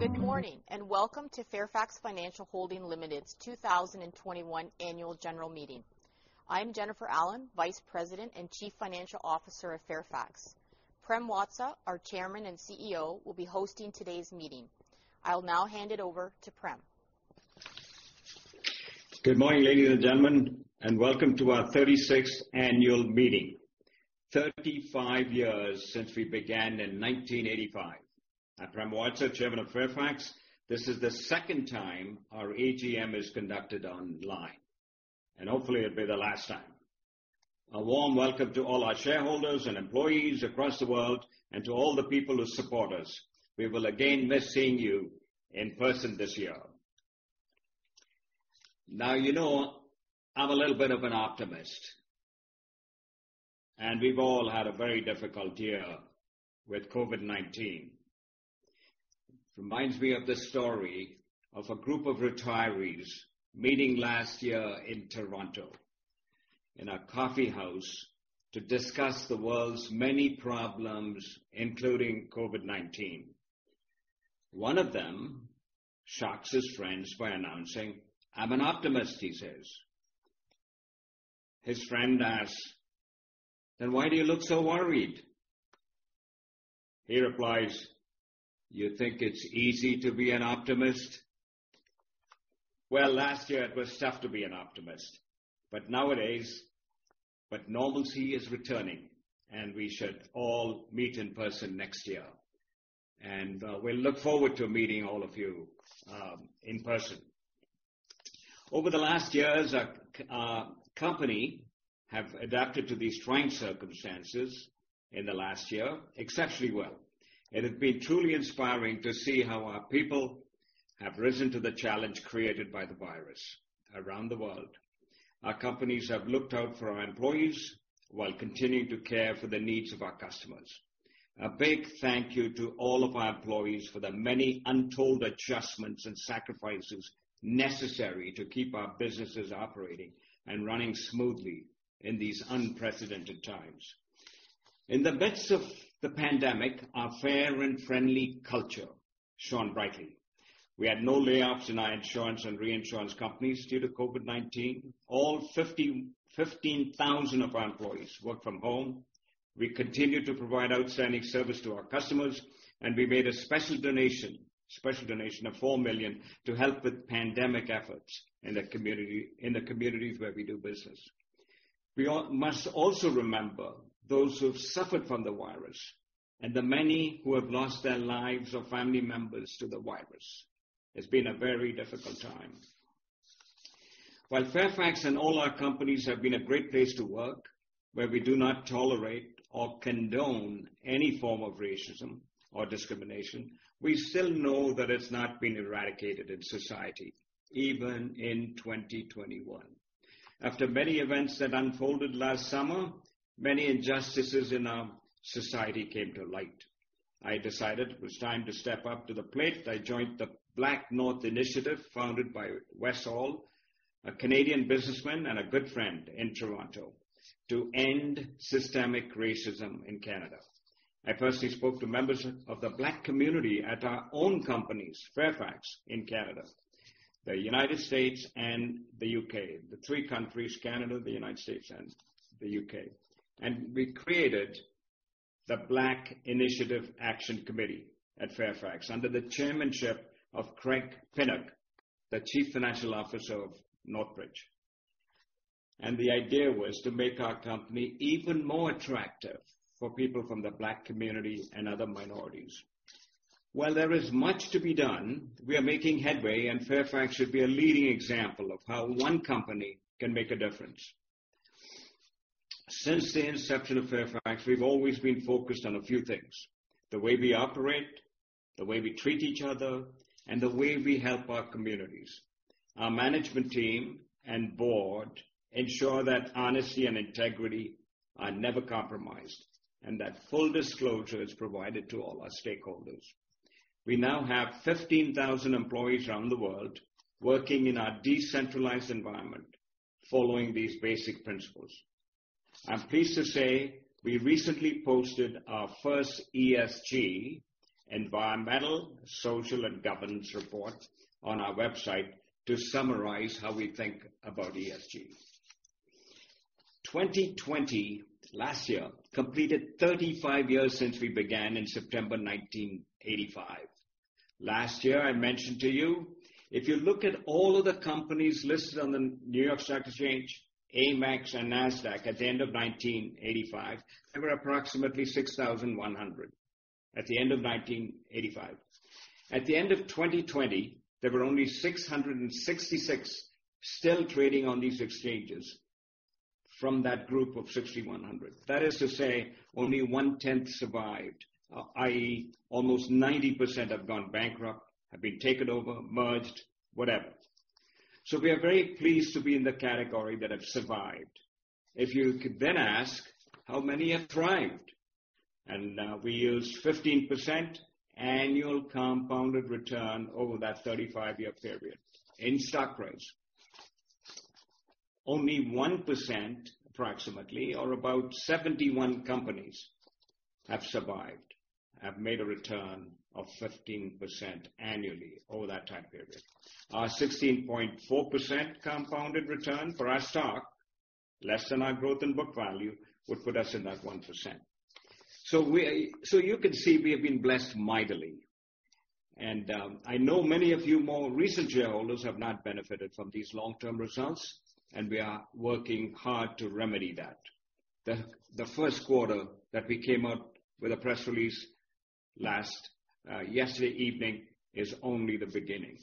Good morning, welcome to Fairfax Financial Holdings Limited's 2021 annual general meeting. I'm Jennifer Allen, Vice President and Chief Financial Officer of Fairfax. Prem Watsa, our Chairman and CEO, will be hosting today's meeting. I'll now hand it over to Prem. Good morning, ladies and gentlemen, welcome to our 36th annual meeting. 35 years since we began in 1985. I'm Prem Watsa, Chairman of Fairfax. This is the second time our AGM is conducted online, hopefully it will be the last time. A warm welcome to all our shareholders and employees across the world and to all the people who support us. We will again miss seeing you in person this year. You know I'm a little bit of an optimist, we've all had a very difficult year with COVID-19. Reminds me of the story of a group of retirees meeting last year in Toronto in a coffee house to discuss the world's many problems, including COVID-19. One of them shocks his friends by announcing, "I'm an optimist," he says. His friend asks, "Then why do you look so worried?" He replies, "You think it's easy to be an optimist?" Last year it was tough to be an optimist. Nowadays, normalcy is returning, and we should all meet in person next year. We look forward to meeting all of you in person. Over the last years, our company have adapted to these trying circumstances in the last year exceptionally well. It has been truly inspiring to see how our people have risen to the challenge created by the virus around the world. Our companies have looked out for our employees while continuing to care for the needs of our customers. A big thank you to all of our employees for the many untold adjustments and sacrifices necessary to keep our businesses operating and running smoothly in these unprecedented times. In the midst of the pandemic, our fair and friendly culture shone brightly. We had no layoffs in our insurance and reinsurance companies due to COVID-19. All 15,000 of our employees worked from home. We continued to provide outstanding service to our customers, and we made a special donation of 4 million to help with pandemic efforts in the communities where we do business. We must also remember those who've suffered from the virus and the many who have lost their lives or family members to the virus. It's been a very difficult time. While Fairfax and all our companies have been a great place to work, where we do not tolerate or condone any form of racism or discrimination, we still know that it's not been eradicated in society, even in 2021. After many events that unfolded last summer, many injustices in our society came to light. I decided it was time to step up to the plate. I joined the BlackNorth Initiative, founded by Wes Hall, a Canadian businessman and a good friend in Toronto, to end systemic racism in Canada. I firstly spoke to members of the Black community at our own companies, Fairfax in Canada, the U.S., and the U.K., the three countries, Canada, the U.S., and the U.K. We created the Black Initiative Action Committee at Fairfax under the chairmanship of Craig Pinnock, the Chief Financial Officer of Northbridge. The idea was to make our company even more attractive for people from the Black community and other minorities. While there is much to be done, we are making headway, and Fairfax should be a leading example of how one company can make a difference. Since the inception of Fairfax, we've always been focused on a few things, the way we operate, the way we treat each other, and the way we help our communities. Our management team and board ensure that honesty and integrity are never compromised and that full disclosure is provided to all our stakeholders. We now have 15,000 employees around the world working in our decentralized environment following these basic principles. I'm pleased to say we recently posted our first ESG, environmental, social, and governance report on our website to summarize how we think about ESG. 2020, last year, completed 35 years since we began in September 1985. Last year, I mentioned to you, if you look at all of the companies listed on the New York Stock Exchange, AMEX, and NASDAQ at the end of 1985, there were approximately 6,100 at the end of 1985. At the end of 2020, there were only 666 still trading on these exchanges from that group of 6,100. That is to say only one-tenth survived, i.e., almost 90% have gone bankrupt, have been taken over, merged, whatever. We are very pleased to be in the category that have survived. If you could then ask, how many have thrived? We used 15% annual compounded return over that 35-year period in stock price. Only 1%, approximately, or about 71 companies have survived, have made a return of 15% annually over that time period. Our 16.4% compounded return for our stock, less than our growth in book value, would put us in that 1%. You can see we have been blessed mightily. I know many of you more recent shareholders have not benefited from these long-term results, and we are working hard to remedy that. The first quarter that we came out with a press release last, yesterday evening, is only the beginning.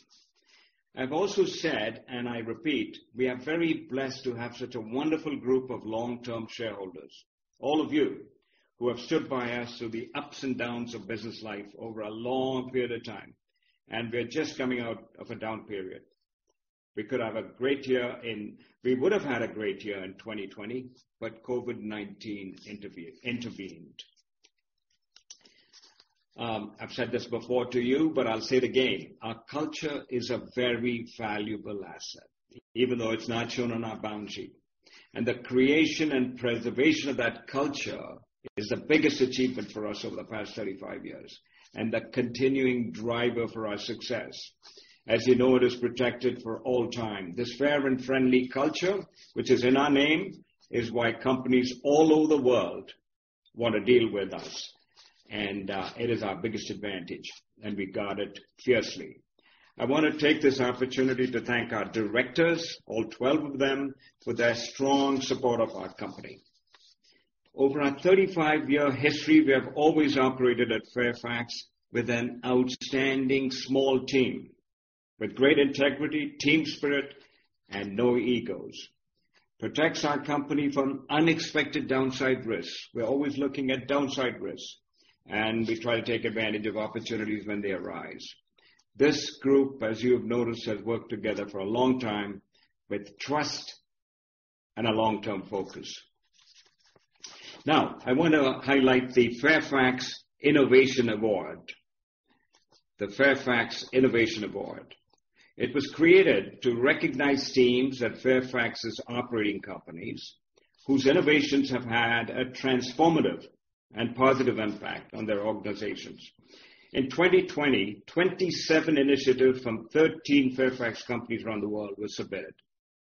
I've also said, and I repeat, we are very blessed to have such a wonderful group of long-term shareholders. All of you who have stood by us through the ups and downs of business life over a long period of time, and we're just coming out of a down period. We would've had a great year in 2020, but COVID-19 intervened. I've said this before to you, but I'll say it again. Our culture is a very valuable asset, even though it's not shown on our balance sheet. The creation and preservation of that culture is the biggest achievement for us over the past 35 years and the continuing driver for our success. As you know, it is protected for all time. This fair and friendly culture, which is in our name, is why companies all over the world want to deal with us. It is our biggest advantage, and we guard it fiercely. I want to take this opportunity to thank our directors, all 12 of them, for their strong support of our company. Over our 35-year history, we have always operated at Fairfax with an outstanding small team with great integrity, team spirit, and no egos. Protects our company from unexpected downside risks. We're always looking at downside risks, and we try to take advantage of opportunities when they arise. This group, as you have noticed, has worked together for a long time with trust and a long-term focus. I want to highlight the Fairfax Innovation Award. The Fairfax Innovation Award. It was created to recognize teams at Fairfax's operating companies whose innovations have had a transformative and positive impact on their organizations. In 2020, 27 initiatives from 13 Fairfax companies around the world were submitted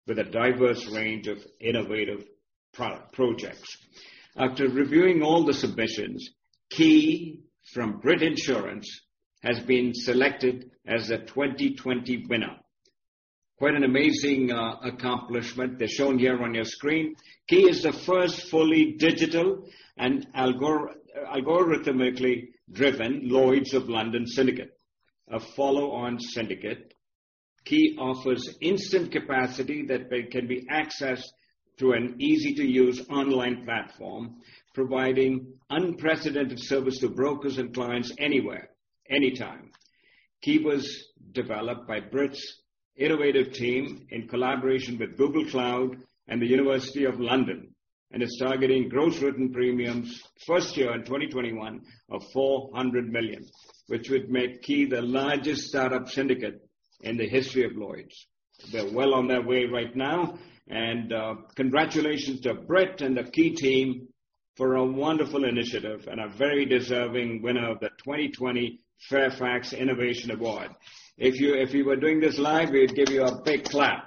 with a diverse range of innovative projects. After reviewing all the submissions, Ki, from Brit Insurance, has been selected as the 2020 winner. Quite an amazing accomplishment. They're shown here on your screen. Ki is the first fully digital and algorithmically-driven Lloyd's of London syndicate. A follow-on syndicate. Ki offers instant capacity that can be accessed through an easy-to-use online platform, providing unprecedented service to brokers and clients anywhere, anytime. Ki was developed by Brit's innovative team in collaboration with Google Cloud and University College London, and is targeting gross written premiums first year in 2021 of 400 million, which would make Ki the largest start-up syndicate in the history of Lloyd's. They're well on their way right now. Congratulations to Brit and the Ki team for a wonderful initiative and a very deserving winner of the 2020 Fairfax Innovation Award. If we were doing this live, we'd give you a big clap.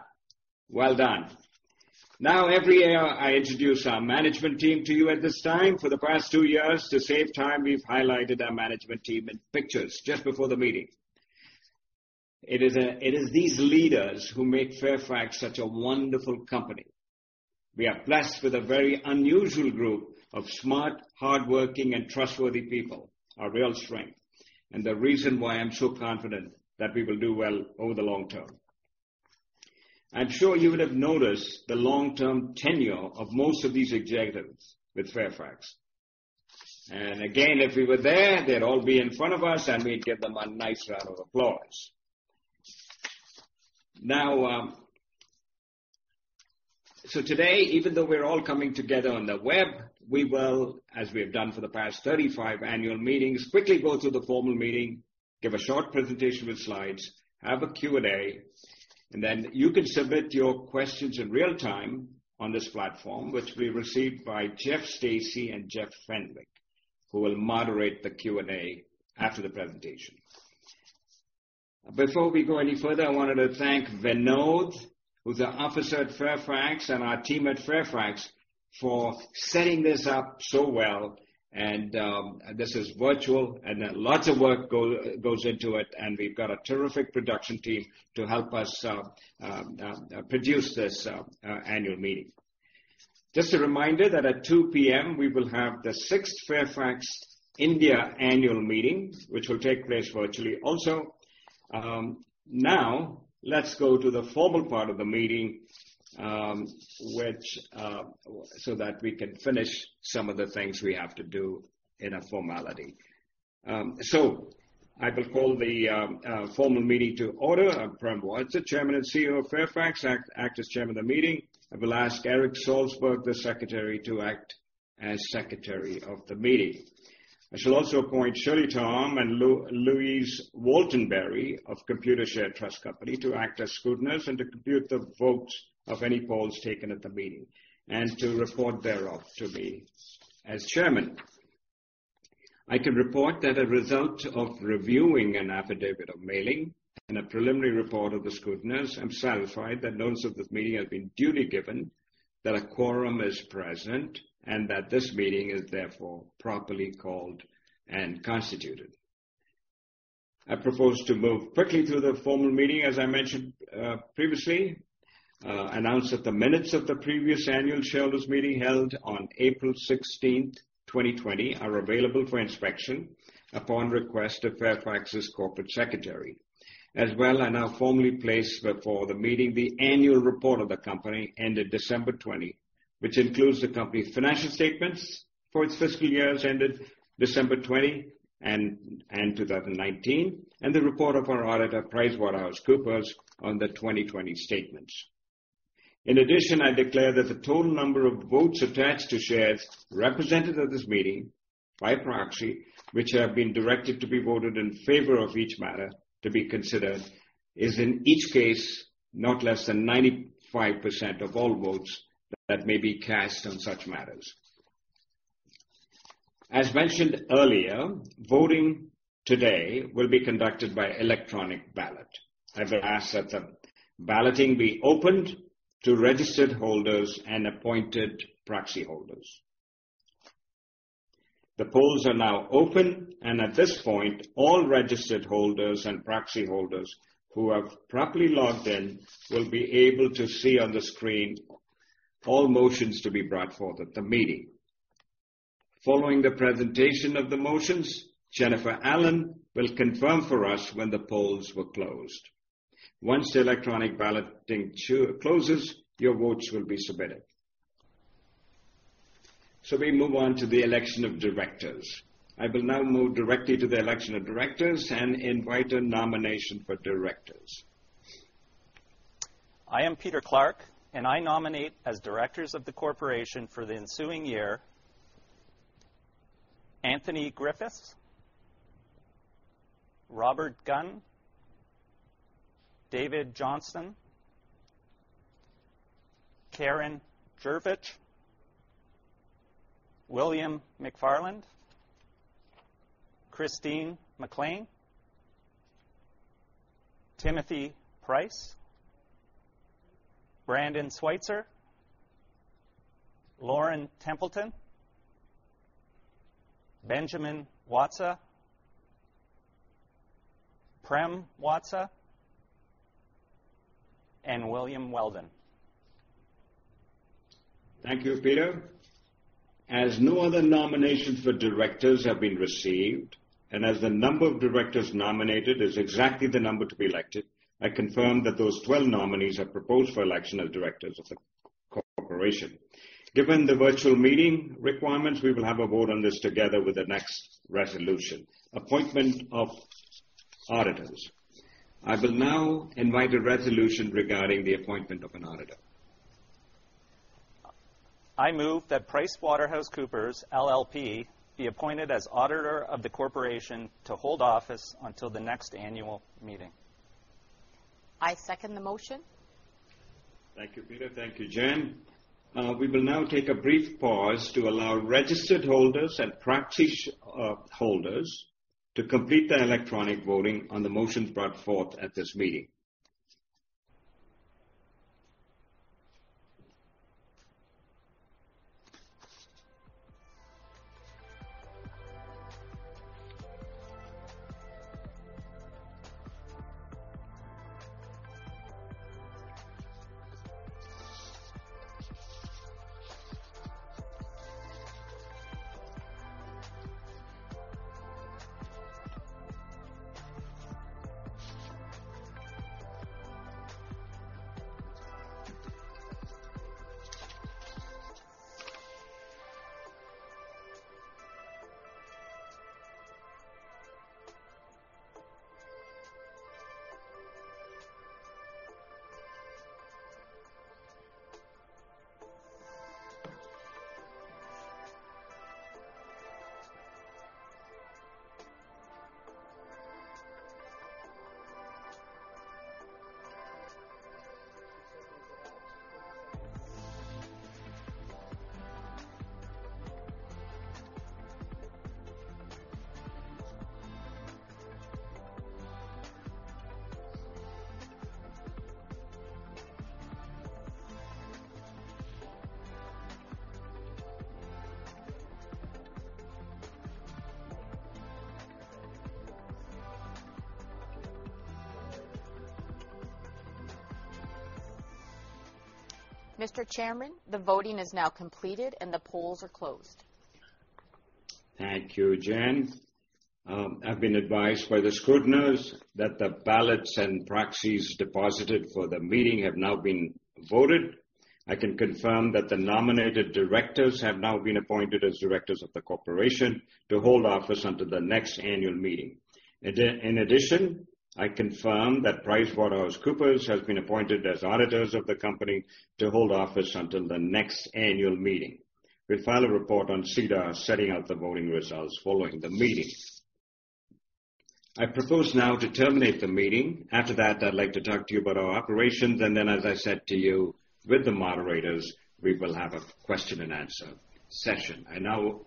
Well done. Every year, I introduce our management team to you at this time. For the past two years, to save time, we've highlighted our management team in pictures just before the meeting. It is these leaders who make Fairfax such a wonderful company. We are blessed with a very unusual group of smart, hardworking, and trustworthy people, our real strength, and the reason why I'm so confident that we will do well over the long term. I'm sure you would have noticed the long-term tenure of most of these executives with Fairfax. Again, if we were there, they'd all be in front of us, and we'd give them a nice round of applause. Today, even though we're all coming together on the web, we will, as we have done for the past 35 annual meetings, quickly go through the formal meeting, give a short presentation with slides, have a Q&A, and then you can submit your questions in real time on this platform, which will be received by Jeff Stacey and Jeff Fenwick, who will moderate the Q&A after the presentation. Before we go any further, I wanted to thank Vinodh, who's an officer at Fairfax, and our team at Fairfax for setting this up so well. This is virtual, and lots of work goes into it, and we've got a terrific production team to help us produce this annual meeting. Just a reminder that at 2:00 P.M., we will have the sixth Fairfax India annual meeting, which will take place virtually also. Let's go to the formal part of the meeting so that we can finish some of the things we have to do in a formality. I will call the formal meeting to order. I'm Prem Watsa, Chairman and Chief Executive Officer of Fairfax, act as Chairman of the meeting. I will ask Eric Salsberg, the Secretary, to act as Secretary of the meeting. I shall also appoint Shirley Tom and Louise Waltenbury of Computershare Trust Company to act as scrutineers and to compute the votes of any polls taken at the meeting, and to report thereof to me as Chairman. I can report that a result of reviewing an affidavit of mailing and a preliminary report of the scrutineers, I'm satisfied that notice of this meeting has been duly given, that a quorum is present, and that this meeting is therefore properly called and constituted. I propose to move quickly through the formal meeting, as I mentioned previously, announce that the minutes of the previous annual shareholders meeting held on April 16th, 2020, are available for inspection upon request of Fairfax's Corporate Secretary. As well, I now formally place before the meeting the annual report of the company ended December 2020, which includes the company's financial statements for its fiscal years ended December 2020 and 2019, and the report of our auditor, PricewaterhouseCoopers, on the 2020 statements. In addition, I declare that the total number of votes attached to shares represented at this meeting by proxy, which have been directed to be voted in favor of each matter to be considered, is in each case, not less than 95% of all votes that may be cast on such matters. As mentioned earlier, voting today will be conducted by electronic ballot. I will ask that the balloting be opened to registered holders and appointed proxy holders. The polls are now open, and at this point, all registered holders and proxy holders who have properly logged in will be able to see on the screen all motions to be brought forth at the meeting. Following the presentation of the motions, Jennifer Allen will confirm for us when the polls were closed. Once the electronic balloting closes, your votes will be submitted. We move on to the election of directors. I will now move directly to the election of directors and invite a nomination for directors. I am Peter Clarke, and I nominate as directors of the corporation for the ensuing year, Anthony Griffiths, Robert Gunn, David Johnston, Karen Jurjevich, William McFarland, Christine McLean, Timothy Price, Brandon Sweitzer, Lauren Templeton, Benjamin Watsa, Prem Watsa, and William Weldon. Thank you, Peter. As no other nominations for directors have been received, and as the number of directors nominated is exactly the number to be elected, I confirm that those 12 nominees are proposed for election as directors of the corporation. Given the virtual meeting requirements, we will have a vote on this together with the next resolution. Appointment of auditors. I will now invite a resolution regarding the appointment of an auditor. I move that PricewaterhouseCoopers LLP be appointed as auditor of the corporation to hold office until the next annual meeting. I second the motion. Thank you, Peter. Thank you, Jen. We will now take a brief pause to allow registered holders and proxy holders to complete their electronic voting on the motions brought forth at this meeting. Mr. Chairman, the voting is now completed, and the polls are closed. Thank you, Jen. I've been advised by the scrutineers that the ballots and proxies deposited for the meeting have now been voted. I can confirm that the nominated directors have now been appointed as directors of the corporation to hold office until the next annual meeting. In addition, I confirm that PricewaterhouseCoopers has been appointed as auditors of the company to hold office until the next annual meeting. We'll file a report on SEDAR setting out the voting results following the meeting. I propose now to terminate the meeting. I'd like to talk to you about our operations, and then as I said to you, with the moderators, we will have a question and answer session. I now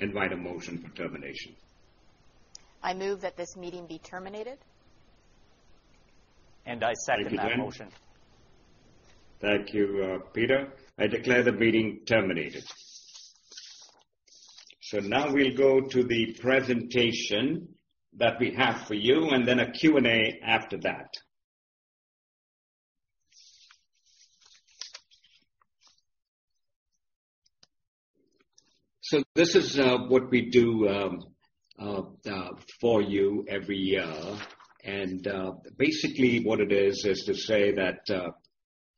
invite a motion for termination. I move that this meeting be terminated. I second that motion. Thank you, Peter. I declare the meeting terminated. Now we'll go to the presentation that we have for you, and then a Q&A after that. Basically what it is to say that,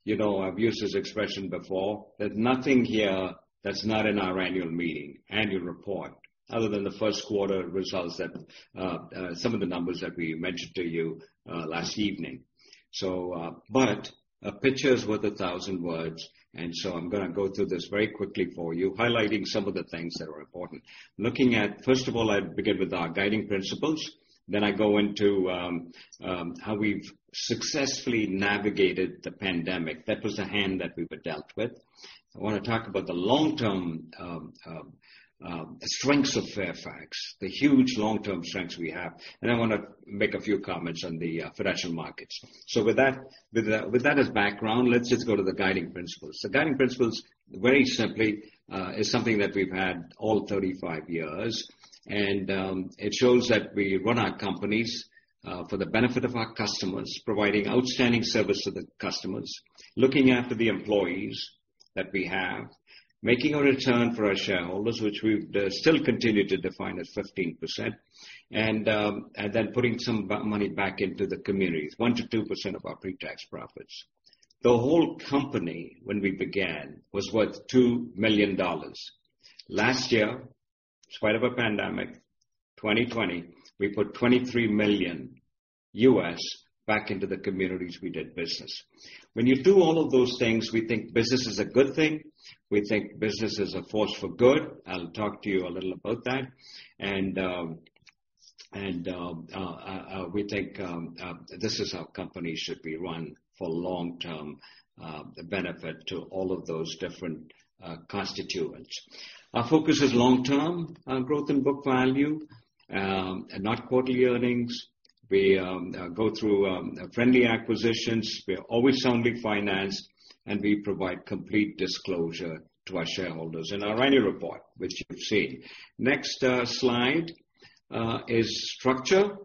I've used this expression before, there's nothing here that's not in our annual meeting, annual report, other than the first quarter results that some of the numbers that we mentioned to you last evening. A picture is worth a 1,000 words, I'm going to go through this very quickly for you, highlighting some of the things that are important. Looking at, first of all, I begin with our guiding principles, then I go into how we've successfully navigated the pandemic. That was a hand that we were dealt with. I want to talk about the long-term strengths of Fairfax, the huge long-term strengths we have. I want to make a few comments on the financial markets. With that as background, let's just go to the guiding principles. The guiding principles, very simply, is something that we've had all 35 years. It shows that we run our companies for the benefit of our customers, providing outstanding service to the customers, looking after the employees that we have. Making a return for our shareholders, which we still continue to define as 15%. Putting some money back into the communities, 1%-2% of our pre-tax profits. The whole company, when we began, was worth 2 million dollars. Last year, in spite of a pandemic, 2020, we put 23 million back into the communities we did business. When you do all of those things, we think business is a good thing. We think business is a force for good. I'll talk to you a little about that. We think this is how companies should be run for long-term benefit to all of those different constituents. Our focus is long-term growth and book value, not quarterly earnings. We go through friendly acquisitions. We are always soundly financed, and we provide complete disclosure to our shareholders in our annual report, which you've seen. Next slide is structure.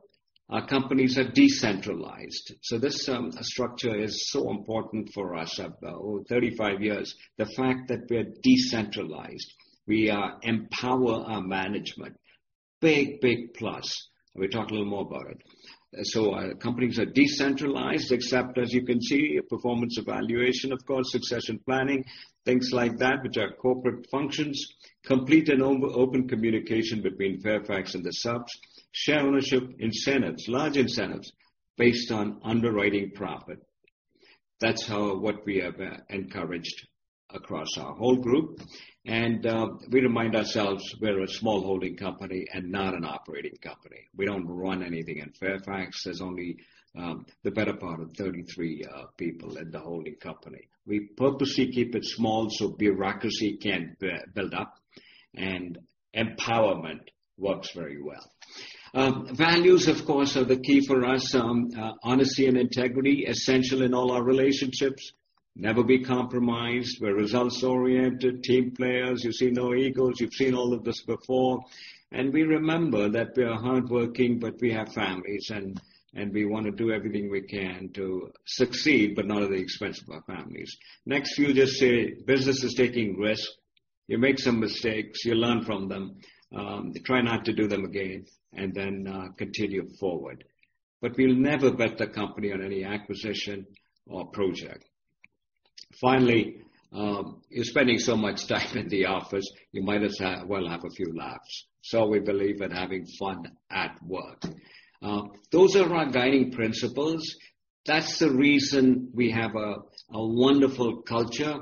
Our companies are decentralized. This structure is so important for us. Over 35 years, the fact that we are decentralized, we empower our management. Big plus. We'll talk a little more about it. Our companies are decentralized, except as you can see, performance evaluation, of course, succession planning, things like that, which are corporate functions. Complete and open communication between Fairfax and the subs. Share ownership incentives, large incentives based on underwriting profit. That's what we have encouraged across our whole group. We remind ourselves we're a small holding company and not an operating company. We don't run anything in Fairfax. There's only the better part of 33 people in the holding company. We purposely keep it small so bureaucracy can't build up, and empowerment works very well. Values, of course, are the key for us. Honesty and integrity, essential in all our relationships. Never be compromised. We're results-oriented team players. You see no egos. You've seen all of this before. We remember that we are hardworking, but we have families, and we want to do everything we can to succeed, but not at the expense of our families. Next few just say business is taking risks. You make some mistakes. You learn from them. You try not to do them again, and then continue forward. We'll never bet the company on any acquisition or project. Finally, you're spending so much time in the office, you might as well have a few laughs. We believe in having fun at work. Those are our guiding principles. That's the reason we have a wonderful culture.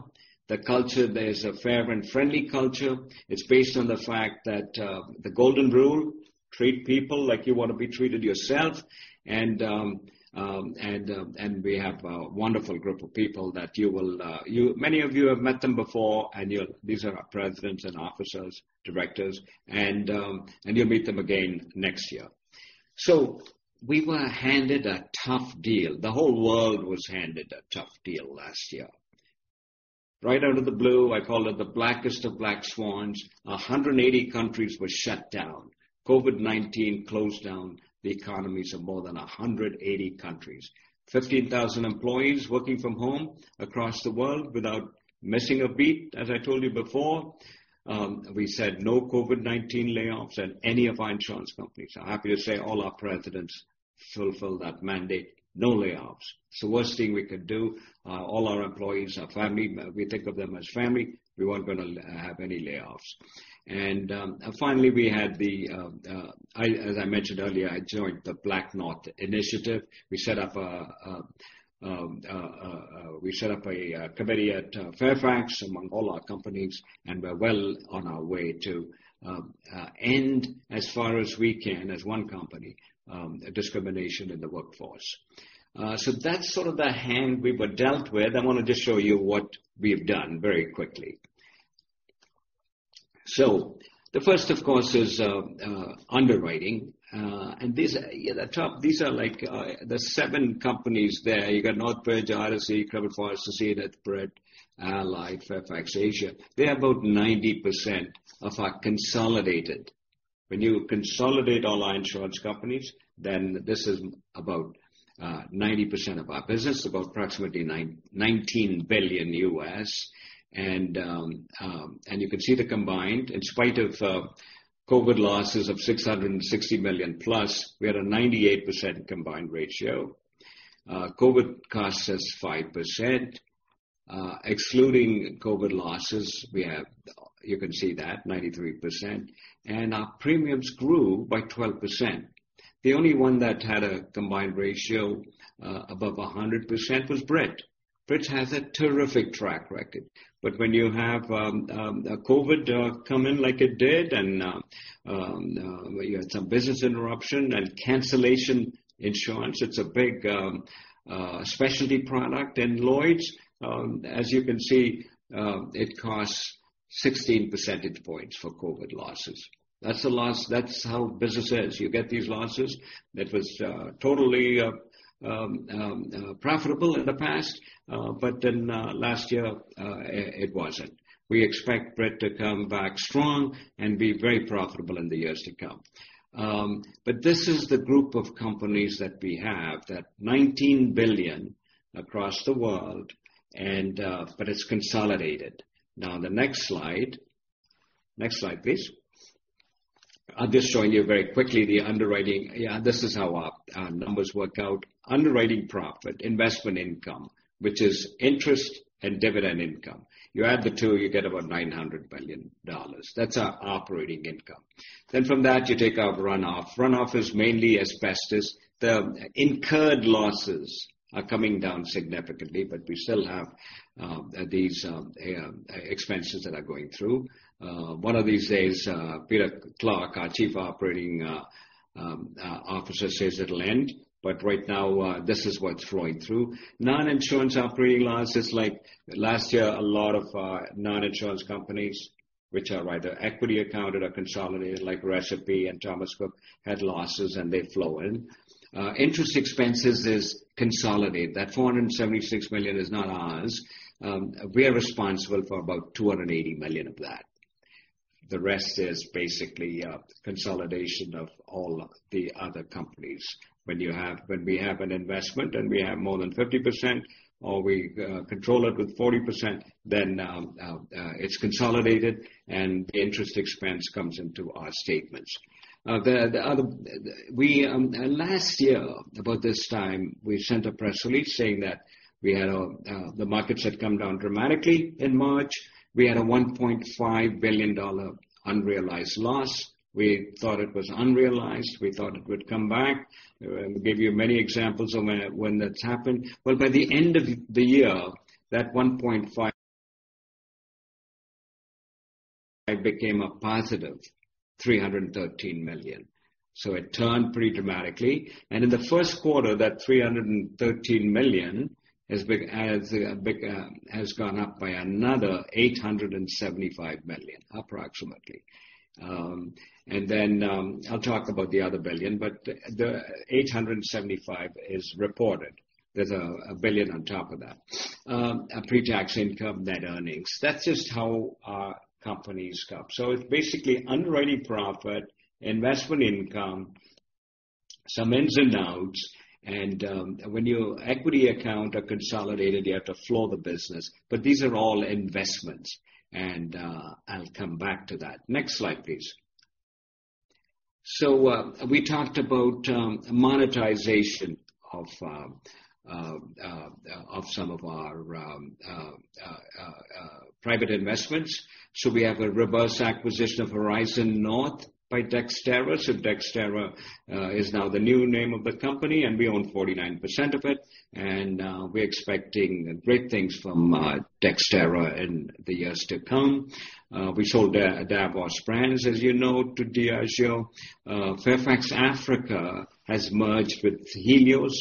The culture, there's a fair and friendly culture. It's based on the fact that the golden rule, treat people like you want to be treated yourself. We have a wonderful group of people that many of you have met them before. These are our presidents and officers, directors, and you'll meet them again next year. We were handed a tough deal. The whole world was handed a tough deal last year. Right out of the blue, I called it the blackest of black swans, 180 countries were shut down. COVID-19 closed down the economies of more than 180 countries. 15,000 employees working from home across the world without missing a beat, as I told you before. We said no COVID-19 layoffs at any of our insurance companies. I'm happy to say all our presidents fulfill that mandate, no layoffs. It's the worst thing we could do. All our employees are family. We think of them as family. We weren't going to have any layoffs. Finally, as I mentioned earlier, I joined the BlackNorth Initiative. We set up a committee at Fairfax among all our companies, and we're well on our way to end, as far as we can, as one company, discrimination in the workforce. That's sort of the hand we were dealt with. I want to just show you what we've done very quickly. The first, of course, is underwriting. These are the seven companies there. You got Northbridge, IRC, [Cover-Force], [Ascended], Brit, Allied, Fairfax Asia. They are about 90% of our consolidated. When you consolidate all our insurance companies, this is about 90% of our business, about approximately 19 billion. You can see the combined. In spite of COVID losses of 660 million plus, we had a 98% combined ratio. COVID cost us 5%. Excluding COVID losses, you can see that, 93%. Our premiums grew by 12%. The only one that had a combined ratio above 100% was Brit. Brit has a terrific track record. When you have COVID come in like it did and you had some business interruption and cancellation insurance, it's a big specialty product. Lloyd's, as you can see, it costs 16 percentage points for COVID losses. That's how business is. You get these losses that was totally profitable in the past, but then last year, it wasn't. We expect Brit to come back strong and be very profitable in the years to come. This is the group of companies that we have, that 19 billion across the world, but it's consolidated. The next slide. Next slide, please. I'll just show you very quickly the underwriting. This is how our numbers work out. Underwriting profit, investment income, which is interest and dividend income. You add the two, you get about 900 [million dollars]. That's our operating income. From that, you take our runoff. Runoff is mainly asbestos. The incurred losses are coming down significantly, but we still have these expenses that are going through. One of these days, Peter Clarke, our Chief Operating Officer, says it'll end, but right now, this is what's flowing through. Non-insurance operating losses, like last year, a lot of non-insurance companies, which are either equity accounted or consolidated, like Recipe and Thomas Cook, had losses and they flow in. Interest expenses is consolidated. That 476 million is not ours. We are responsible for about 280 million of that. The rest is basically a consolidation of all the other companies. When we have an investment and we have more than 50%, or we control it with 40%, then it's consolidated and the interest expense comes into our statements. Last year about this time, we sent a press release saying that the markets had come down dramatically in March. We had a 1.5 billion dollar unrealized loss. We thought it was unrealized. We thought it would come back. We gave you many examples of when that's happened. Well, by the end of the year, that 1.5 became a positive 313 million. It turned pretty dramatically. In the first quarter, that 313 million has gone up by another 875 million, approximately. Then I'll talk about the other 1 billion, but the 875 million is reported. There's a 1 billion on top of that. Pre-tax income, net earnings. That's just how our companies go. It's basically underwriting profit, investment income, some ins and outs, and when your equity account are consolidated, you have to flow the business. These are all investments, and I'll come back to that. Next slide, please. We talked about monetization of some of our private investments. We have a reverse acquisition of Horizon North by Dexterra. Dexterra is now the new name of the company, and we own 49% of it. We're expecting great things from Dexterra in the years to come. We sold Davos Brands, as you know, to Diageo. Fairfax Africa has merged with Helios.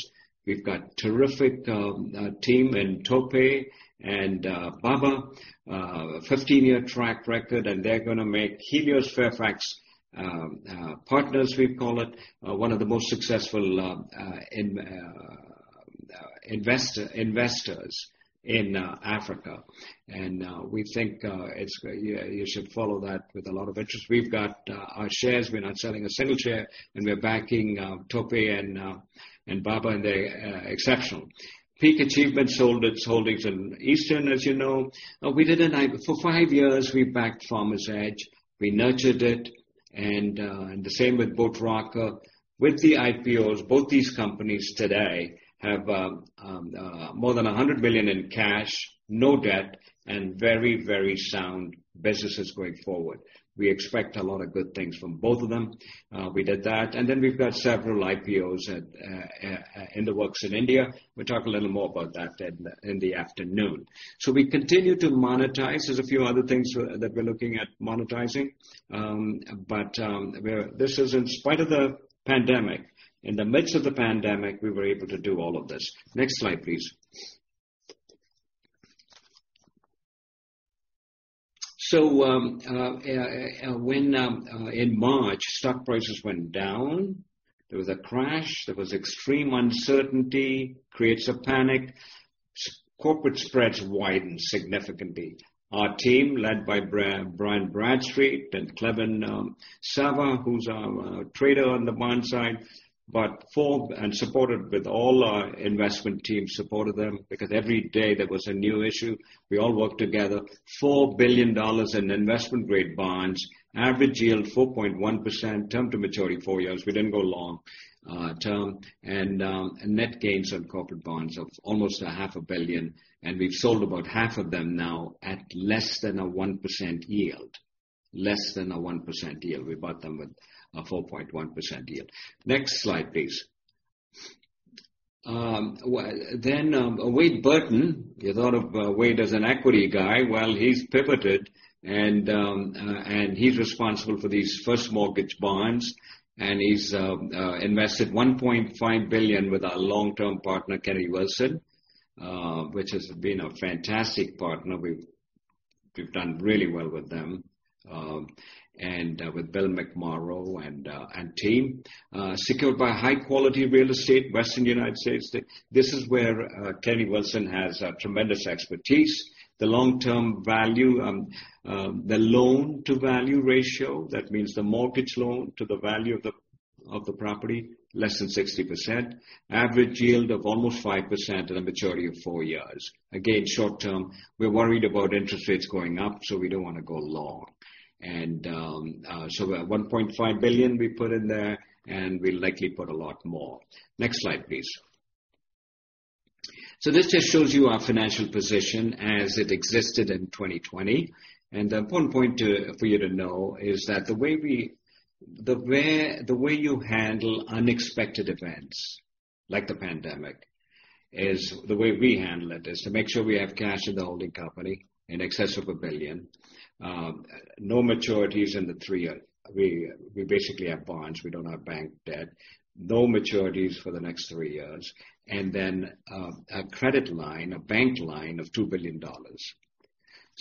We've got terrific team in Tope and Baba, 15-year track record, and they're going to make Helios Fairfax Partners, we call it, one of the most successful investors in Africa. We think you should follow that with a lot of interest. We've got our shares. We're not selling a single share, and we're backing Tope and Baba, and they're exceptional. Peak Achievement sold its holdings in Easton, as you know. For five years, we backed Farmers Edge. We nurtured it. The same with Boat Rocker. With the IPOs, both these companies today have more than 100 million in cash, no debt, and very sound businesses going forward. We expect a lot of good things from both of them. We did that, and then we've got several IPOs in the works in India. We'll talk a little more about that in the afternoon. We continue to monetize. There's a few other things that we're looking at monetizing. This is in spite of the pandemic. In the midst of the pandemic, we were able to do all of this. Next slide, please. When in March stock prices went down, there was a crash, there was extreme uncertainty, creates a panic. Corporate spreads widened significantly. Our team, led by Brian Bradstreet and Kleven Sava, who's our trader on the bond side, but formed and supported with all our investment team supported them because every day there was a new issue. We all worked together. 4 billion dollars in investment-grade bonds, average yield 4.1%, term to maturity four years. We didn't go long term. Net gains on corporate bonds of almost a half a billion, and we've sold about half of them now at less than a 1% yield. Less than a 1% yield. We bought them with a 4.1% yield. Next slide, please. Wade Burton, you thought of Wade as an equity guy. Well, he's pivoted, and he's responsible for these first mortgage bonds, and he's invested 1.5 billion with our long-term partner, Kennedy Wilson, which has been a fantastic partner. We've done really well with them, and with Bill McMorrow and team. Secured by high-quality real estate, Western U.S. This is where Kennedy Wilson has tremendous expertise. The long-term value, the loan-to-value ratio, that means the mortgage loan to the value of the property, less than 60%. Average yield of almost 5% and a maturity of four years. Again, short term. We're worried about interest rates going up, we don't want to go long. 1.5 billion we put in there, and we'll likely put a lot more. Next slide, please. This just shows you our financial position as it existed in 2020. One point for you to know is that the way you handle unexpected events, like the pandemic, is the way we handle it, is to make sure we have cash in the holding company in excess of 1 billion. No maturities in the three year. We basically have bonds. We don't have bank debt. No maturities for the next three years. A credit line, a bank line of 2 billion dollars.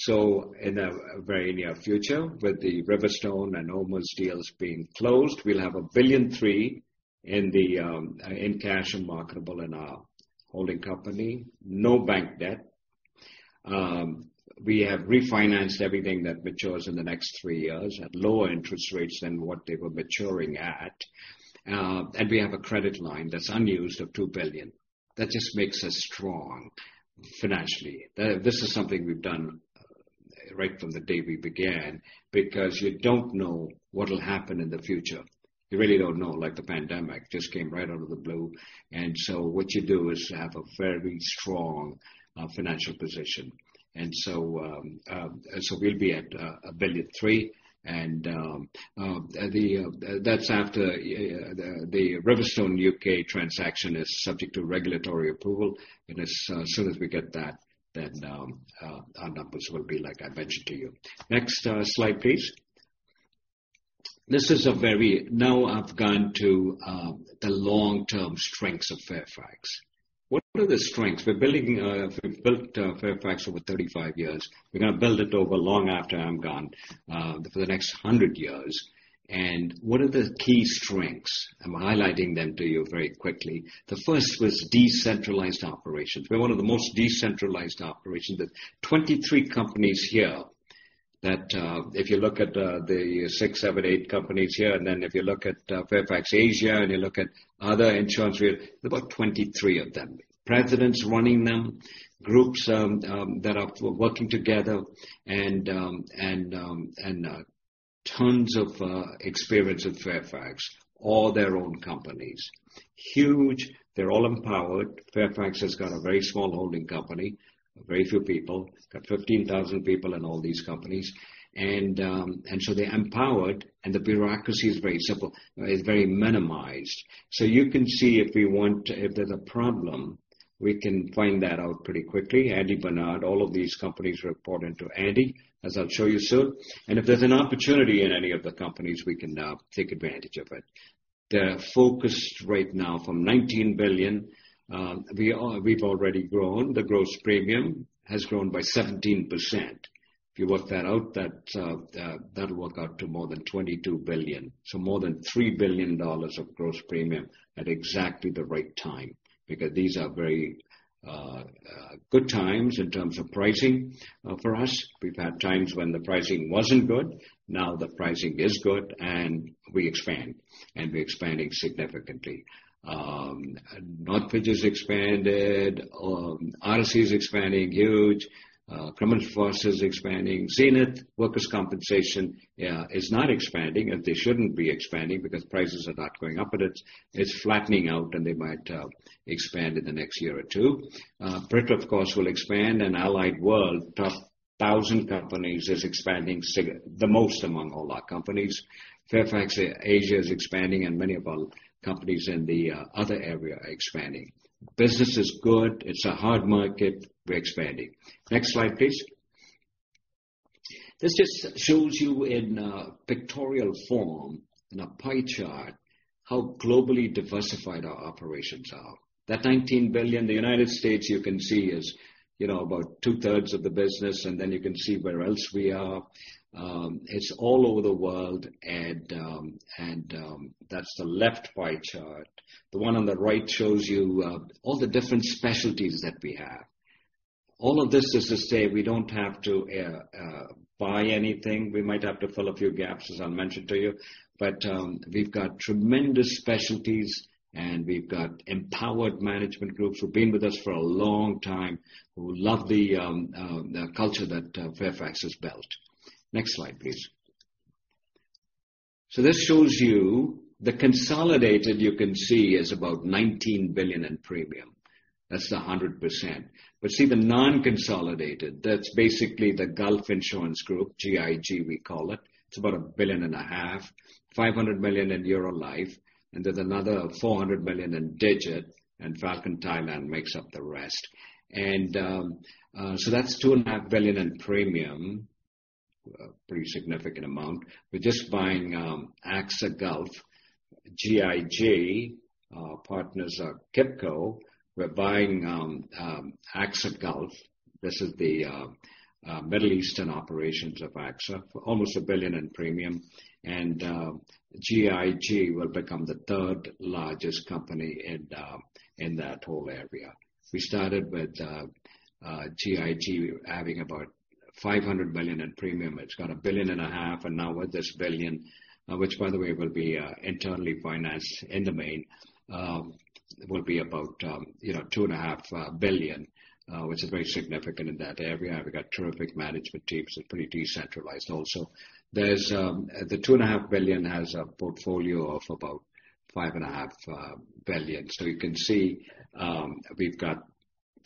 In the very near future, with the RiverStone and OMERS deals being closed, we'll have 1.3 billion in cash and marketable in our holding company. No bank debt. We have refinanced everything that matures in the next three years at lower interest rates than what they were maturing at. We have a credit line that's unused of 2 billion. That just makes us strong financially. This is something we've done right from the day we began because you don't know what'll happen in the future. You really don't know, like the pandemic, just came right out of the blue. What you do is have a very strong financial position. We'll be at 1.3 billion. That's after the RiverStone UK transaction is subject to regulatory approval. As soon as we get that, then our numbers will be like I mentioned to you. Next slide, please. Now I've gone to the long-term strengths of Fairfax. What are the strengths? We've built Fairfax over 35 years. We're going to build it over long after I'm gone, for the next 100 years. What are the key strengths? I'm highlighting them to you very quickly. The first was decentralized operations. We're one of the most decentralized operations. There's 23 companies here that if you look at the six, seven, eight companies here, then if you look at Fairfax Asia and you look at other insurance, we have about 23 of them. Presidents running them, groups that are working together, and tons of experience at Fairfax. All their own companies. Huge. They're all empowered. Fairfax has got a very small holding company, very few people. Got 15,000 people in all these companies. They're empowered and the bureaucracy is very simple. It's very minimized. You can see if there's a problem, we can find that out pretty quickly. Andy Barnard, all of these companies report into Andy, as I'll show you soon. If there's an opportunity in any of the companies, we can now take advantage of it. They're focused right now from 19 billion. We've already grown. The gross premium has grown by 17%. If you work that out, that'll work out to more than 22 billion. More than 3 billion dollars of gross premium at exactly the right time, because these are very good times in terms of pricing for us. We've had times when the pricing wasn't good. Now the pricing is good, and we expand, and we're expanding significantly. Northbridge has expanded. Odyssey is expanding huge. Crum & Forster is expanding. Zenith, workers' compensation, is not expanding, and they shouldn't be expanding because prices are not going up, but it's flattening out, and they might expand in the next year or two. Brit, of course, will expand. Allied World, top 1,000 companies, is expanding the most among all our companies. Fairfax Asia is expanding. Many of our companies in the other area are expanding. Business is good. It's a hard market. We're expanding. Next slide, please. This just shows you in pictorial form, in a pie chart, how globally diversified our operations are. That $19 billion, the U.S., you can see, is about two-thirds of the business. You can see where else we are. It's all over the world. That's the left pie chart. The one on the right shows you all the different specialties that we have. All of this is to say we don't have to buy anything. We might have to fill a few gaps, as I mentioned to you. We've got tremendous specialties, and we've got empowered management groups who've been with us for a long time, who love the culture that Fairfax has built. Next slide, please. This shows you the consolidated, you can see, is about 19 billion in premium. That's the 100%. See, the non-consolidated, that's basically the Gulf Insurance Group, GIG, we call it. It's about 1.5 billion, 500 million in Eurolife, and there's another 400 million in Digit, and Falcon Thailand makes up the rest. That's 2.5 billion in premium, a pretty significant amount. We're just buying AXA Gulf. GIG partners are KIPCO. We're buying AXA Gulf. This is the Middle Eastern operations of AXA for almost 1 billion in premium. GIG will become the third largest company in that whole area. We started with GIG having about 500 million in premium. It's got 1.5 billion, and now with this 1 billion, which by the way, will be internally financed in the main, will be about 2.5 billion, which is very significant in that area. We've got terrific management teams. They're pretty decentralized also. The 2.5 billion has a portfolio of about 5.5 billion. You can see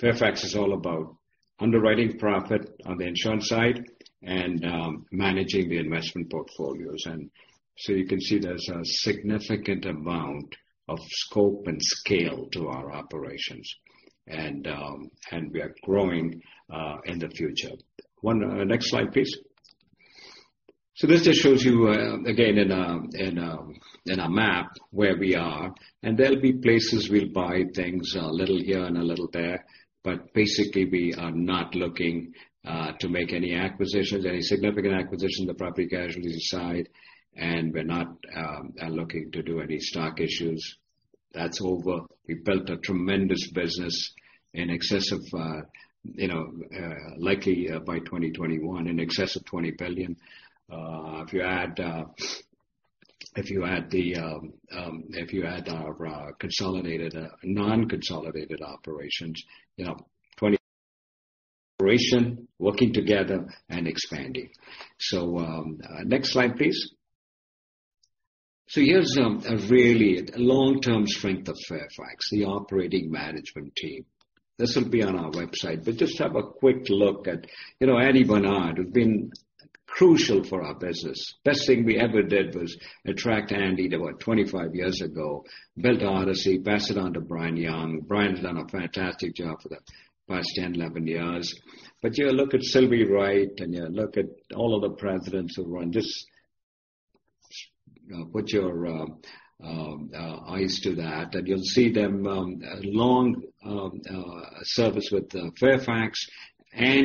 Fairfax is all about underwriting profit on the insurance side and managing the investment portfolios. You can see there's a significant amount of scope and scale to our operations. We are growing in the future. Next slide, please. This just shows you again in a map where we are, and there'll be places we'll buy things, a little here and a little there. Basically, we are not looking to make any significant acquisitions on the property casualties side, and we're not looking to do any stock issues. That's over. We built a tremendous business likely by 2021, in excess of 20 billion. If you add our non-consolidated operations, CAD 20 billion. Operation working together and expanding. Next slide, please. Here's a really long-term strength of Fairfax, the operating management team. This will be on our website, but just have a quick look at Andy Barnard, who's been crucial for our business. Best thing we ever did was attract Andy about 25 years ago. Built Odyssey, passed it on to Brian Young. Brian's done a fantastic job for the past 10, 11 years. You look at Silvy Wright and you look at all of the presidents who run this. Put your eyes to that, you'll see their long service with Fairfax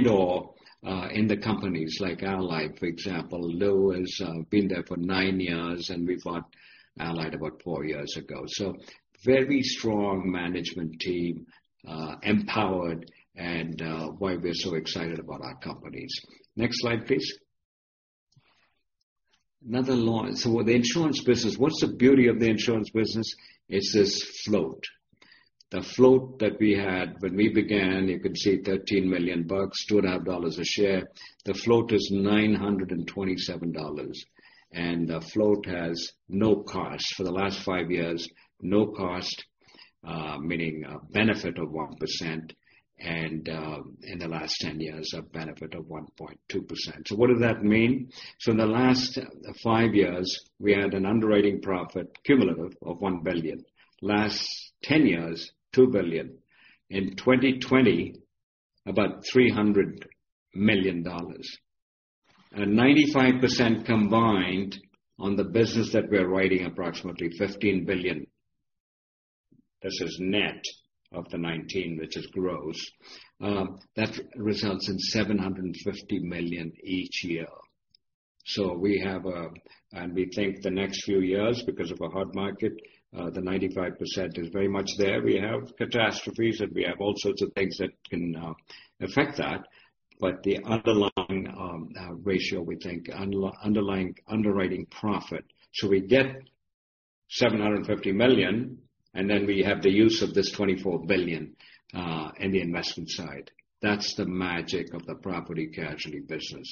or in the companies like Allied World, for example. Lou been there for nine years, we bought Allied World about four years ago. Very strong management team, empowered, and why we're so excited about our companies. Next slide, please. With the insurance business, what's the beauty of the insurance business? It's this float. The float that we had when we began, you can see 13 million bucks, 2.5 dollars A share. The float is 927 dollars, the float has no cost. For the last five years, no cost, meaning a benefit of 1%, and in the last 10 years, a benefit of 1.2%. What does that mean? In the last five years, we had an underwriting profit cumulative of 1 billion. Last 10 years, 2 billion. In 2020, about 300 million dollars. 95% combined on the business that we're writing, approximately 15 billion. This is net of the 19, which is gross. That results in 750 million each year. We think the next few years, because of a hard market, the 95% is very much there. We have catastrophes, and we have all sorts of things that can affect that. The underlying ratio, we think underlying underwriting profit. We get 750 million, and then we have the use of this 24 billion in the investment side. That's the magic of the property casualty business.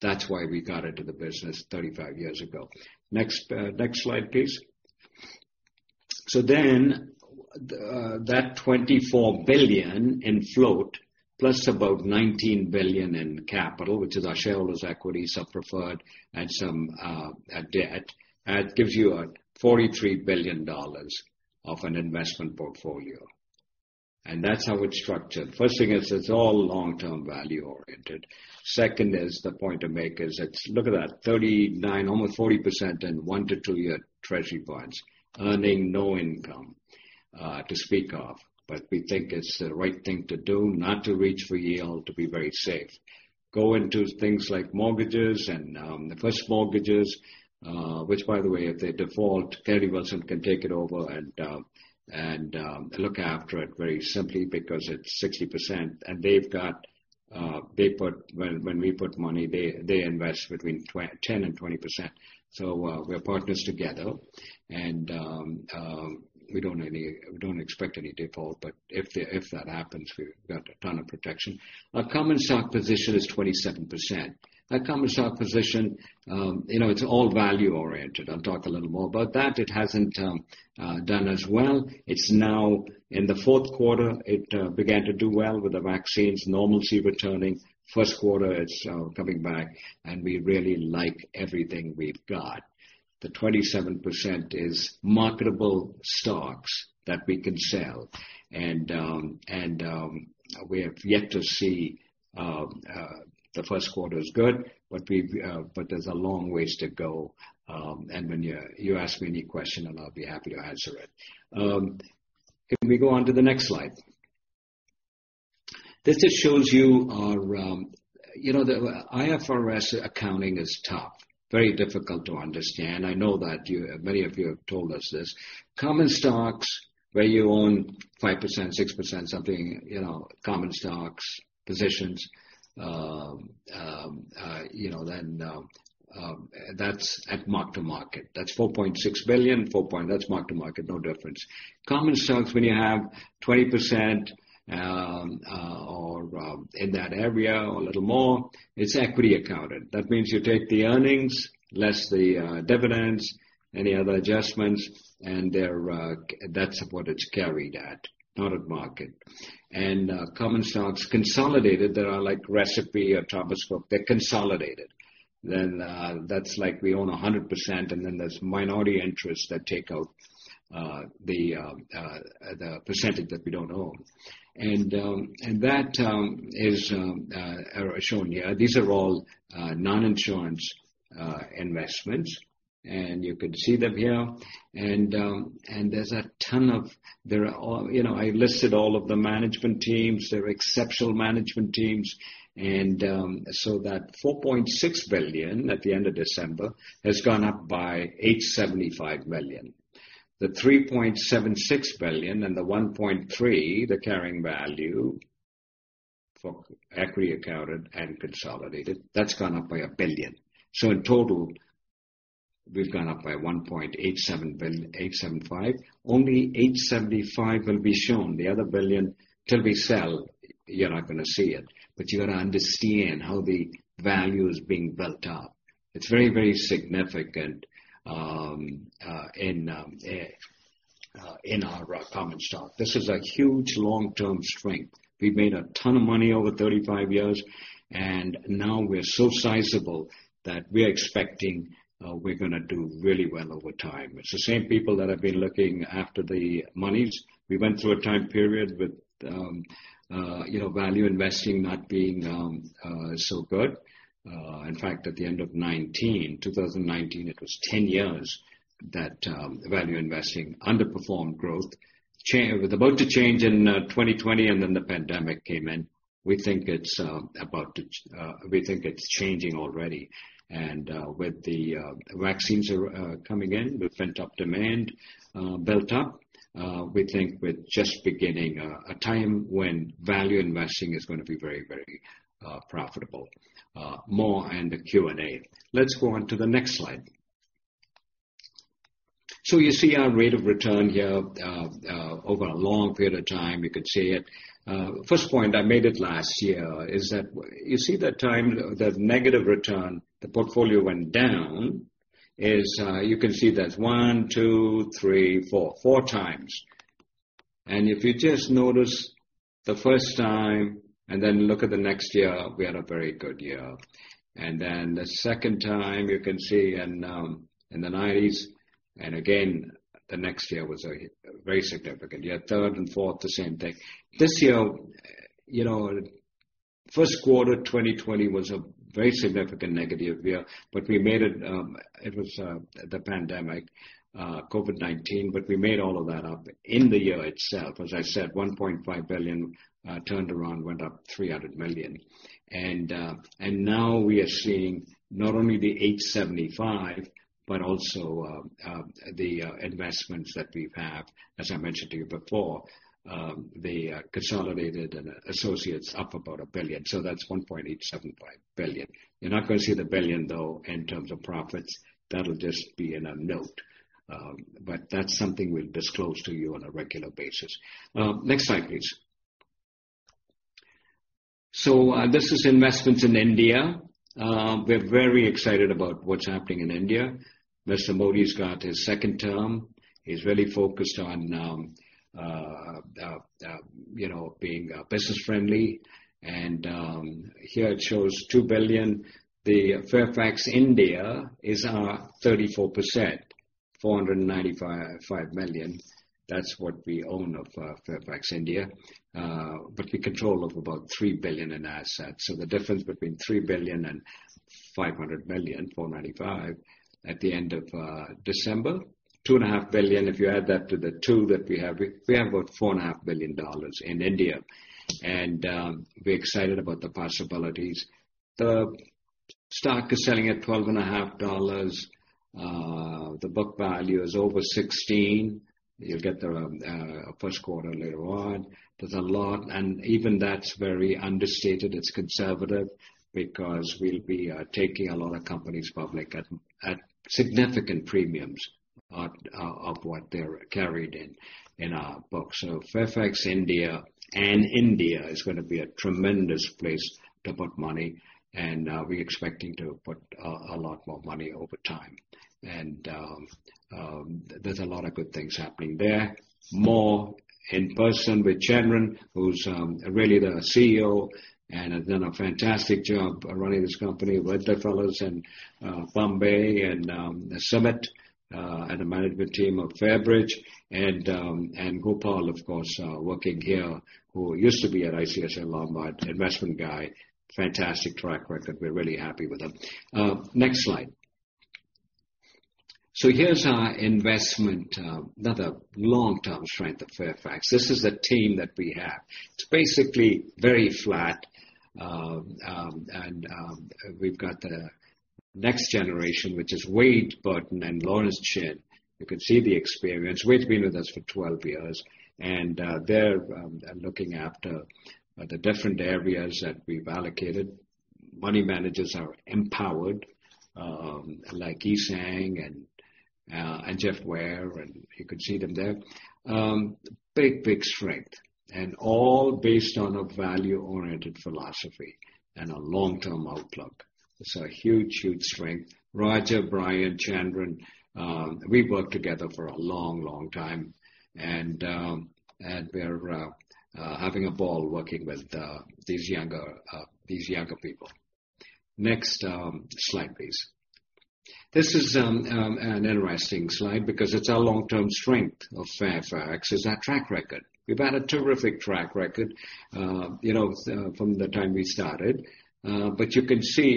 That's why we got into the business 35 years ago. Next slide, please. That 24 billion in float plus about 19 billion in capital, which is our shareholders' equity, some preferred and some debt, that gives you a 43 billion dollars of an investment portfolio. That's how it's structured. First thing is it's all long-term value oriented. Second is the point to make is look at that, 39, almost 40% in one- to two-year Treasury bonds earning no income to speak of. We think it's the right thing to do, not to reach for yield, to be very safe. Go into things like mortgages and the first mortgages, which, by the way, if they default, Kennedy Wilson can take it over and look after it very simply because it's 60%. When we put money, they invest between 10% and 20%. We're partners together, and we don't expect any default, but if that happens, we've got a ton of protection. Our common stock position is 27%. That common stock position, it's all value oriented. I'll talk a little more about that. It hasn't done as well. It's now in the fourth quarter, it began to do well with the vaccines, normalcy returning. First quarter, it's coming back, we really like everything we've got. The 27% is marketable stocks that we can sell. We have yet to see the first quarter is good, but there's a long ways to go. When you ask me any question and I'll be happy to answer it. Can we go on to the next slide? IFRS accounting is tough, very difficult to understand. I know that many of you have told us this. Common stocks, where you own 5%, 6%, something, common stocks positions, that's at mark-to-market. That's 4.6 billion, that's mark-to-market, no difference. Common stocks, when you have 20% or in that area or a little more, it's equity accounted. That means you take the earnings less the dividends, any other adjustments, and that's what it's carried at, not at market. Common stocks consolidated that are like Recipe or Thomas Cook, they're consolidated. That's like we own 100%, and then there's minority interests that take out the percentage that we don't own. That is shown here. These are all non-insurance investments, and you can see them here. I listed all of the management teams. They're exceptional management teams. That 4.6 billion at the end of December has gone up by 875 million. The 3.76 billion and the 1.3 billion, the carrying value for equity accounted and consolidated, that's gone up by 1 billion. In total, we've gone up by 1.875 billion. Only 875 million will be shown. The other 1 billion, till we sell, you're not going to see it. You got to understand how the value is being built up. It's very, very significant in our common stock. This is a huge long-term strength. We've made a ton of money over 35 years, and now we're so sizable that we're expecting we're going to do really well over time. It's the same people that have been looking after the monies. We went through a time period with value investing not being so good. In fact, at the end of 2019, it was 10 years that value investing underperformed growth. It was about to change in 2020, and then the pandemic came in. We think it's changing already. With the vaccines coming in, with pent-up demand built up, we think we're just beginning a time when value investing is going to be very, very profitable. More in the Q&A. Let's go on to the next slide. You see our rate of return here over a long period of time, you could see it. First point, I made it last year, is that you see that time, that negative return, the portfolio went down. You can see that's one, two, three, four. Four times. If you just notice the first time and then look at the next year, we had a very good year. The second time, you can see in '90s, and again, the next year was a very significant year. Third and fourth, the same thing. This year, you know, First quarter 2020 was a very significant negative year. It was the pandemic, COVID-19, but we made all of that up in the year itself. As I said, 1.5 billion turned around, went up 300 million. Now we are seeing not only the 875, but also the investments that we've had, as I mentioned to you before, the consolidated and associates up about 1 billion. That's 1.875 billion. You're not going to see the 1 billion, though, in terms of profits. That'll just be in a note. That's something we'll disclose to you on a regular basis. Next slide, please. This is investments in India. We're very excited about what's happening in India. Mr. Modi's got his second term. He's really focused on being business friendly. Here it shows 2 billion. The Fairfax India is our 34%, 495 million. That's what we own of Fairfax India. We control of about 3 billion in assets. The difference between 3 billion and 500 million, 495, at the end of December, 2.5 billion, if you add that to the 2 that we have, we have about 4.5 billion dollars in India. We're excited about the possibilities. The stock is selling at 12.50 dollars. The book value is over 16. You'll get the first quarter later on. There's a lot. Even that's very understated. It's conservative because we'll be taking a lot of companies public at significant premiums of what they're carried in our books. Fairfax India and India is going to be a tremendous place to put money, and we're expecting to put a lot more money over time. There's a lot of good things happening there. More in person with Chandran, who's really the CEO and has done a fantastic job running this company with their fellows in Bombay and Sumit and the management team of Fairbridge. Gopal, of course, working here, who used to be at ICICI Lombard, investment guy. Fantastic track record. We're really happy with him. Next slide. Here's our investment, another long-term strength of Fairfax. This is the team that we have. It's basically very flat. We've got the next generation, which is Wade Burton and Lawrence Chin. You can see the experience. Wade's been with us for 12 years. They're looking after the different areas that we've allocated. Money managers are empowered, like Yi Sang and Jeff Ware, you could see them there. Big strength and all based on a value-oriented philosophy and a long-term outlook. It's a huge strength. Roger, Brian, Chandran, we've worked together for a long time, and we're having a ball working with these younger people. Next slide, please. This is an interesting slide because it's our long-term strength of Fairfax is our track record. We've had a terrific track record from the time we started. You can see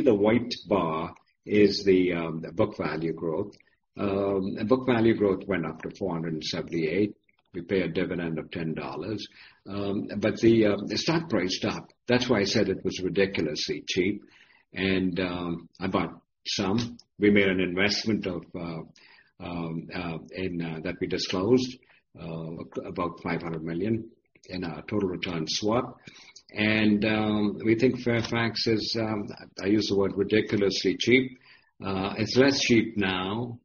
the white bar is the book value growth. Book value growth went up to 478. We pay a dividend of 10 dollars. The stock price dropped. That's why I said it was ridiculously cheap. I bought some. We made an investment that we disclosed, about 500 million in a total return swap. We think Fairfax is, I use the word ridiculously cheap. It's less cheap now,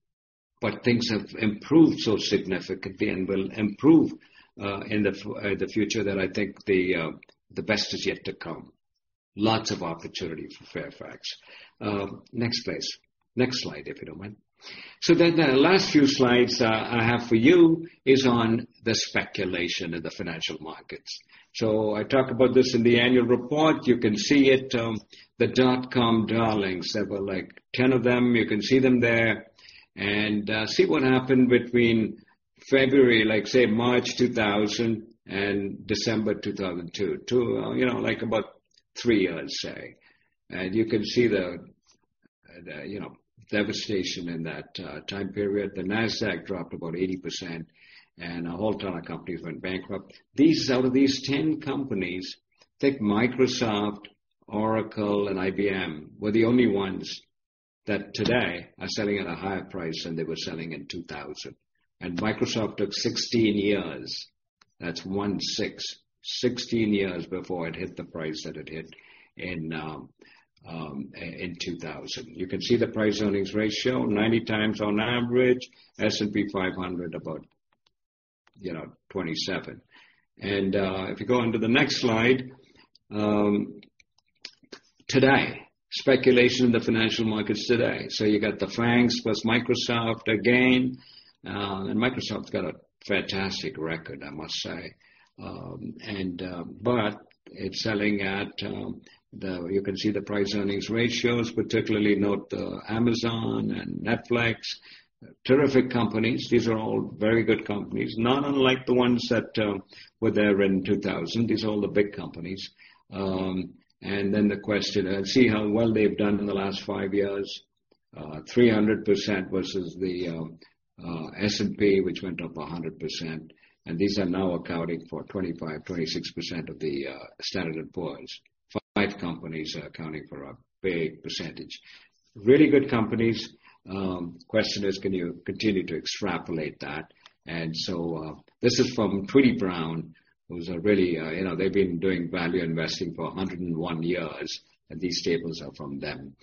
but things have improved so significantly and will improve in the future that I think the best is yet to come. Lots of opportunity for Fairfax. Next slide, if you don't mind. The last few slides I have for you is on the speculation in the financial markets. I talk about this in the annual report. You can see it, the dotcom darlings. There were 10 of them. You can see them there. See what happened between February, say March 2000 and December 2002. About three years, say. You can see the devastation in that time period. The NASDAQ dropped about 80% and a whole ton of companies went bankrupt. Out of these 10 companies, think Microsoft, Oracle, and IBM were the only ones that today are selling at a higher price than they were selling in 2000. Microsoft took 16 years. That's 16 years before it hit the price that it hit in 2000. You can see the price earnings ratio, 90 times on average, S&P 500 about 27. If you go on to the next slide. Today, speculation in the financial markets today. You got the FANGs plus Microsoft again. Microsoft's got a fantastic record, I must say. You can see the price earnings ratios, particularly note Amazon and Netflix. Terrific companies. These are all very good companies, not unlike the ones that were there in 2000. These are all the big companies. The question, and see how well they've done in the last five years, 300% versus the S&P, which went up 100%. These are now accounting for 25%, 26% of the Standard & Poor's. Five companies are accounting for a big percentage. Really good companies. Question is, can you continue to extrapolate that? This is from Tweedy, Browne. They've been doing value investing for 101 years, and these tables are from them.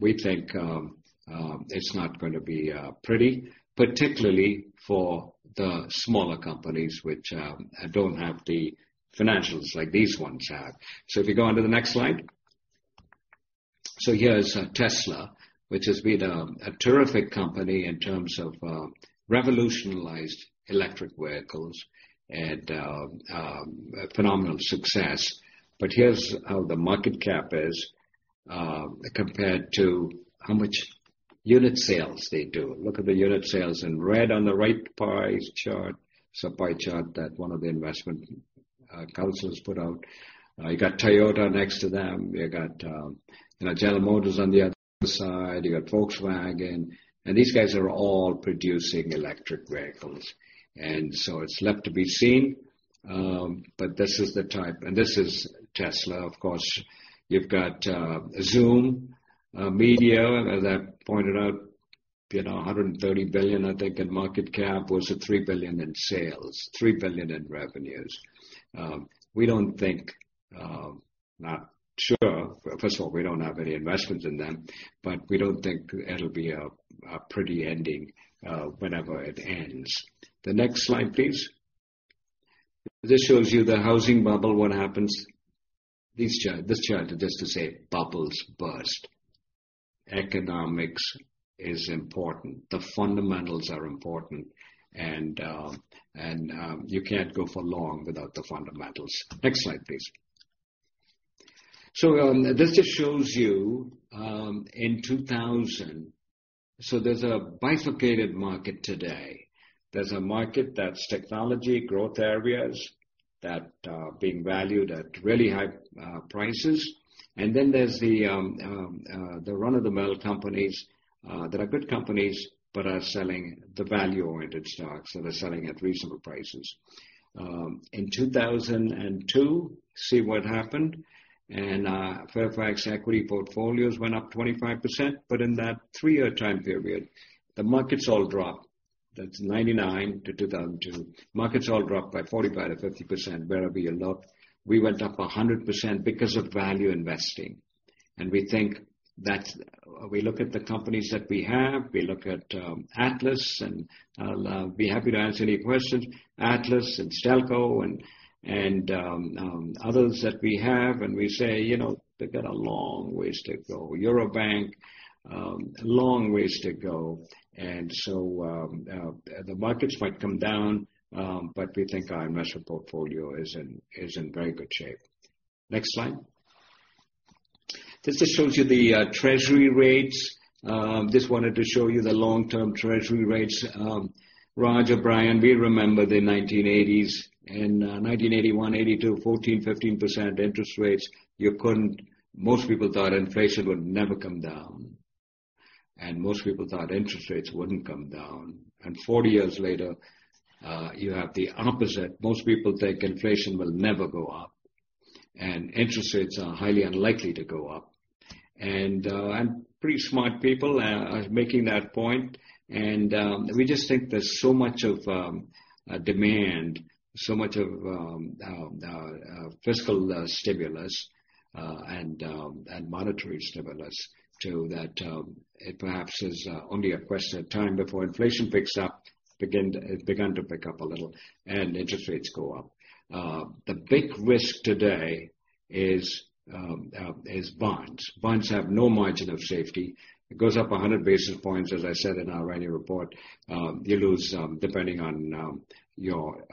We think it's not going to be pretty, particularly for the smaller companies which don't have the financials like these ones have. If you go on to the next slide. Here is Tesla, which has been a terrific company in terms of revolutionized electric vehicles, and a phenomenal success. Here's how the market cap is compared to how much unit sales they do. Look at the unit sales in red on the right pie chart. It's a pie chart that one of the investment counselors put out. You got Toyota next to them. You got General Motors on the other side. You got Volkswagen. These guys are all producing electric vehicles. It's left to be seen. This is Tesla, of course. You've got Zoom Video Communications, as I pointed out, 130 billion, I think, in market cap versus 3 billion in sales, 3 billion in revenues. First of all, we don't have any investments in them, we don't think it'll be a pretty ending whenever it ends. The next slide, please. This shows you the housing bubble, what happens. This chart is just to say, bubbles burst. Economics is important. The fundamentals are important. You can't go for long without the fundamentals. Next slide, please. This just shows you. There's a bifurcated market today. There's a market that's technology growth areas that are being valued at really high prices. There's the run-of-the-mill companies that are good companies, are selling the value-oriented stocks, that are selling at reasonable prices. In 2002, see what happened. Fairfax equity portfolios went up 25%, but in that three year time period, the markets all dropped. That's 1999 to 2002. Markets all dropped by 45%-50%, wherever you look. We went up 100% because of value investing. We think We look at the companies that we have. We look at Atlas, and I'll be happy to answer any questions. Atlas and Stelco and others that we have, and we say, "They've got a long ways to go." Eurobank, long ways to go. The markets might come down, but we think our investor portfolio is in very good shape. Next slide. This just shows you the treasury rates. Just wanted to show you the long-term treasury rates. Roger, Brian, we remember the 1980s. In 1981, 1982, 14%, 15% interest rates, most people thought inflation would never come down. Most people thought interest rates wouldn't come down. 40 years later, you have the opposite. Most people think inflation will never go up, and interest rates are highly unlikely to go up. Pretty smart people are making that point. We just think there's so much of a demand, so much of fiscal stimulus, and monetary stimulus too, that it perhaps is only a question of time before inflation picks up. It's begun to pick up a little, and interest rates go up. The big risk today is bonds. Bonds have no margin of safety. It goes up 100 basis points, as I said in our annual report. You lose, depending on your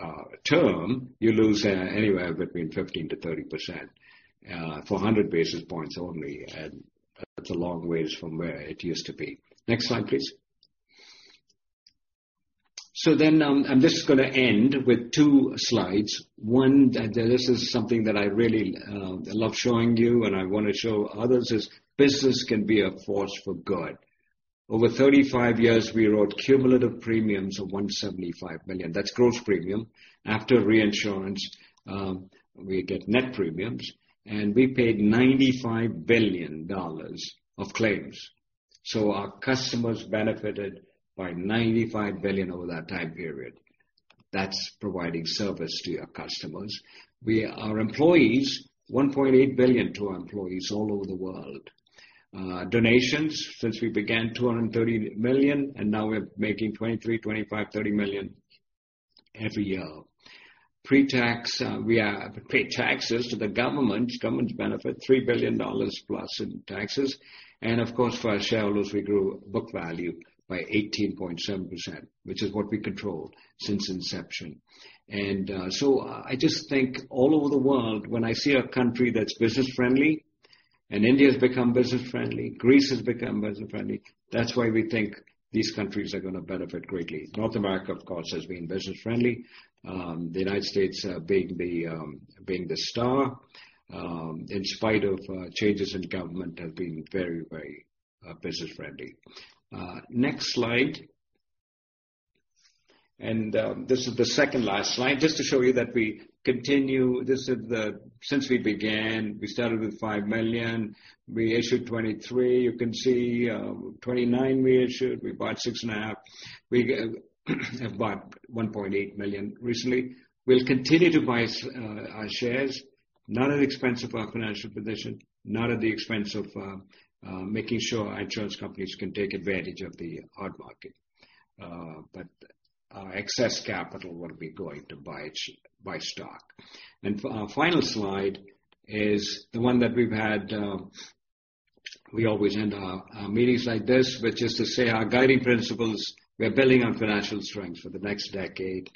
term, you lose anywhere between 15%-30%, 400 basis points only, and that's a long ways from where it used to be. Next slide, please. I'm just going to end with two slides. One, this is something that I really love showing you and I want to show others is business can be a force for good. Over 35 years, we wrote cumulative premiums of 175 billion. That's gross premium. After reinsurance, we get net premiums, and we paid 95 billion dollars of claims. Our customers benefited by 95 billion over that time period. That's providing service to your customers. Our employees, 1.8 billion to our employees all over the world. Donations, since we began, 230 million, and now we're making 23 million, 25 million, 30 million every year. Pre-tax, we pay taxes to the government. Government's benefit 3 billion dollars plus in taxes. Of course, for our shareholders, we grew book value by 18.7%, which is what we controlled since inception. I just think all over the world, when I see a country that's business-friendly. India has become business-friendly. Greece has become business-friendly. That's why we think these countries are going to benefit greatly. North America, of course, has been business-friendly. The U.S., being the star, in spite of changes in government, have been very business-friendly. Next slide. This is the second last slide, just to show you that we continue. Since we began, we started with 5 million. We issued 23. You can see 29 we issued. We bought six and a half. We have bought 1.8 million recently. We'll continue to buy our shares, not at the expense of our financial position, not at the expense of making sure our insurance companies can take advantage of the hard market. Our excess capital will be going to buy stock. Final slide is the one that we always end our meetings like this, which is to say our guiding principles. We are building on financial strength for the next decade.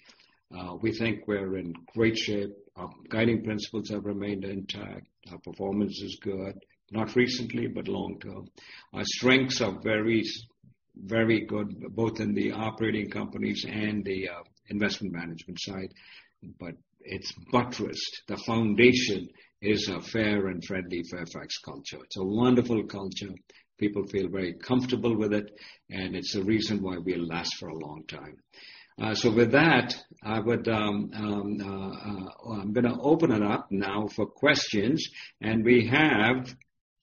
We think we're in great shape. Our guiding principles have remained intact. Our performance is good, not recently, but long-term. Our strengths are very good, both in the operating companies and the investment management side, but it's buttressed. The foundation is a fair and friendly Fairfax culture. It's a wonderful culture. People feel very comfortable with it, and it's the reason why we last for a long time. With that, I'm going to open it up now for questions. We have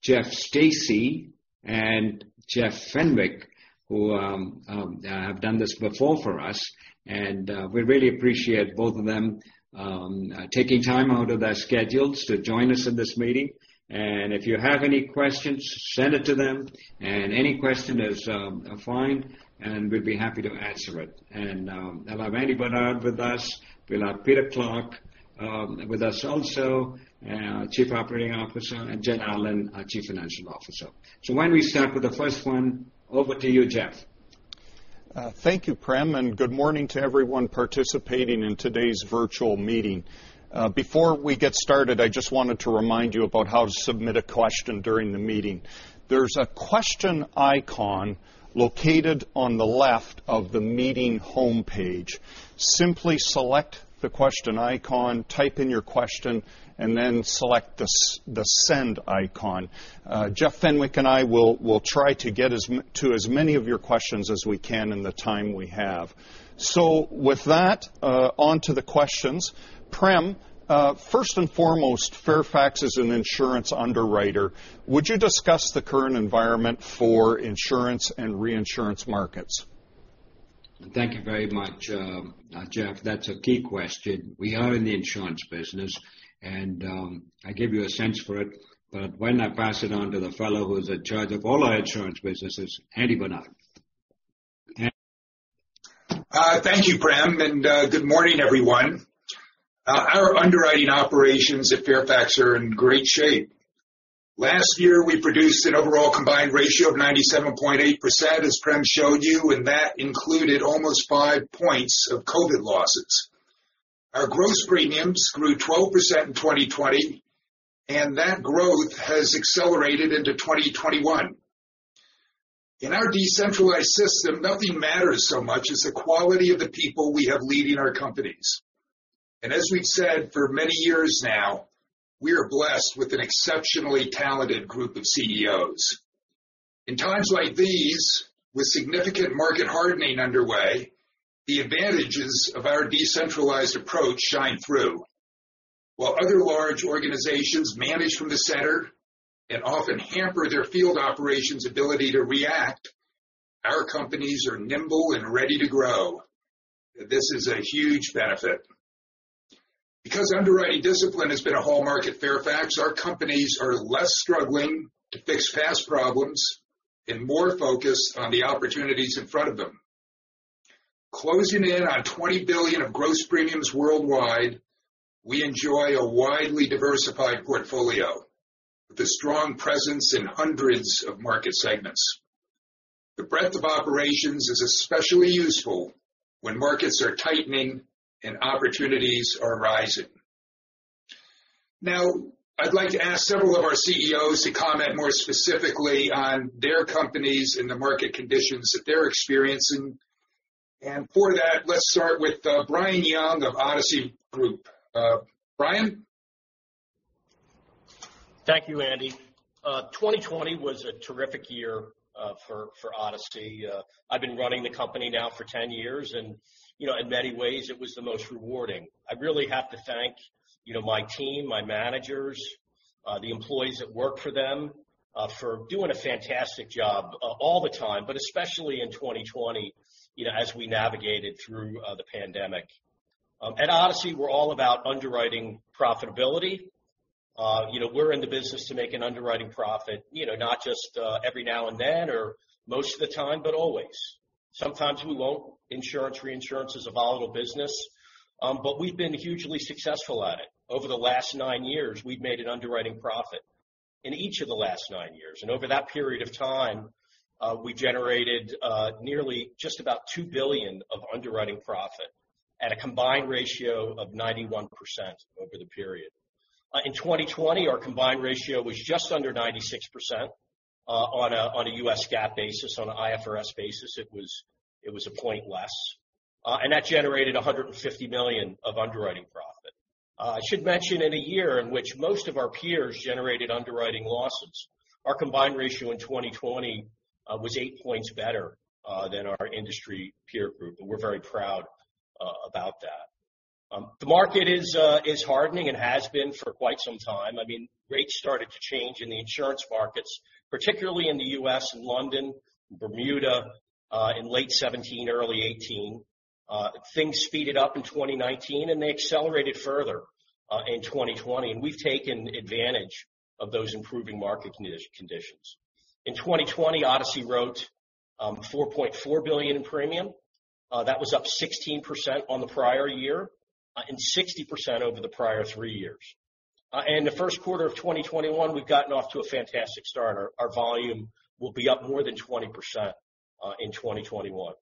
Jeff Stacey and Jeff Fenwick, who have done this before for us, and we really appreciate both of them taking time out of their schedules to join us in this meeting. If you have any questions, send it to them, and any question is fine and we'd be happy to answer it. We'll have Andy Barnard with us. We'll have Peter Clarke with us also, our Chief Operating Officer, and Jen Allen, our Chief Financial Officer. Why don't we start with the first one? Over to you, Jeff. Thank you, Prem, and good morning to everyone participating in today's virtual meeting. Before we get started, I just wanted to remind you about how to submit a question during the meeting. There's a question icon located on the left of the meeting homepage. Simply select the question icon, type in your question, and then select the send icon. Jeff Fenwick and I will try to get to as many of your questions as we can in the time we have. With that, on to the questions. Prem, first and foremost, Fairfax is an insurance underwriter. Would you discuss the current environment for insurance and reinsurance markets? Thank you very much, Jeff. That's a key question. We are in the insurance business, and I gave you a sense for it. Why don't I pass it on to the fellow who's in charge of all our insurance businesses, Andy Barnard. Andy. Thank you, Prem. Good morning, everyone. Our underwriting operations at Fairfax are in great shape. Last year, we produced an overall combined ratio of 97.8%, as Prem showed you, and that included almost five points of COVID losses. Our gross premiums grew 12% in 2020, and that growth has accelerated into 2021. In our decentralized system, nothing matters so much as the quality of the people we have leading our companies. As we've said for many years now, we are blessed with an exceptionally talented group of CEOs. In times like these, with significant market hardening underway, the advantages of our decentralized approach shine through. While other large organizations manage from the center and often hamper their field operations ability to react, our companies are nimble and ready to grow. This is a huge benefit. Because underwriting discipline has been a hallmark at Fairfax, our companies are less struggling to fix past problems and more focused on the opportunities in front of them. Closing in on 20 billion of gross premiums worldwide, we enjoy a widely diversified portfolio with a strong presence in hundreds of market segments. The breadth of operations is especially useful when markets are tightening and opportunities are rising. I'd like to ask several of our CEOs to comment more specifically on their companies and the market conditions that they're experiencing. For that, let's start with Brian Young of Odyssey Group. Brian? Thank you, Andy. 2020 was a terrific year for Odyssey. I've been running the company now for 10 years, and in many ways, it was the most rewarding. I really have to thank my team, my managers, the employees that work for them, for doing a fantastic job all the time, but especially in 2020, as we navigated through the pandemic. At Odyssey, we're all about underwriting profitability. We're in the business to make an underwriting profit, not just every now and then or most of the time, but always. Sometimes we won't. Insurance, reinsurance is a volatile business. We've been hugely successful at it. Over the last nine years, we've made an underwriting profit in each of the last nine years. We generated nearly just about 2 billion of underwriting profit at a combined ratio of 91% over the period. In 2020, our combined ratio was just under 96% on a U.S. GAAP basis. On an IFRS basis, it was a point less. That generated 150 million of underwriting profit. I should mention in a year in which most of our peers generated underwriting losses, our combined ratio in 2020 was eight points better than our industry peer group, we're very proud about that. The market is hardening and has been for quite some time. Rates started to change in the insurance markets, particularly in the U.S. and London, Bermuda, in late 2017, early 2018. Things speeded up in 2019, they accelerated further in 2020. We've taken advantage of those improving market conditions. In 2020, Odyssey wrote 4.4 billion in premium. That was up 16% on the prior year and 60% over the prior three years. In the first quarter of 2021, we've gotten off to a fantastic start. Our volume will be up more than 20% in 2021.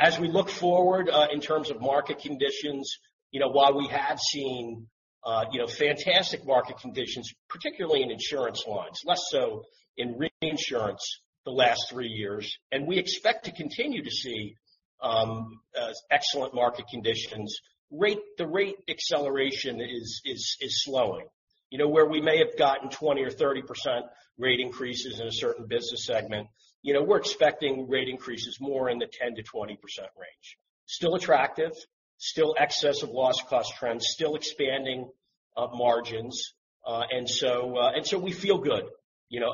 As we look forward in terms of market conditions, while we have seen fantastic market conditions, particularly in insurance lines, less so in reinsurance the last three years, we expect to continue to see excellent market conditions. The rate acceleration is slowing. Where we may have gotten 20% or 30% rate increases in a certain business segment, we're expecting rate increases more in the 10%-20% range, still attractive, still excess of loss cost trends, still expanding margins. We feel good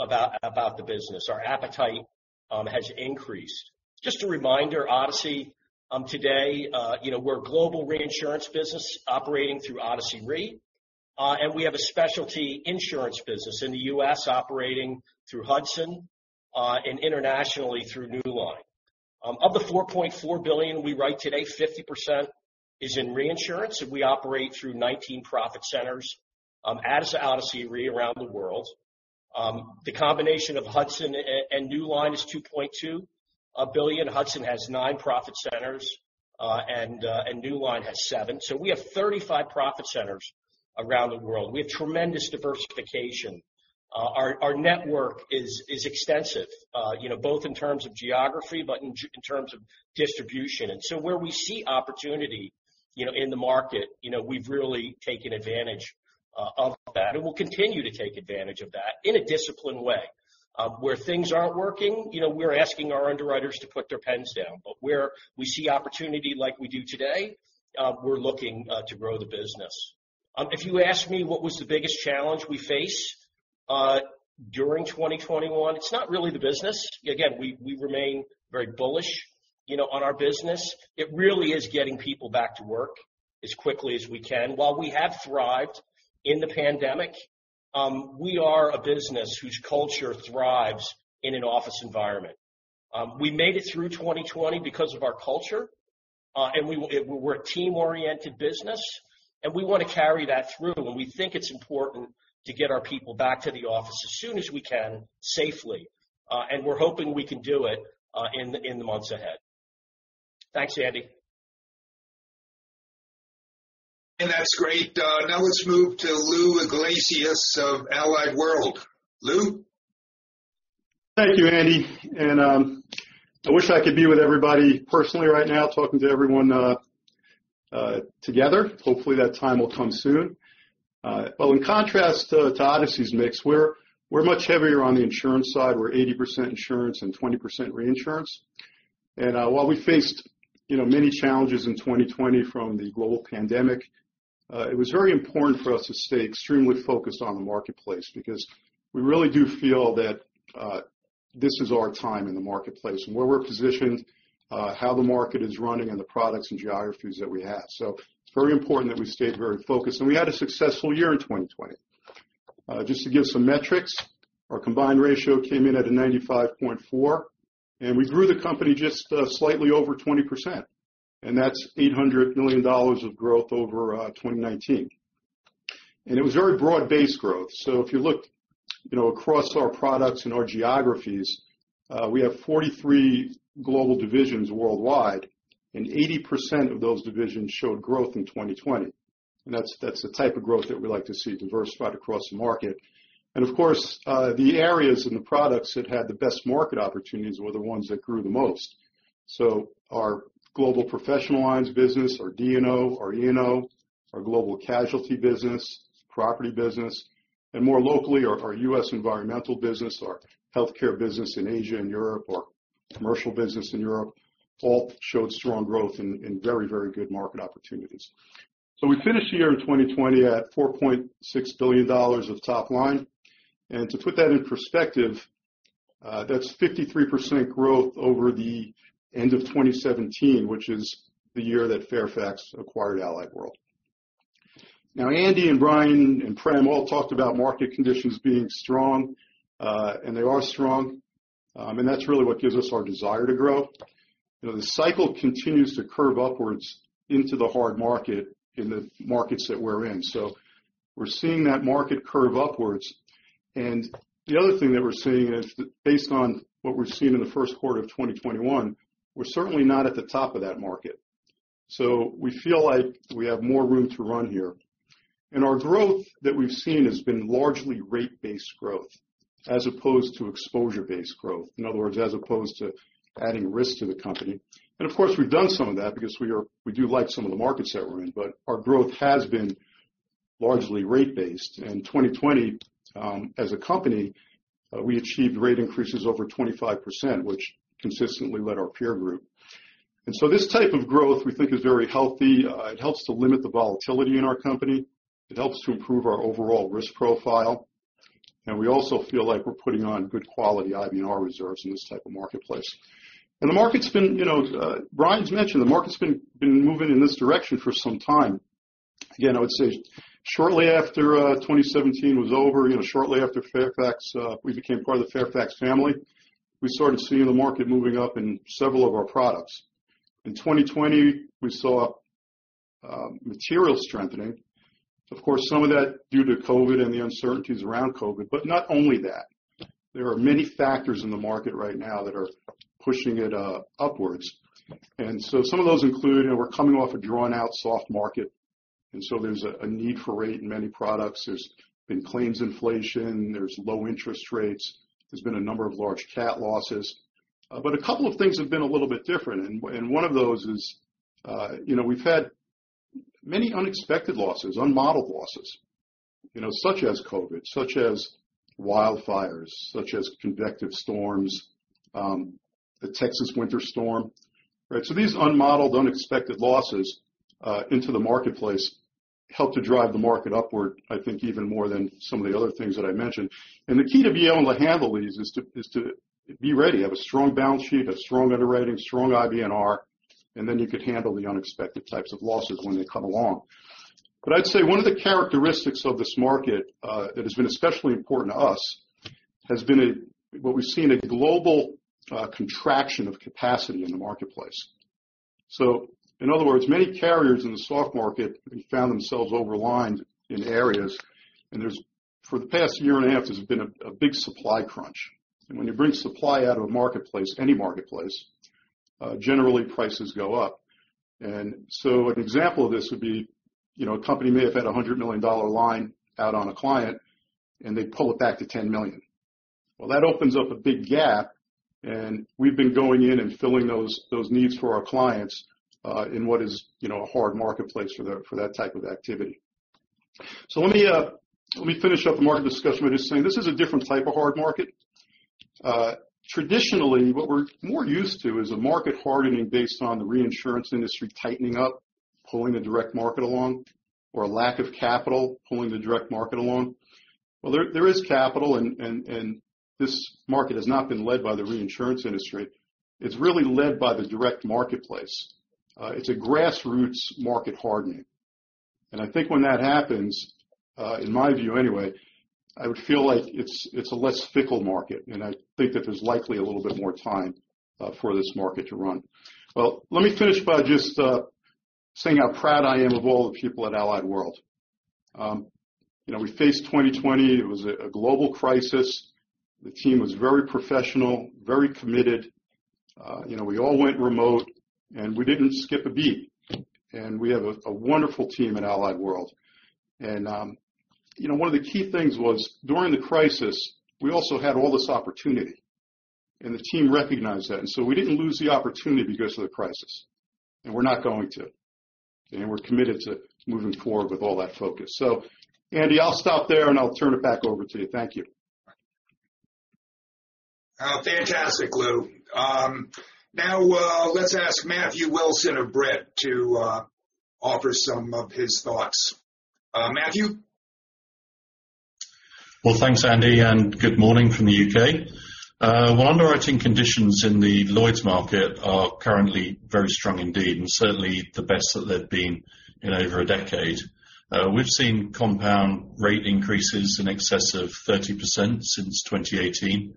about the business. Our appetite has increased. Just a reminder, Odyssey today, we're a global reinsurance business operating through Odyssey Re, and we have a specialty insurance business in the U.S. operating through Hudson, and internationally through Newline. Of the 4.4 billion we write today, 50% is in reinsurance, and we operate through 19 profit centers as Odyssey Re around the world. The combination of Hudson and Newline is 2.2 billion. Hudson has nine profit centers, and Newline has seven. We have 35 profit centers around the world. We have tremendous diversification. Our network is extensive both in terms of geography, but in terms of distribution. Where we see opportunity in the market, we've really taken advantage of that, and we'll continue to take advantage of that in a disciplined way. Where things aren't working, we're asking our underwriters to put their pens down. Where we see opportunity like we do today, we're looking to grow the business. If you ask me what was the biggest challenge we face during 2021, it's not really the business. Again, we remain very bullish on our business. It really is getting people back to work as quickly as we can. While we have thrived in the pandemic, we are a business whose culture thrives in an office environment. We made it through 2020 because of our culture, and we're a team-oriented business, and we want to carry that through. We think it's important to get our people back to the office as soon as we can safely. We're hoping we can do it in the months ahead. Thanks, Andy. That's great. Now let's move to Lou Iglesias of Allied World. Lou? Thank you, Andy. I wish I could be with everybody personally right now, talking to everyone together. Hopefully, that time will come soon. Well, in contrast to Odyssey's mix, we're much heavier on the insurance side. We're 80% insurance and 20% reinsurance. While we faced many challenges in 2020 from the global pandemic, it was very important for us to stay extremely focused on the marketplace because we really do feel that this is our time in the marketplace and where we're positioned, how the market is running and the products and geographies that we have. It's very important that we stayed very focused, and we had a successful year in 2020. Just to give some metrics, our combined ratio came in at a 95.4%, and we grew the company just slightly over 20%, and that's 800 million dollars of growth over 2019. It was very broad-based growth. If you look across our products and our geographies, we have 43 global divisions worldwide, 80% of those divisions showed growth in 2020. That's the type of growth that we like to see diversified across the market. Of course, the areas and the products that had the best market opportunities were the ones that grew the most. Our global professional lines business, our D&O, our E&O, our global casualty business, property business, and more locally, our U.S. environmental business, our healthcare business in Asia and Europe, our commercial business in Europe, all showed strong growth and very good market opportunities. We finished the year in 2020 at 4.6 billion dollars of top line. To put that in perspective, that's 53% growth over the end of 2017, which is the year that Fairfax acquired Allied World. Andy and Brian and Prem all talked about market conditions being strong, and they are strong. That's really what gives us our desire to grow. The cycle continues to curve upwards into the hard market in the markets that we're in. We're seeing that market curve upwards. The other thing that we're seeing is based on what we're seeing in the first quarter of 2021, we're certainly not at the top of that market. We feel like we have more room to run here. Our growth that we've seen has been largely rate-based growth as opposed to exposure-based growth, in other words, as opposed to adding risk to the company. Of course, we've done some of that because we do like some of the markets that we're in, but our growth has been largely rate based. In 2020, as a company, we achieved rate increases over 25%, which consistently led our peer group. This type of growth we think is very healthy. It helps to limit the volatility in our company. It helps to improve our overall risk profile. We also feel like we're putting on good quality IBNR reserves in this type of marketplace. Brian's mentioned the market's been moving in this direction for some time. Again, I would say shortly after 2017 was over, shortly after we became part of the Fairfax family, we started seeing the market moving up in several of our products. In 2020, we saw material strengthening. Some of that due to COVID-19 and the uncertainties around COVID-19, but not only that. There are many factors in the market right now that are pushing it upwards. Some of those include, we're coming off a drawn-out soft market, and so there's a need for rate in many products. There's been claims inflation, there's low interest rates, there's been a number of large cat losses. A couple of things have been a little bit different, and one of those is we've had many unexpected losses, unmodeled losses such as COVID, such as wildfires, such as convective storms, the Texas winter storm. These unmodeled, unexpected losses into the marketplace help to drive the market upward, I think even more than some of the other things that I mentioned. The key to be able to handle these is to be ready, have a strong balance sheet, a strong underwriting, strong IBNR, and then you could handle the unexpected types of losses when they come along. I'd say one of the characteristics of this market that has been especially important to us has been what we've seen a global contraction of capacity in the marketplace. In other words, many carriers in the soft market have found themselves over lined in areas, and for the past year and a half, there's been a big supply crunch. When you bring supply out of a marketplace, any marketplace, generally prices go up. An example of this would be a company may have had 100 million dollar line out on a client and they pull it back to 10 million. Well, that opens up a big gap, and we've been going in and filling those needs for our clients in what is a hard marketplace for that type of activity. Let me finish up the market discussion by just saying this is a different type of hard market. Traditionally, what we're more used to is a market hardening based on the reinsurance industry tightening up, pulling the direct market along, or a lack of capital pulling the direct market along. There is capital and this market has not been led by the reinsurance industry. It's really led by the direct marketplace. It's a grassroots market hardening. I think when that happens, in my view anyway, I would feel like it's a less fickle market, and I think that there's likely a little bit more time for this market to run. Let me finish by just saying how proud I am of all the people at Allied World. We faced 2020, it was a global crisis. The team was very professional, very committed. We all went remote, we didn't skip a beat. We have a wonderful team at Allied World. One of the key things was during the crisis, we also had all this opportunity, and the team recognized that. We didn't lose the opportunity because of the crisis, and we're not going to, and we're committed to moving forward with all that focus. Andy, I'll stop there and I'll turn it back over to you. Thank you. Fantastic, Lou. Now, let's ask Matthew Wilson of Brit to offer some of his thoughts. Matthew? Thanks, Andy, and good morning from the U.K. Underwriting conditions in the Lloyd's market are currently very strong indeed, and certainly the best that they've been in over a decade. We've seen compound rate increases in excess of 30% since 2018,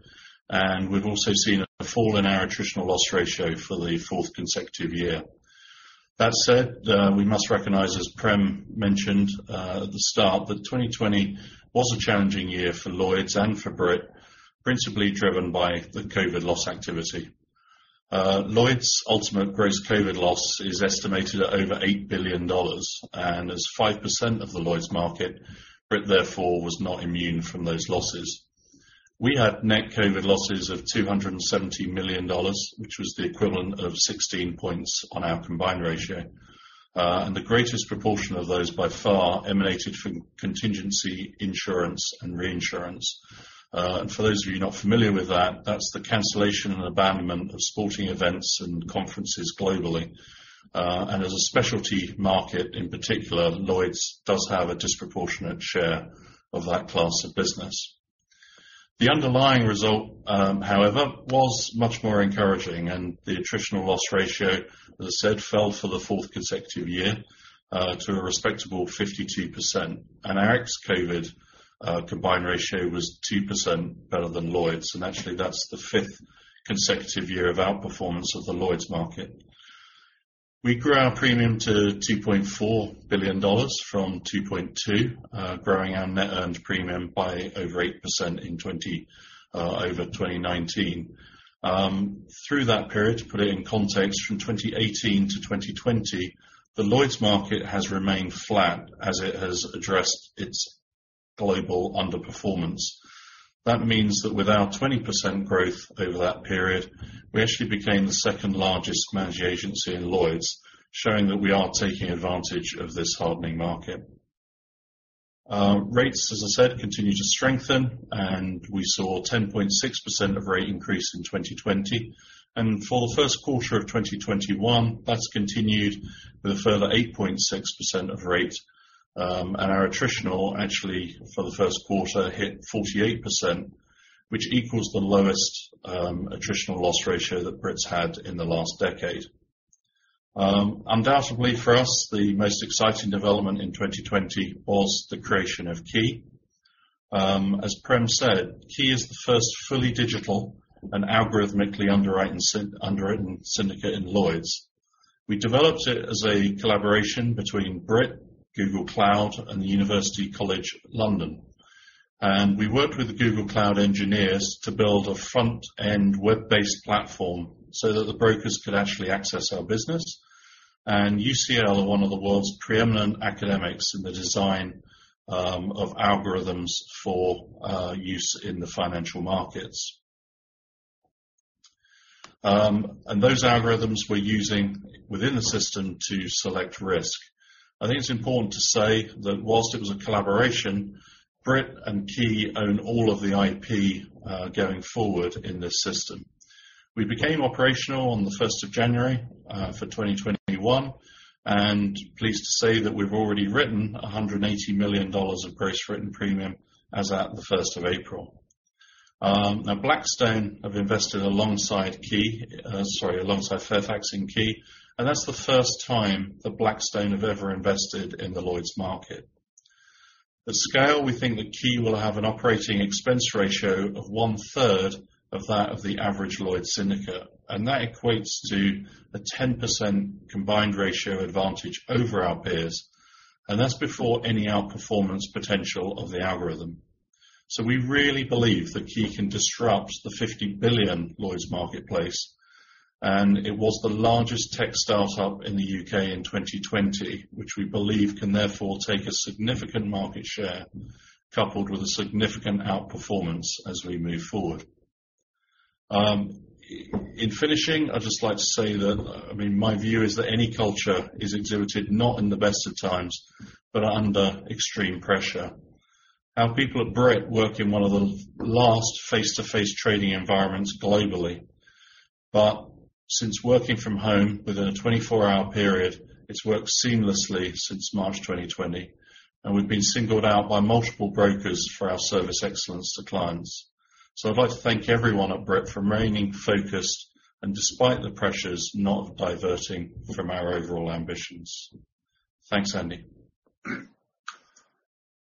and we've also seen a fall in our attritional loss ratio for the fourth consecutive year. That said, we must recognize, as Prem mentioned at the start, that 2020 was a challenging year for Lloyd's and for Brit, principally driven by the COVID loss activity. Lloyd's ultimate gross COVID loss is estimated at over 8 billion dollars, and as 5% of the Lloyd's market, Brit therefore was not immune from those losses. We had net COVID losses of 270 million dollars, which was the equivalent of 16 points on our combined ratio. The greatest proportion of those, by far, emanated from contingency insurance and reinsurance. For those of you not familiar with that's the cancellation and abandonment of sporting events and conferences globally. As a specialty market, in particular, Lloyd's does have a disproportionate share of that class of business. The underlying result, however, was much more encouraging, and the attritional loss ratio, as I said, fell for the fourth consecutive year to a respectable 52%. Our ex-COVID combined ratio was 2% better than Lloyd's, and actually that's the fifth consecutive year of outperformance of the Lloyd's market. We grew our premium to 2.4 billion dollars from 2.2 billion, growing our net earned premium by over 8% over 2019. Through that period, to put it in context, from 2018 to 2020, the Lloyd's market has remained flat as it has addressed its global underperformance. That means that with our 20% growth over that period, we actually became the second-largest managing agency in Lloyd's, showing that we are taking advantage of this hardening market. Rates, as I said, continue to strengthen. We saw 10.6% of rate increase in 2020. For the first quarter of 2021, that's continued with a further 8.6% of rate. Our attritional actually, for the first quarter, hit 48%, which equals the lowest attritional loss ratio that Brit's had in the last decade. Undoubtedly for us, the most exciting development in 2020 was the creation of Ki. As Prem said, Ki is the first fully digital and algorithmically underwritten syndicate in Lloyd's. We developed it as a collaboration between Brit, Google Cloud, and the University College London. We worked with the Google Cloud engineers to build a front-end web-based platform so that the brokers could actually access our business. UCL are one of the world's preeminent academics in the design of algorithms for use in the financial markets. Those algorithms we're using within the system to select risk. I think it's important to say that whilst it was a collaboration, Brit and Ki own all of the IP going forward in this system. We became operational on the 1st of January for 2021, and pleased to say that we've already written 180 million dollars of gross written premium as at the 1st of April. Blackstone have invested alongside Ki, sorry, alongside Fairfax and Ki, and that's the first time that Blackstone have ever invested in the Lloyd's market. At scale, we think that Ki will have an operating expense ratio of 1/3 of that of the average Lloyd's syndicate. That equates to a 10% combined ratio advantage over our peers, and that's before any outperformance potential of the algorithm. We really believe that Ki can disrupt the 50 billion Lloyd's marketplace. It was the largest tech start-up in the U.K. in 2020, which we believe can therefore take a significant market share coupled with a significant outperformance as we move forward. In finishing, I'd just like to say that my view is that any culture is exhibited not in the best of times, but under extreme pressure. Our people at Brit work in one of the last face-to-face trading environments globally. Since working from home within a 24-hour period, it's worked seamlessly since March 2020, and we've been singled out by multiple brokers for our service excellence to clients. I'd like to thank everyone at Brit for remaining focused and despite the pressures, not diverting from our overall ambitions. Thanks, Andy.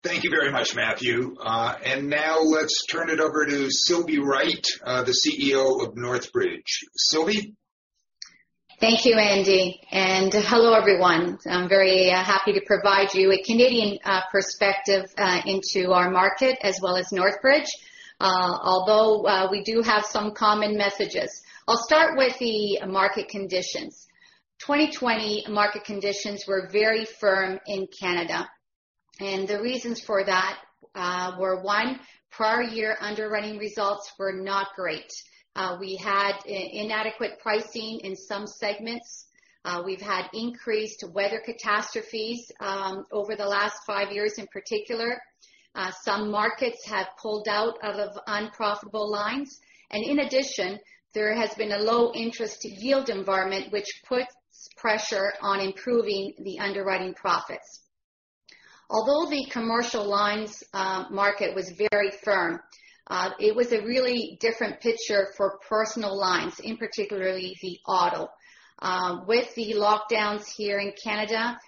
Thank you very much, Matthew. Now let's turn it over to Silvy Wright, the CEO of Northbridge. Silvy? Thank you, Andy. Hello, everyone. I'm very happy to provide you a Canadian perspective into our market as well as Northbridge, although, we do have some common messages. I'll start with the market conditions. 2020 market conditions were very firm in Canada, and the reasons for that were, one, prior year underwriting results were not great. We had inadequate pricing in some segments. We've had increased weather catastrophes over the last five years in particular. Some markets have pulled out of unprofitable lines. In addition, there has been a low interest yield environment, which puts pressure on improving the underwriting profits. Although the commercial lines market was very firm, it was a really different picture for personal lines, in particularly the auto. With the lockdowns here in Canada,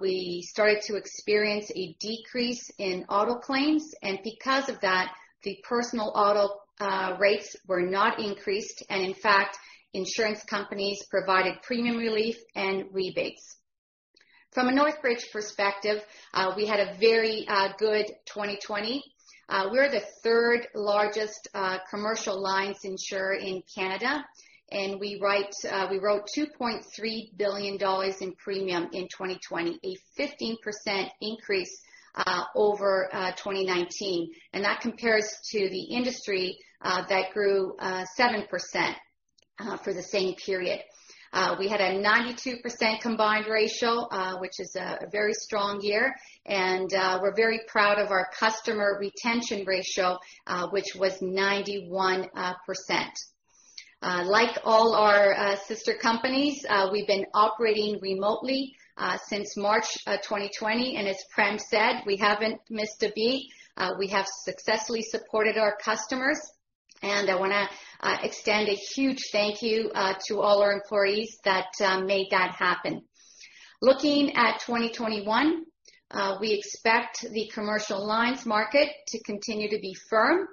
we started to experience a decrease in auto claims, and because of that, the personal auto rates were not increased, and in fact, insurance companies provided premium relief and rebates. From a Northbridge perspective, we had a very good 2020. We're the third largest commercial lines insurer in Canada, we wrote 2.3 billion dollars in premium in 2020, a 15% increase over 2019. That compares to the industry that grew 7% for the same period. We had a 92% combined ratio, which is a very strong year, and we're very proud of our customer retention ratio, which was 91%. Like all our sister companies, we've been operating remotely since March 2020, as Prem said, we haven't missed a beat. We have successfully supported our customers. I want to extend a huge thank you to all our employees that made that happen. Looking at 2021, we expect the commercial lines market to continue to be firm.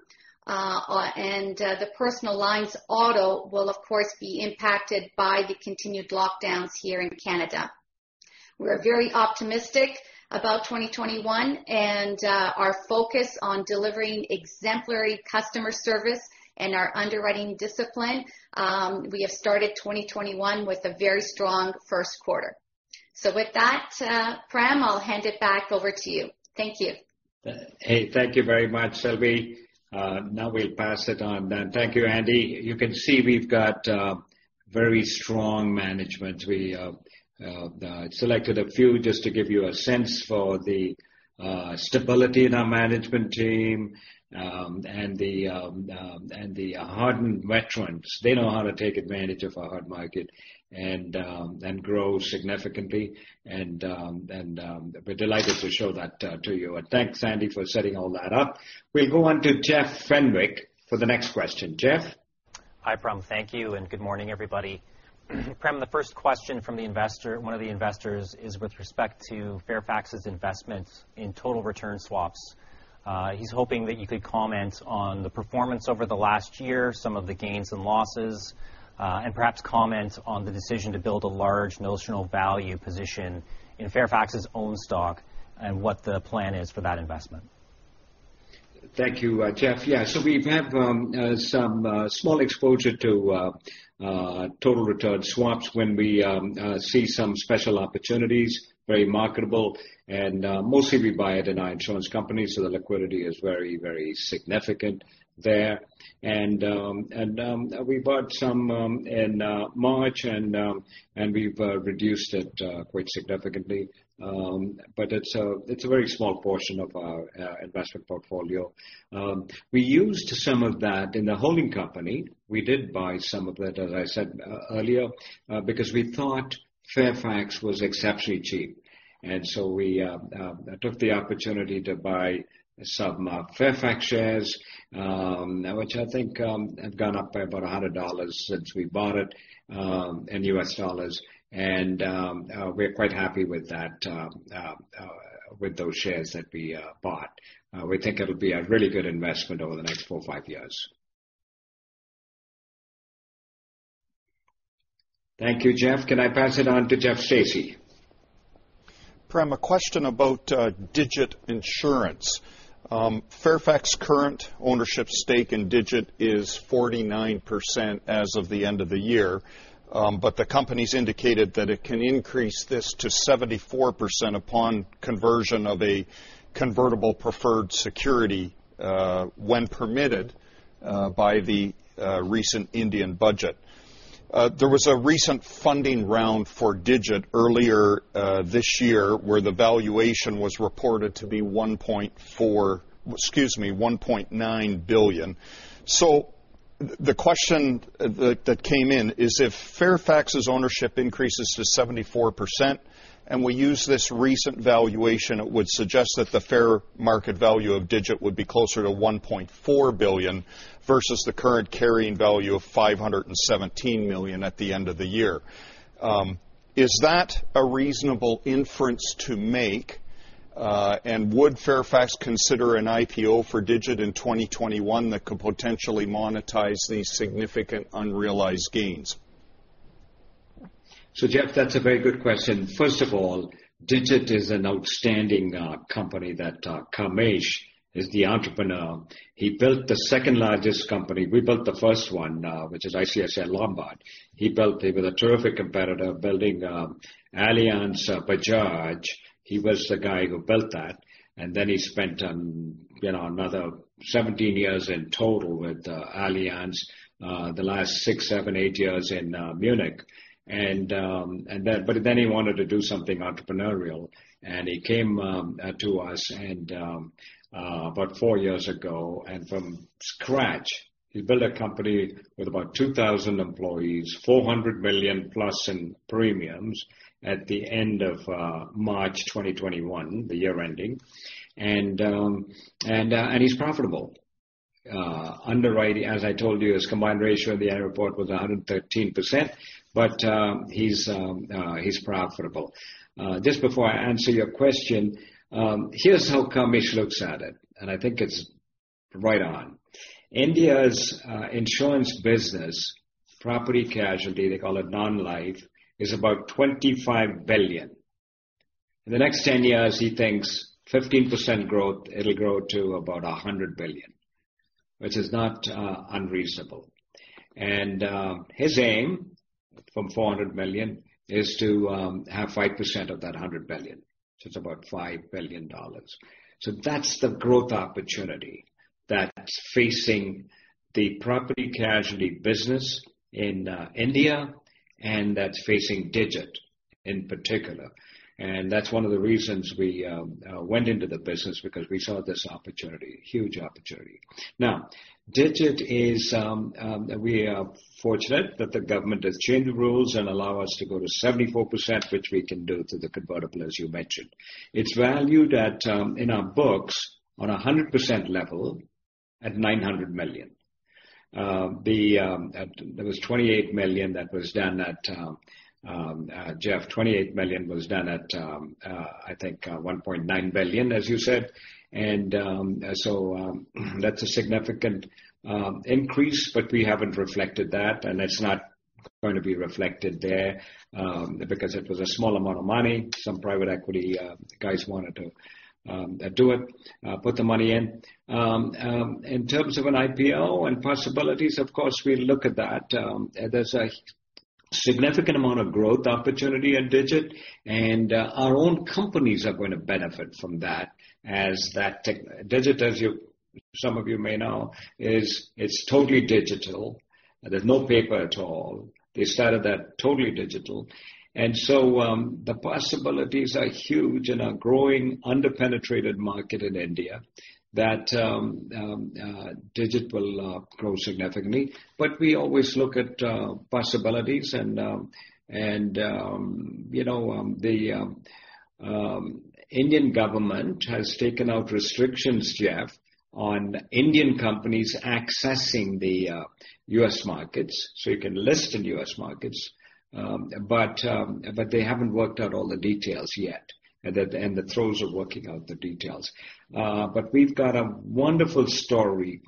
The personal lines auto will, of course, be impacted by the continued lockdowns here in Canada. We're very optimistic about 2021, and our focus on delivering exemplary customer service and our underwriting discipline. We have started 2021 with a very strong first quarter. With that, Prem, I'll hand it back over to you. Thank you. Hey, thank you very much, Silvy. Now we'll pass it on then. Thank you, Andy. You can see we've got very strong management. We selected a few just to give you a sense for the stability in our management team, and the hardened veterans. They know how to take advantage of a hard market and grow significantly, and we're delighted to show that to you. Thanks, Andy, for setting all that up. We'll go on to Jeff Fenwick for the next question. Jeff? Hi, Prem. Thank you, and good morning, everybody. Prem, the first question from one of the investors is with respect to Fairfax's investment in total return swaps. He's hoping that you could comment on the performance over the last year, some of the gains and losses, and perhaps comment on the decision to build a large notional value position in Fairfax's own stock and what the plan is for that investment. Thank you, Jeff. Yeah, we have some small exposure to total return swaps when we see some special opportunities, very marketable. Mostly we buy it in our insurance company, the liquidity is very significant there. We bought some in March, and we've reduced it quite significantly. It's a very small portion of our investment portfolio. We used some of that in the holding company. We did buy some of it, as I said earlier, because we thought Fairfax was exceptionally cheap. We took the opportunity to buy some Fairfax shares, which I think have gone up by about 100 dollars since we bought it in U.S. dollars. We're quite happy with those shares that we bought. We think it'll be a really good investment over the next four or five years. Thank you, Jeff. Can I pass it on to Jeffrey Stacey? Prem, a question about Digit Insurance. Fairfax current ownership stake in Digit is 49% as of the end of the year. The company's indicated that it can increase this to 74% upon conversion of a convertible preferred security, when permitted by the recent Indian budget. There was a recent funding round for Digit earlier this year, where the valuation was reported to be 1.9 billion. The question that came in is if Fairfax's ownership increases to 74% and we use this recent valuation, it would suggest that the fair market value of Digit would be closer to 1.4 billion versus the current carrying value of 517 million at the end of the year. Is that a reasonable inference to make? Would Fairfax consider an IPO for Digit in 2021 that could potentially monetize these significant unrealized gains? Jeff, that's a very good question. First of all, Digit Insurance is an outstanding company that Kamesh Goyal is the entrepreneur. He built the 2nd largest company. We built the 1st one, which is ICICI Lombard. He built with a terrific competitor, building Bajaj Allianz. He was the guy who built that, and then he spent another 17 years in total with Allianz SE, the last six, seven, eight years in Munich. He wanted to do something entrepreneurial, and he came to us about four years ago. From scratch, he built a company with about 2,000 employees, 400 million+ in premiums at the end of March 2021, the year-ending. He's profitable. Underwriting, as I told you, his combined ratio of the annual report was 113%, but he's profitable. Just before I answer your question, here's how Kamesh Goyal looks at it, and I think it's right on. India's insurance business, property casualty, they call it non-life, is about 25 billion. In the next 10 years, he thinks 15% growth, it will grow to about 100 billion, which is not unreasonable. His aim from 400 million is to have 5% of that 100 billion. It is about 5 billion dollars. That is the growth opportunity that is facing the property casualty business in India, and that is facing Digit in particular. That is one of the reasons we went into the business because we saw this opportunity, huge opportunity. Now, Digit, we are fortunate that the government has changed the rules and allow us to go to 74%, which we can do through the convertible, as you mentioned. It is valued at, in our books, on 100% level at 900 million. There was 28 million that was done at, Jeff, I think, 1.9 billion, as you said. That's a significant increase, but we haven't reflected that, and it's not going to be reflected there because it was a small amount of money. Some private equity guys wanted to do it, put the money in. In terms of an IPO and possibilities, of course, we look at that. There's a significant amount of growth opportunity at Digit, and our own companies are going to benefit from that. Digit, as some of you may know, it's totally digital. There's no paper at all. They started that totally digital. The possibilities are huge in a growing under-penetrated market in India that Digit will grow significantly. We always look at possibilities and the Indian government has taken out restrictions, Jeff, on Indian companies accessing the U.S. markets, so you can list in U.S. markets. They haven't worked out all the details yet, and the throes of working out the details. We've got a wonderful story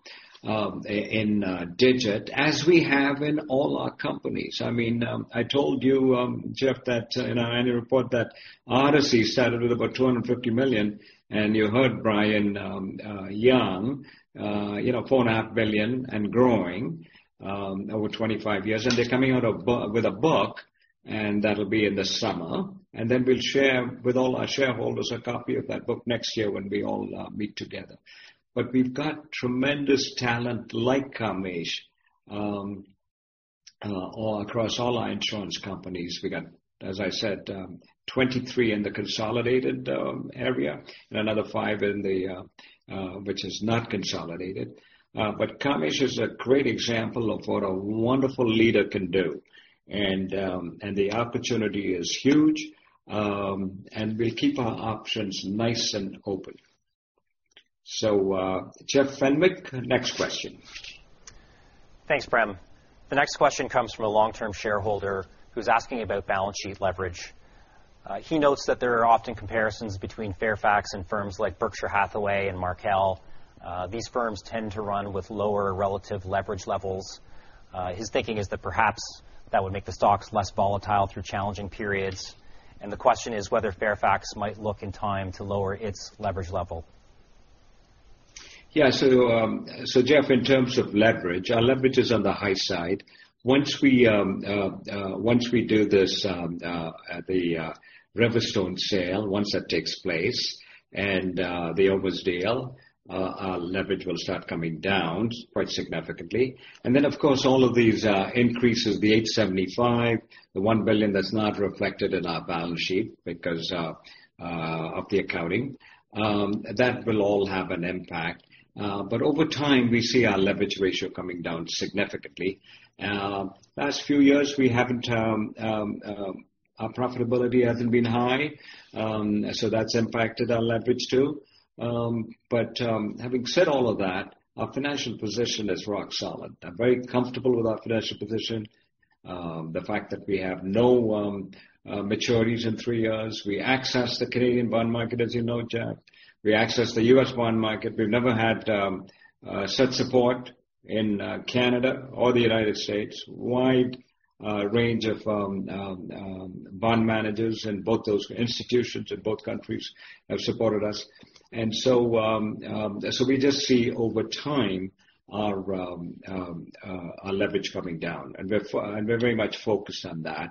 in Digit, as we have in all our companies. I told you, Jeff, in our annual report that Odyssey started with about 250 million, and you heard Brian Young, 4.5 billion and growing over 25 years. They're coming out with a book, and that'll be in the summer. Then we'll share with all our shareholders a copy of that book next year when we all meet together. We've got tremendous talent like Kamesh across all our insurance companies. We got, as I said, 23 in the consolidated area and another five which is not consolidated. Kamesh is a great example of what a wonderful leader can do. The opportunity is huge, and we keep our options nice and open. Jeff Fenwick, next question. Thanks, Prem. The next question comes from a long-term shareholder who's asking about balance sheet leverage. He notes that there are often comparisons between Fairfax and firms like Berkshire Hathaway and Markel. These firms tend to run with lower relative leverage levels. His thinking is that perhaps that would make the stocks less volatile through challenging periods. The question is whether Fairfax might look in time to lower its leverage level. Jeff, in terms of leverage, our leverage is on the high side. Once we do this at the RiverStone sale, once that takes place and the OMERS deal, our leverage will start coming down quite significantly. Of course, all of these increases, the 875, the 1 billion that's not reflected in our balance sheet because of the accounting, that will all have an impact. Over time, we see our leverage ratio coming down significantly. Last few years, our profitability hasn't been high, that's impacted our leverage too. Having said all of that, our financial position is rock solid. I'm very comfortable with our financial position. The fact that we have no maturities in three years. We access the Canadian bond market, as you know, Jeff. We access the U.S. bond market. We've never had such support in Canada or the United States. Wide range of bond managers in both those institutions in both countries have supported us. We just see over time our leverage coming down, and we're very much focused on that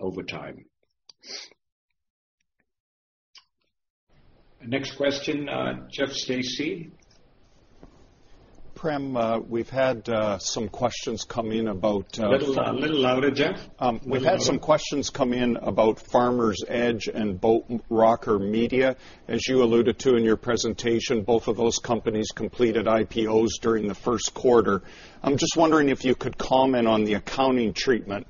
over time. Next question, Jeff Stacey. Prem, we've had some questions come in. Little louder, Jeff. We've had some questions come in about Farmers Edge and Boat Rocker Media. As you alluded to in your presentation, both of those companies completed IPOs during the first quarter. I'm just wondering if you could comment on the accounting treatment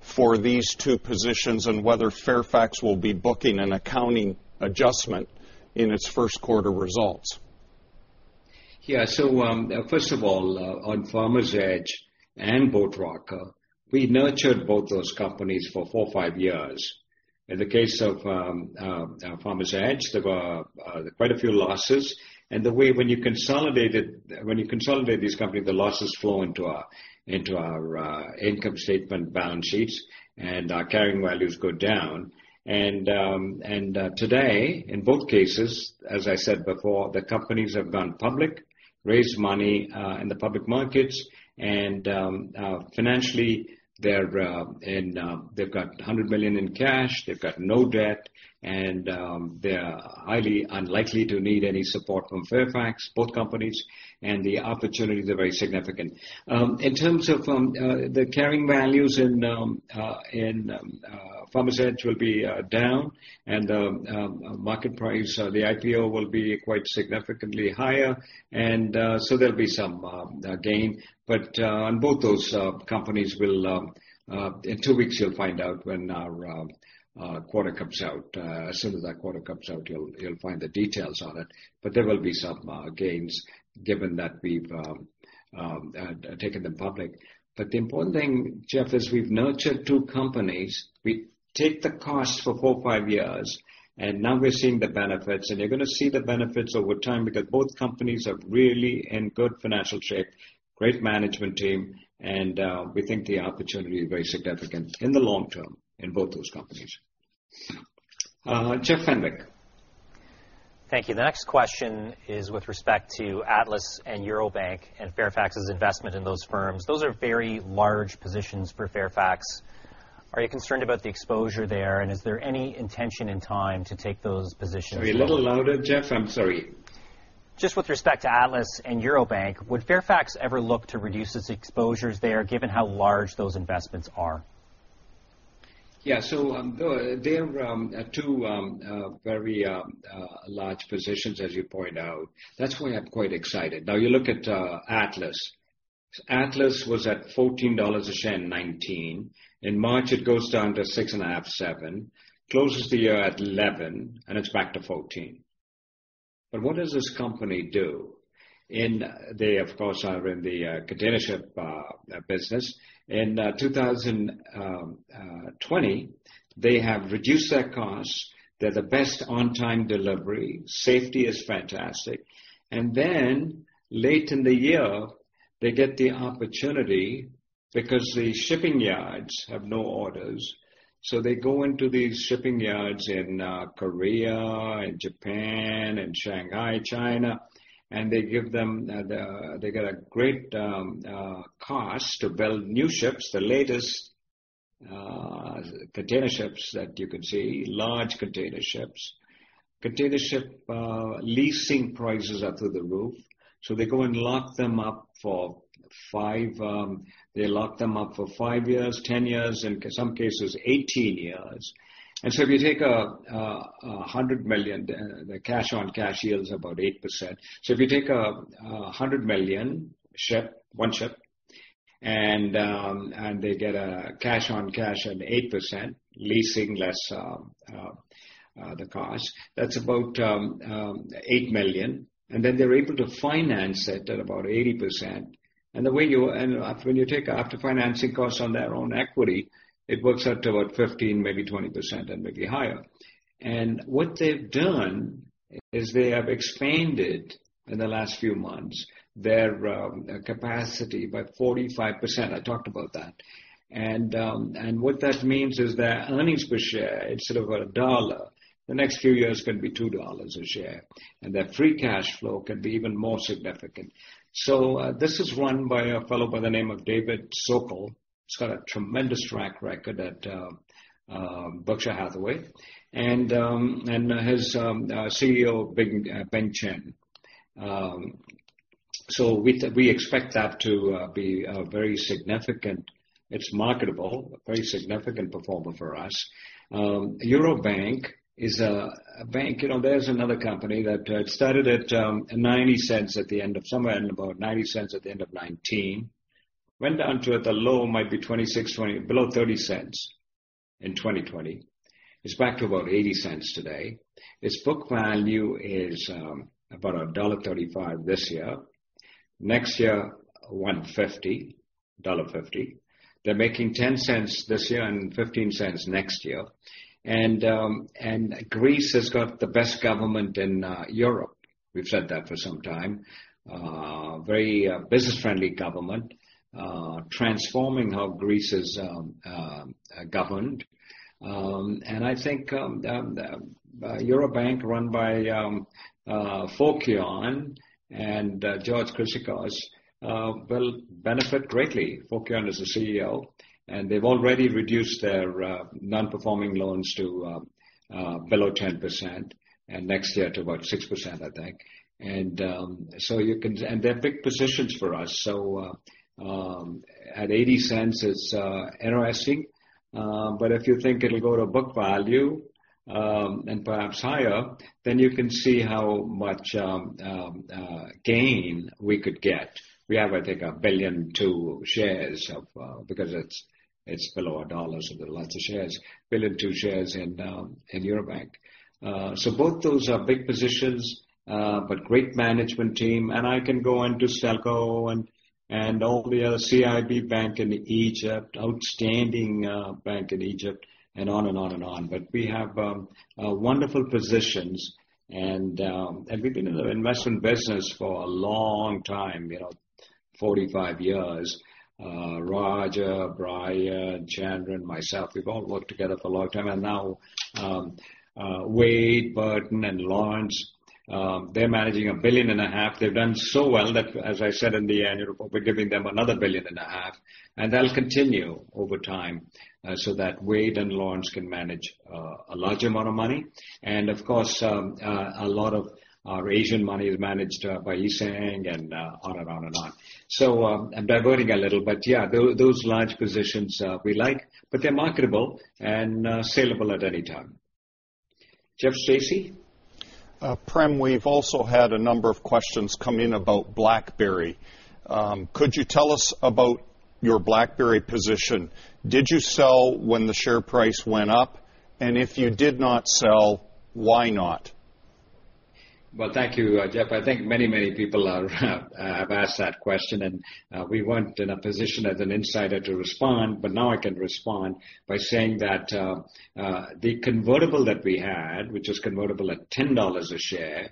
for these two positions and whether Fairfax will be booking an accounting adjustment in its first quarter results. First of all, on Farmers Edge and Boat Rocker, we nurtured both those companies for four or five years. In the case of Farmers Edge, there were quite a few losses. When you consolidate these companies, the losses flow into our income statement balance sheets, and our carrying values go down. Today, in both cases, as I said before, the companies have gone public, raised money in the public markets, and financially they've got 100 million in cash. They've got no debt, they're highly unlikely to need any support from Fairfax, both companies. The opportunities are very significant. In terms of the carrying values in Farmers Edge will be down, and market price, the IPO will be quite significantly higher. There'll be some gain. On both those companies, in two weeks you'll find out when our quarter comes out. As soon as that quarter comes out, you'll find the details on it. There will be some gains given that we've taken them public. The important thing, Jeff, is we've nurtured two companies. We take the cost for four or five years, and now we're seeing the benefits, and you're going to see the benefits over time because both companies are really in good financial shape, great management team, and we think the opportunity is very significant in the long term in both those companies. Jeff Fenwick. Thank you. The next question is with respect to Atlas and Eurobank and Fairfax's investment in those firms. Those are very large positions for Fairfax. Are you concerned about the exposure there, and is there any intention and time to take those positions? A little louder, Jeff. I am sorry. Just with respect to Atlas and Eurobank, would Fairfax ever look to reduce its exposures there given how large those investments are? Yeah. They're two very large positions, as you point out. That's why I'm quite excited. Now you look at Atlas. Atlas was at 14 dollars a share in 2019. In March, it goes down to 6.5, 7, closes the year at 11, and it's back to 14. What does this company do? They, of course, are in the container ship business. In 2020, they have reduced their costs. They're the best on time delivery. Safety is fantastic. Late in the year, they get the opportunity because the shipping yards have no orders. They go into these shipping yards in Korea and Japan and Shanghai, China, and they get a great cost to build new ships, the latest container ships that you can see, large container ships. Container ship leasing prices are through the roof. They go and lock them up for five years, 10 years, in some cases, 18 years. If you take 100 million, the cash on cash yield is about 8%. If you take 100 million ship, one ship, and they get a cash on cash at 8%, leasing less the cost. That's about 8 million. Then they're able to finance it at about 80%. When you take out the financing costs on their own equity, it works out to about 15%, maybe 20%, and maybe higher. What they've done is they have expanded, in the last few months, their capacity by 45%. I talked about that. What that means is their earnings per share, instead of CAD 1, the next few years can be 2 dollars a share. Their free cash flow can be even more significant. This is run by a fellow by the name of David Sokol. He's got a tremendous track record at Berkshire Hathaway. His CEO, Bing Chen. We expect that to be very significant. It's marketable, a very significant performer for us. Eurobank is a bank. There's another company that started at 0.90 somewhere in about CAD 0.90 at the end of 2019. Went down to at the low might be 0.26, below 0.30 in 2020. It's back to about 0.80 today. Its book value is about dollar 1.35 this year. Next year, 1.50 dollar. They're making 0.10 this year and 0.15 next year. Greece has got the best government in Europe. We've said that for some time. Very business-friendly government. Transforming how Greece is governed. I think Eurobank run by Fokion and [George Zannikos] will benefit greatly. Fokion is the CEO. They've already reduced their non-performing loans to below 10% and next year to about 6%, I think. They're big positions for us. At $0.80, it's interesting. If you think it'll go to book value, and perhaps higher, you can see how much gain we could get. We have, I think, 1.2 billion shares because it's below CAD 1, there are lots of shares. 1.2 billion shares in Eurobank. Both those are big positions, great management team. I can go into Stelco and all the other CIB bank in Egypt, outstanding bank in Egypt and on and on. We have wonderful positions, we've been in the investment business for a long time, 45 years. Roger, Brian, Chandran, myself, we've all worked together for a long time. Now Wade Burton and Lawrence, they're managing a billion and a half. They've done so well that, as I said in the annual report, we're giving them another a billion and a half, and that'll continue over time so that Wade and Lawrence can manage a large amount of money. Of course, a lot of our Asian money is managed by Yi Sun and on and on. I'm diverting a little, yeah, those large positions we like, they're marketable and salable at any time. Jeff Stacey? Prem, we've also had a number of questions come in about BlackBerry. Could you tell us about your BlackBerry position? Did you sell when the share price went up? If you did not sell, why not? Well, thank you, Jeff. I think many people have asked that question, and we weren't in a position as an insider to respond, but now I can respond by saying that the convertible that we had, which was convertible at 10 dollars a share.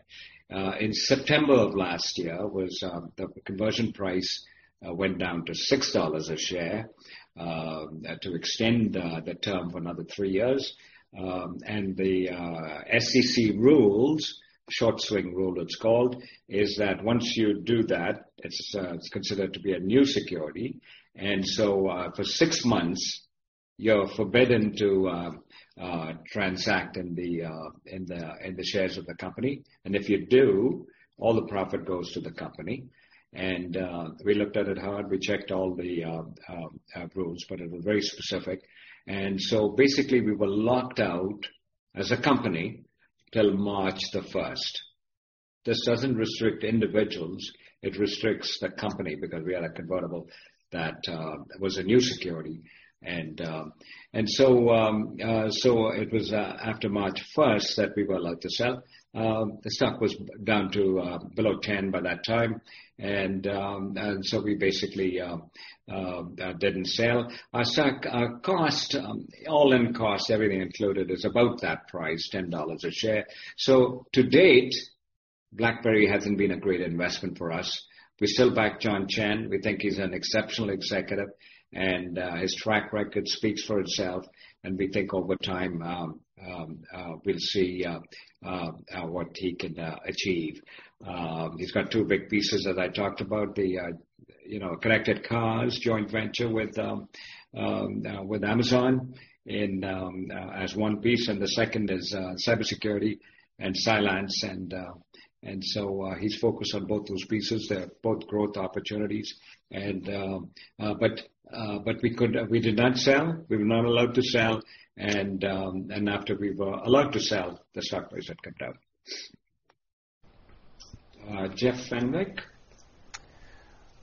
In September of last year the conversion price went down to 6 dollars a share. To extend the term for another three years. The SEC rules, short-swing profit rule it's called, is that once you do that, it's considered to be a new security. For six months you're forbidden to transact in the shares of the company. If you do, all the profit goes to the company. We looked at it hard. We checked all the rules, but it was very specific. Basically, we were locked out as a company till March 1st. This doesn't restrict individuals, it restricts the company because we had a convertible that was a new security. It was after March 1st that we were allowed to sell. The stock was down to below 10 by that time. We basically didn't sell. Our all-in cost, everything included, is about that price, 10 dollars a share. To date, BlackBerry hasn't been a great investment for us. We still back John Chen. We think he's an exceptional executive and his track record speaks for itself. We think over time, we'll see what he can achieve. He's got two big pieces that I talked about. The connected cars joint venture with Amazon as one piece, and the second is cybersecurity and Cylance. He's focused on both those pieces. They're both growth opportunities. We did not sell. We were not allowed to sell. After we were allowed to sell, the stock price had come down. Jeff Fenwick.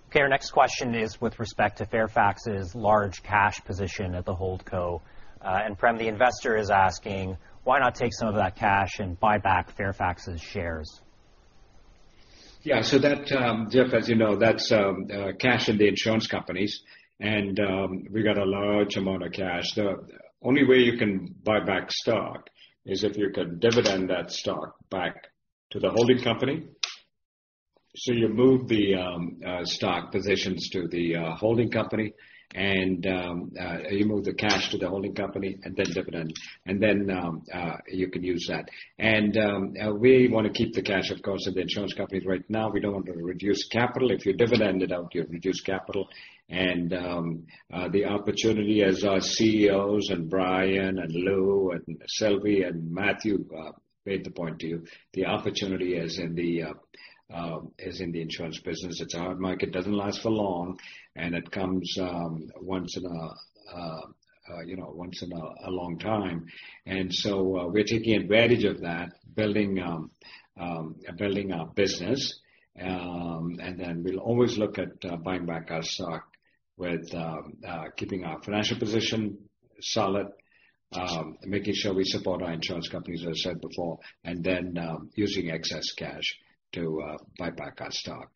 Okay. Our next question is with respect to Fairfax's large cash position at the holdco. Prem, the investor is asking, why not take some of that cash and buy back Fairfax's shares? Yeah. That, Jeff, as you know, that's cash in the insurance companies, and we've got a large amount of cash. The only way you can buy back stock is if you can dividend that stock back to the holding company. You move the stock positions to the holding company, and you move the cash to the holding company and then dividend, and then you can use that. We want to keep the cash, of course, in the insurance companies right now. We don't want to reduce capital. If you dividend it out, you reduce capital. The opportunity as our CEOs and Brian and Lou and Silvy and Matthew made the point to you, the opportunity is in the insurance business. It's a hard market, doesn't last for long, and it comes once in a long time. We're taking advantage of that, building our business. We'll always look at buying back our stock with keeping our financial position solid, making sure we support our insurance companies, as I said before, and then using excess cash to buy back our stock.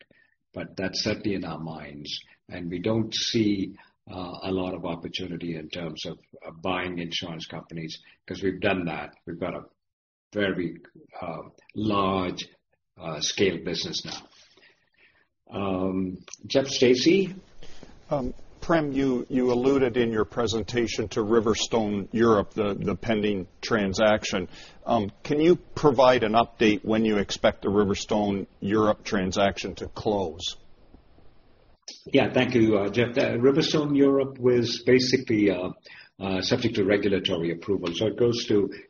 That's certainly in our minds, and we don't see a lot of opportunity in terms of buying insurance companies because we've done that. We've got a very large scale business now. Jeff Stacey. Prem, you alluded in your presentation to RiverStone Europe, the pending transaction. Can you provide an update when you expect the RiverStone Europe transaction to close? Thank you, Jeff. RiverStone Europe was basically subject to regulatory approval.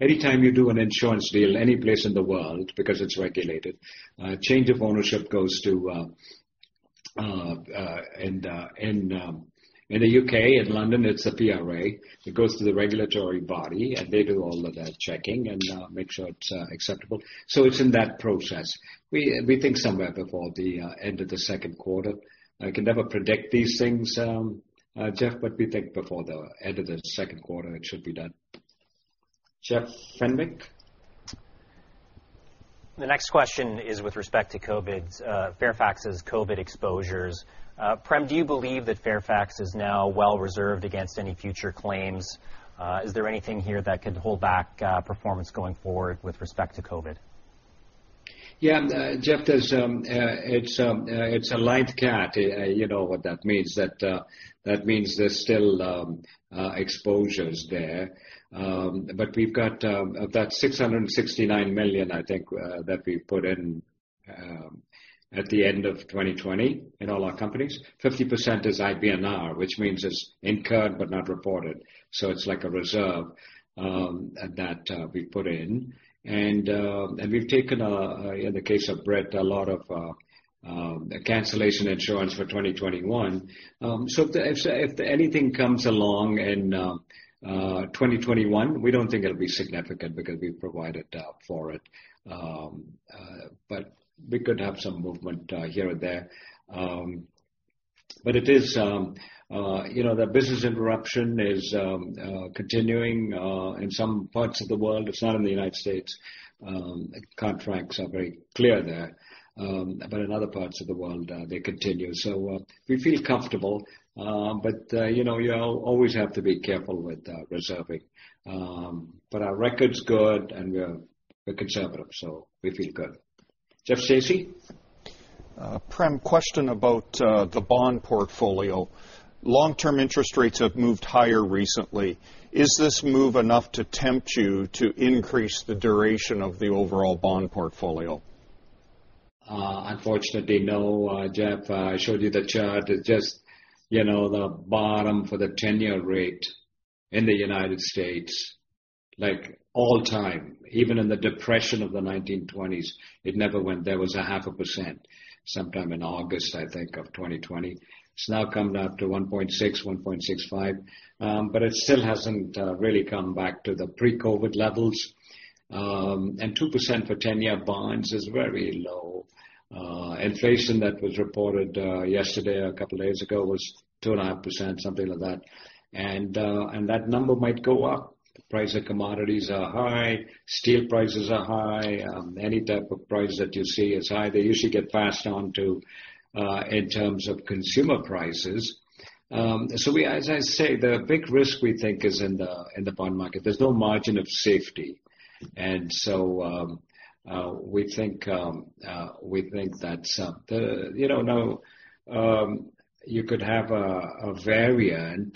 Anytime you do an insurance deal, any place in the world, because it's regulated, change of ownership goes to. In the U.K., in London, it's a PRA. It goes to the regulatory body, and they do all of that checking and make sure it's acceptable. It's in that process. We think somewhere before the end of the second quarter. I can never predict these things, Jeff, but we think before the end of the second quarter, it should be done. Jeff Fenwick. The next question is with respect to Fairfax's COVID exposures. Prem, do you believe that Fairfax is now well reserved against any future claims? Is there anything here that could hold back performance going forward with respect to COVID? Yeah. Jeff, it's a live cat. You know what that means. That means there's still exposures there. We've got of that 669 million, I think, that we put in at the end of 2020 in all our companies, 50% is IBNR, which means it's incurred but not reported. It's like a reserve that we put in. We've taken, in the case of Brit, a lot of cancellation insurance for 2021. If anything comes along in 2021, we don't think it'll be significant because we've provided for it. We could have some movement here and there. The business interruption is continuing in some parts of the world. It's not in the U.S. Contracts are very clear there. In other parts of the world, they continue. We feel comfortable. You always have to be careful with reserving. Our record's good, and we're conservative, so we feel good. Prem, question about the bond portfolio. Long-term interest rates have moved higher recently. Is this move enough to tempt you to increase the duration of the overall bond portfolio? Unfortunately, no, Jeff. I showed you the chart. It just, the bottom for the 10-year rate in the United States, like all time, even in the Depression of the 1920s. There was a half a percent sometime in August, I think, of 2020. It's now come down to 1.6, 1.65. It still hasn't really come back to the pre-COVID levels. 2% for 10-year bonds is very low. Inflation that was reported yesterday or a couple of days ago was 2.5%, something like that. That number might go up. Price of commodities are high. Steel prices are high. Any type of price that you see is high. They usually get passed on to in terms of consumer prices. As I say, the big risk, we think, is in the bond market. There's no margin of safety. We think that you could have a variant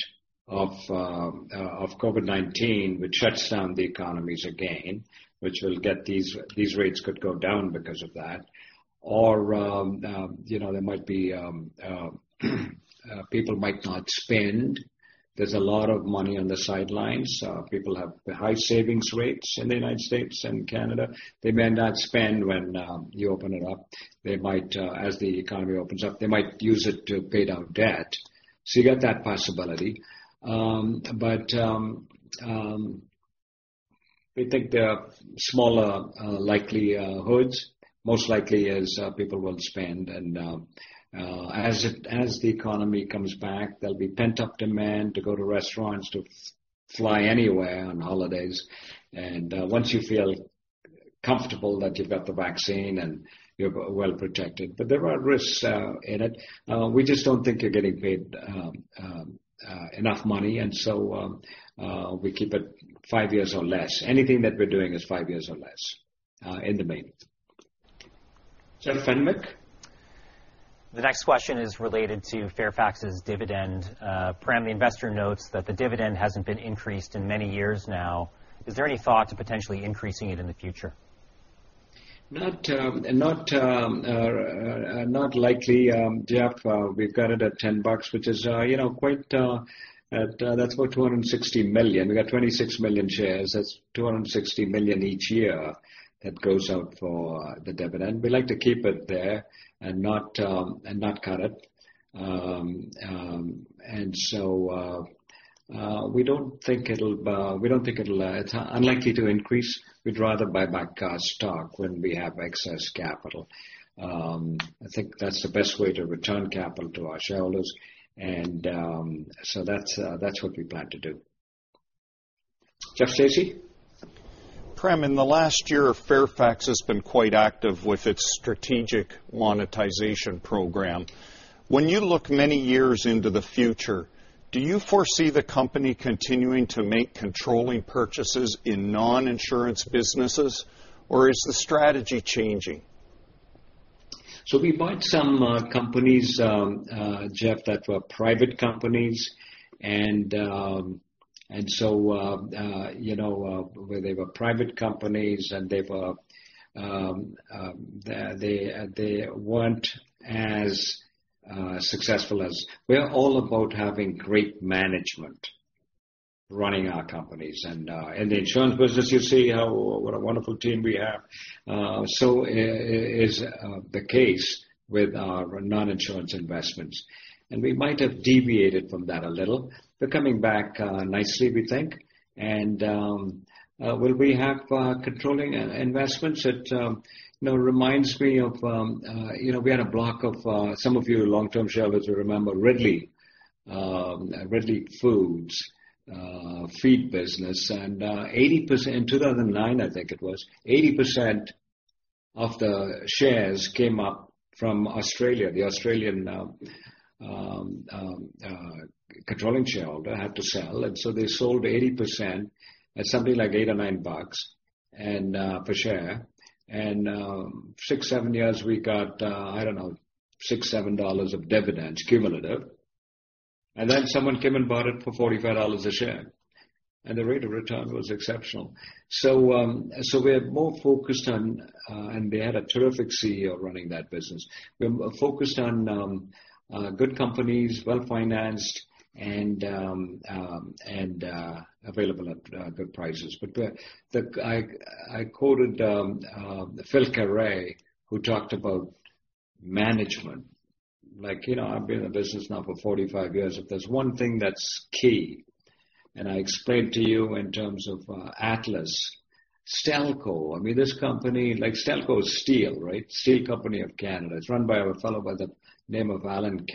of COVID-19, which shuts down the economies again, which these rates could go down because of that. There might be people might not spend. There's a lot of money on the sidelines. People have high savings rates in the U.S. and Canada. They may not spend when you open it up. As the economy opens up, they might use it to pay down debt. You got that possibility. We think there are smaller likelihoods. Most likely is people will spend. As the economy comes back, there'll be pent-up demand to go to restaurants, to fly anywhere on holidays, once you feel comfortable that you've got the vaccine and you're well protected. There are risks in it. We just don't think you're getting paid enough money. We keep it five years or less. Anything that we’re doing is five years or less in the main. Jeff Fenwick. The next question is related to Fairfax's dividend. Prem, the investor notes that the dividend hasn't been increased in many years now. Is there any thought to potentially increasing it in the future? Not likely, Jeff Stacey, we've got it at 10 bucks, that's about 260 million. We got 26 million shares, that's 260 million each year that goes out for the dividend. We like to keep it there and not cut it. We don't think it's unlikely to increase. We'd rather buy back our stock when we have excess capital. I think that's the best way to return capital to our shareholders. That's what we plan to do, Jeff Stacey. Prem, in the last year, Fairfax has been quite active with its strategic monetization program. When you look many years into the future, do you foresee the company continuing to make controlling purchases in non-insurance businesses, or is the strategy changing? We bought some companies, Jeff, that were private companies. We are all about having great management running our companies. The insurance business, you see what a wonderful team we have. Is the case with our non-insurance investments. We might have deviated from that a little, but coming back nicely, we think. Will we have controlling investments? It reminds me of, some of you long-term shareholders will remember Ridley Inc. feed business. In 2009, I think it was, 80% of the shares came up from Australia. The Australian controlling shareholder had to sell. They sold 80% at something like 8 or 9 bucks per share. Six, seven years, we got, I don't know, 6, 7 dollars of dividends cumulative. Someone came and bought it for 45 dollars a share, and the rate of return was exceptional. They had a terrific CEO running that business. We're focused on good companies, well-financed, and available at good prices. I quoted Philip Carret, who talked about management. I've been in the business now for 45 years. If there's one thing that's key, and I explained to you in terms of Atlas, Stelco. I mean, this company, like Stelco is steel, right? Steel company of Canada. It's run by a fellow by the name of Alan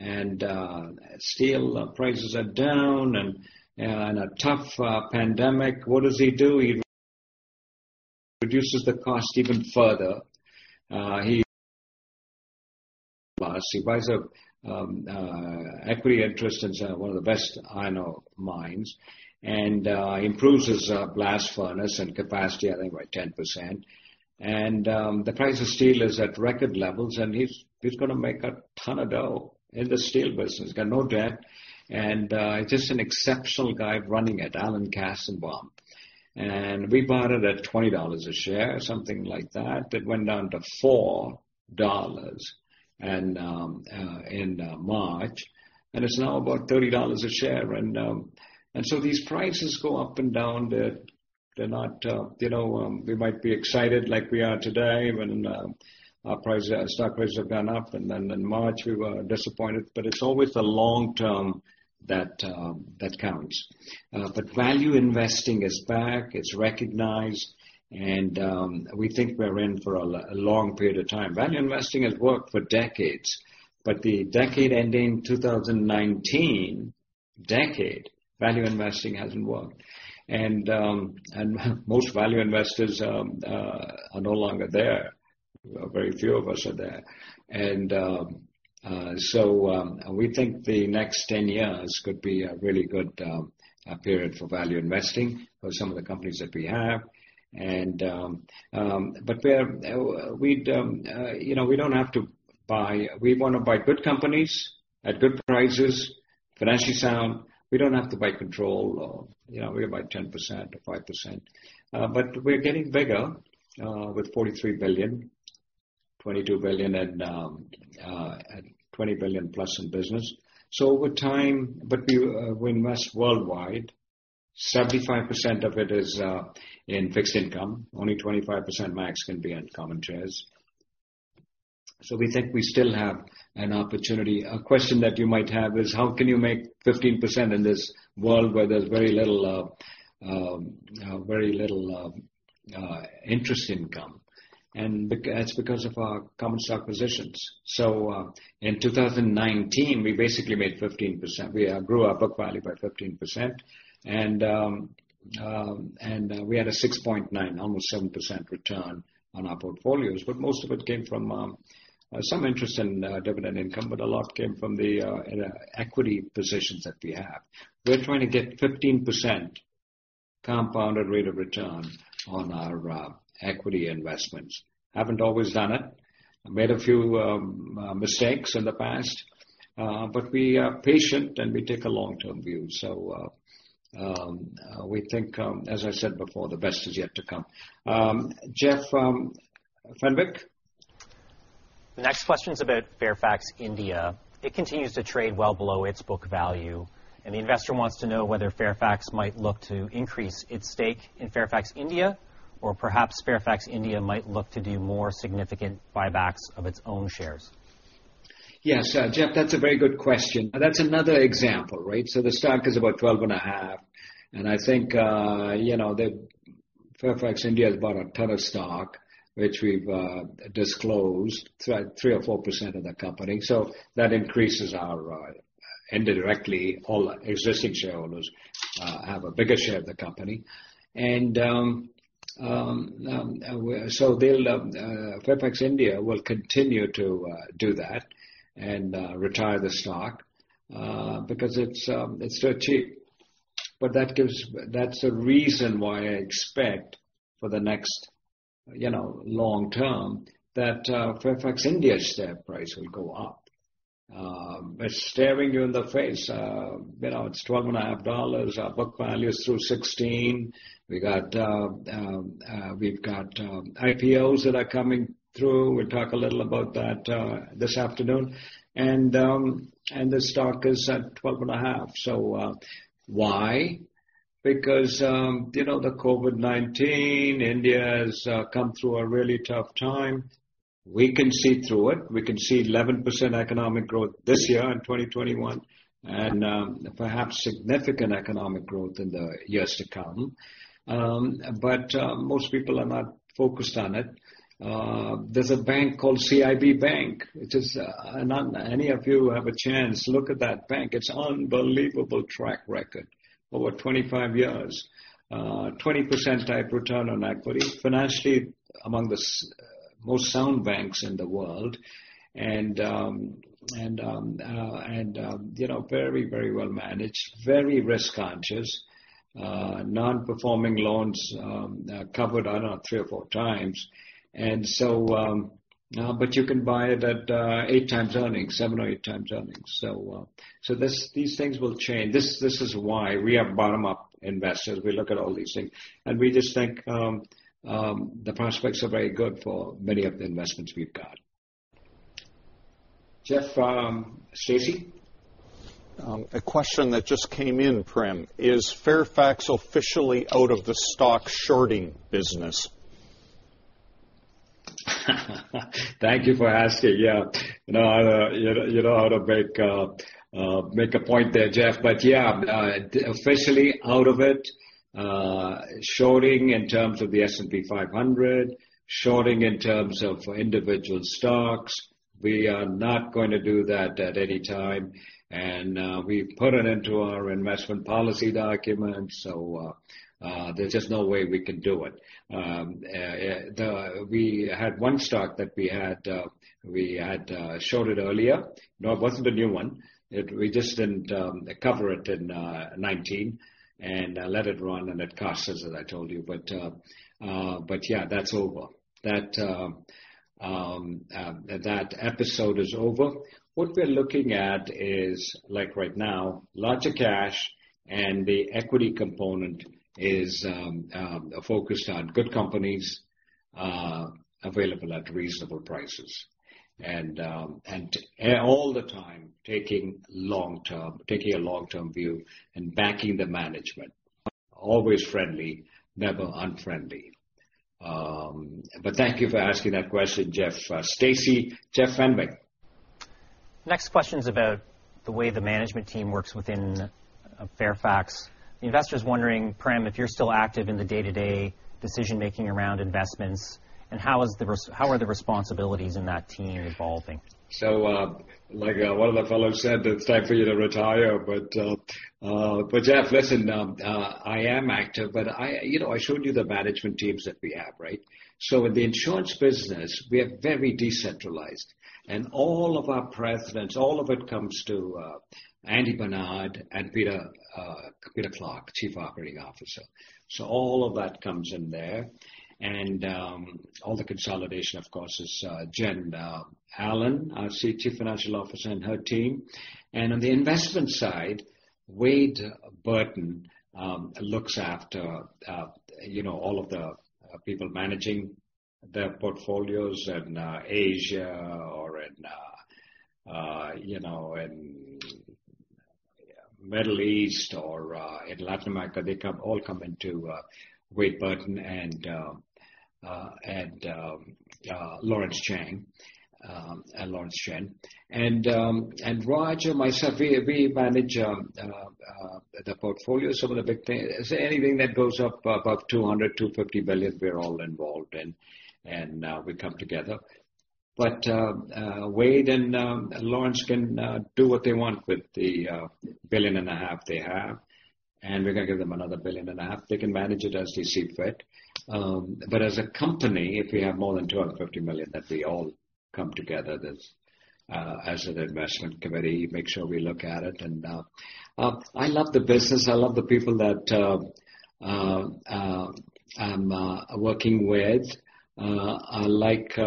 Kestenbaum. Steel prices are down and a tough pandemic. What does he do? He reduces the cost even further. He buys an equity interest in one of the best iron ore mines, and improves his blast furnace and capacity, I think, by 10%. The price of steel is at record levels, and he's going to make a ton of dough in the steel business. Got no debt, just an exceptional guy running it, Alan Kestenbaum. We bought it at 20 dollars a share, something like that. It went down to 4 dollars in March, and it's now about 30 dollars a share. These prices go up and down. We might be excited like we are today when our stock prices have gone up. In March, we were disappointed. It's always the long-term that counts. Value investing is back, it's recognized, and we think we're in for a long period of time. Value investing has worked for decades, but the decade ending 2019, value investing hasn't worked. Most value investors are no longer there. Very few of us are there. We think the next 10 years could be a really good period for value investing for some of the companies that we have. We want to buy good companies at good prices, financially sound. We don't have to buy control. We buy 10% or 5%. We're getting bigger with 43 billion, 22 billion and 20 billion plus in business. We invest worldwide, 75% of it is in fixed income. Only 25% max can be in common shares. We think we still have an opportunity. A question that you might have is, how can you make 15% in this world where there's very little interest income? That's because of our common stock positions. In 2019, we basically made 15%. We grew our book value by 15%. We had a 6.9, almost 7% return on our portfolios. Most of it came from some interest in dividend income, but a lot came from the equity positions that we have. We're trying to get 15% compounded rate of return on our equity investments. Haven't always done it. Made a few mistakes in the past. We are patient and we take a long-term view. We think, as I said before, the best is yet to come. Jeff Fenwick? The next question is about Fairfax India. It continues to trade well below its book value, and the investor wants to know whether Fairfax might look to increase its stake in Fairfax India, or perhaps Fairfax India might look to do more significant buybacks of its own shares. Yes, Jeff, that's a very good question. That's another example, right? The stock is about 12 and a half. I think Fairfax India has bought a ton of stock, which we've disclosed, 3% or 4% of the company. That increases our, indirectly, all existing shareholders have a bigger share of the company. Fairfax India will continue to do that and retire the stock because it's very cheap. That's a reason why I expect for the next long term that Fairfax India's share price will go up. It's staring you in the face. It's 12.50 dollars. Our book value is through 16. We've got IPOs that are coming through. We'll talk a little about that this afternoon. The stock is at 12 and a half. Why? Because the COVID-19, India has come through a really tough time. We can see through it. We can see 11% economic growth this year in 2021. Perhaps significant economic growth in the years to come. Most people are not focused on it. There's a bank called CIB Bank. Any of you have a chance, look at that bank. It's unbelievable track record over 25 years. 20% type return on equity. Financially among the most sound banks in the world. Very well managed, very risk conscious. Non-performing loans covered 3 or 4x. You can buy it at 8x earnings, 7 or 8x earnings. These things will change. This is why we are bottom-up investors. We look at all these things. We just think the prospects are very good for many of the investments we've got. Jeff Stacey? A question that just came in, Prem. Is Fairfax officially out of the stock shorting business? Thank you for asking. You know how to make a point there, Jeff. Officially out of it. Shorting in terms of the S&P 500. Shorting in terms of individual stocks. We are not going to do that at any time, and we put it into our investment policy document. There's just no way we can do it. We had one stock that we had shorted earlier. No, it wasn't a new one. We just didn't cover it in 2019 and let it run, and it cost us, as I told you. That's over. That episode is over. What we're looking at is like right now, lots of cash and the equity component is focused on good companies available at reasonable prices. All the time taking a long-term view and backing the management. Always friendly, never unfriendly. Thank you for asking that question, Jeff. Stacey, Jeff Fenwick. Next question's about the way the management team works within Fairfax. The investor's wondering, Prem, if you're still active in the day-to-day decision-making around investments, and how are the responsibilities in that team evolving? Like one of the fellows said, it's time for you to retire. Jeff, listen, I am active, but I showed you the management teams that we have, right? In the insurance business, we are very decentralized. All of our presidents, all of it comes to Andy Barnard and Peter Clarke, Chief Operating Officer. All of that comes in there. All the consolidation, of course, is Jen Allen, our Chief Financial Officer, and her team. On the investment side, Wade Burton looks after all of the people managing their portfolios in Asia or in Middle East or in Latin America. They all come into Wade Burton and Lawrence Chin. Roger, myself, we manage the portfolios. Anything that goes up above [200 million, 250 million], we're all involved in, and we come together. Wade and Lawrence can do what they want with the billion and a half they have, and we're going to give them another billion and a half. They can manage it as they see fit. As a company, if we have more than 250 million, then we all come together as an investment committee, make sure we look at it. I love the business. I love the people that I'm working with. I like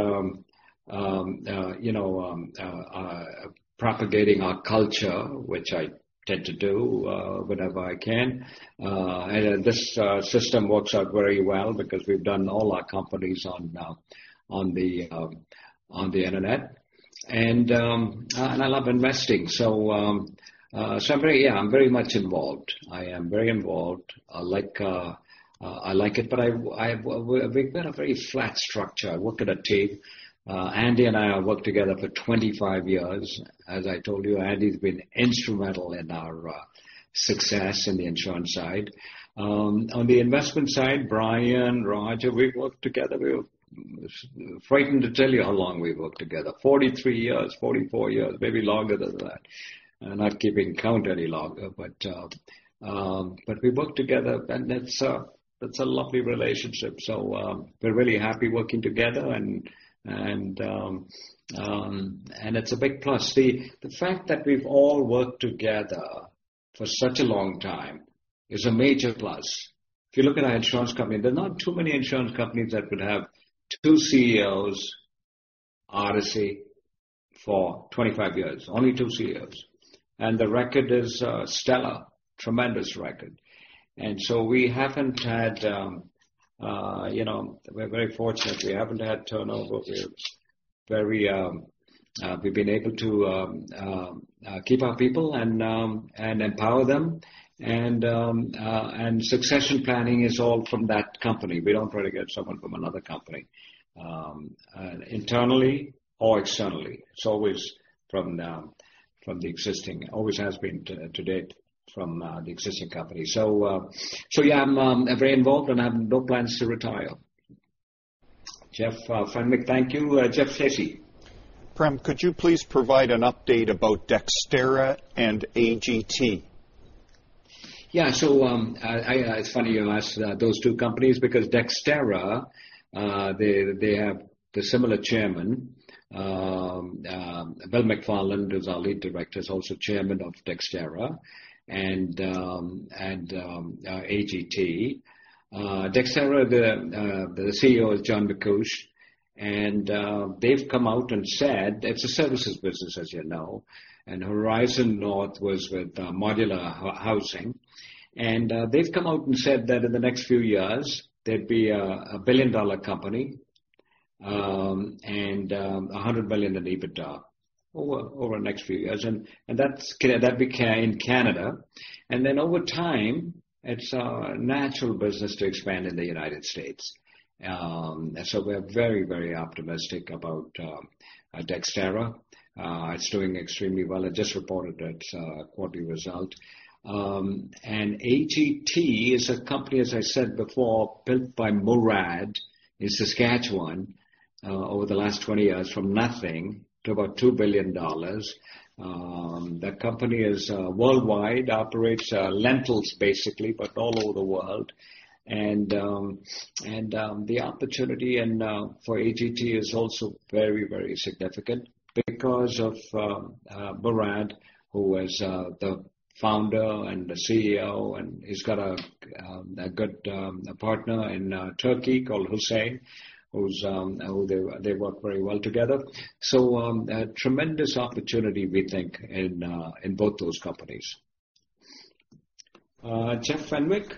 propagating our culture, which I tend to do whenever I can. This system works out very well because we've done all our companies on the internet. I love investing. I'm very much involved. I am very involved. I like it, but we've been a very flat structure. I work at a tape. Andy and I have worked together for 25 years. As I told you, Andy's been instrumental in our success in the insurance side. On the investment side, Brian, Roger, we've worked together. Frightened to tell you how long we've worked together. 43 years, 44 years, maybe longer than that. Not keeping count any longer, but we work together and it's a lovely relationship. We're really happy working together and it's a big plus. See, the fact that we've all worked together for such a long time is a major plus. If you look at our insurance company, there are not too many insurance companies that would have two CEOs, Odyssey, for 25 years, only two CEOs. The record is stellar, tremendous record. We're very fortunate we haven't had turnover. We've been able to keep our people and empower them, and succession planning is all from that company. We don't try to get someone from another company, internally or externally. It's always from the existing. Always has been to date from the existing company. Yeah, I'm very involved and I have no plans to retire. Jeff Fenwick, thank you. Jeff Stacey. Prem, could you please provide an update about Dexterra and AGT? Yeah. It's funny you ask those two companies because Dexterra they have the similar chairman. Bill McFarland, who's our lead director, is also chairman of Dexterra and AGT. Dexterra, the CEO is John MacCuish, they've come out and said It's a services business, as you know, Horizon North was with Modular Housing. They've come out and said that in the next few years, they'd be a billion-dollar company, 100 million in EBITDA over the next few years. That'd be in Canada. Over time, it's a natural business to expand in the U.S. We're very optimistic about Dexterra. It's doing extremely well. It just reported its quarterly result. AGT is a company, as I said before, built by Murad in Saskatchewan over the last 20 years from nothing to about 2 billion dollars. That company is worldwide, operates lentils basically, but all over the world. The opportunity for AGT is also very, very significant because of Murad, who was the founder and the CEO, and he's got a good partner in Turkey called [Huseyin]. They work very well together. Tremendous opportunity we think in both those companies. Jeff Fenwick.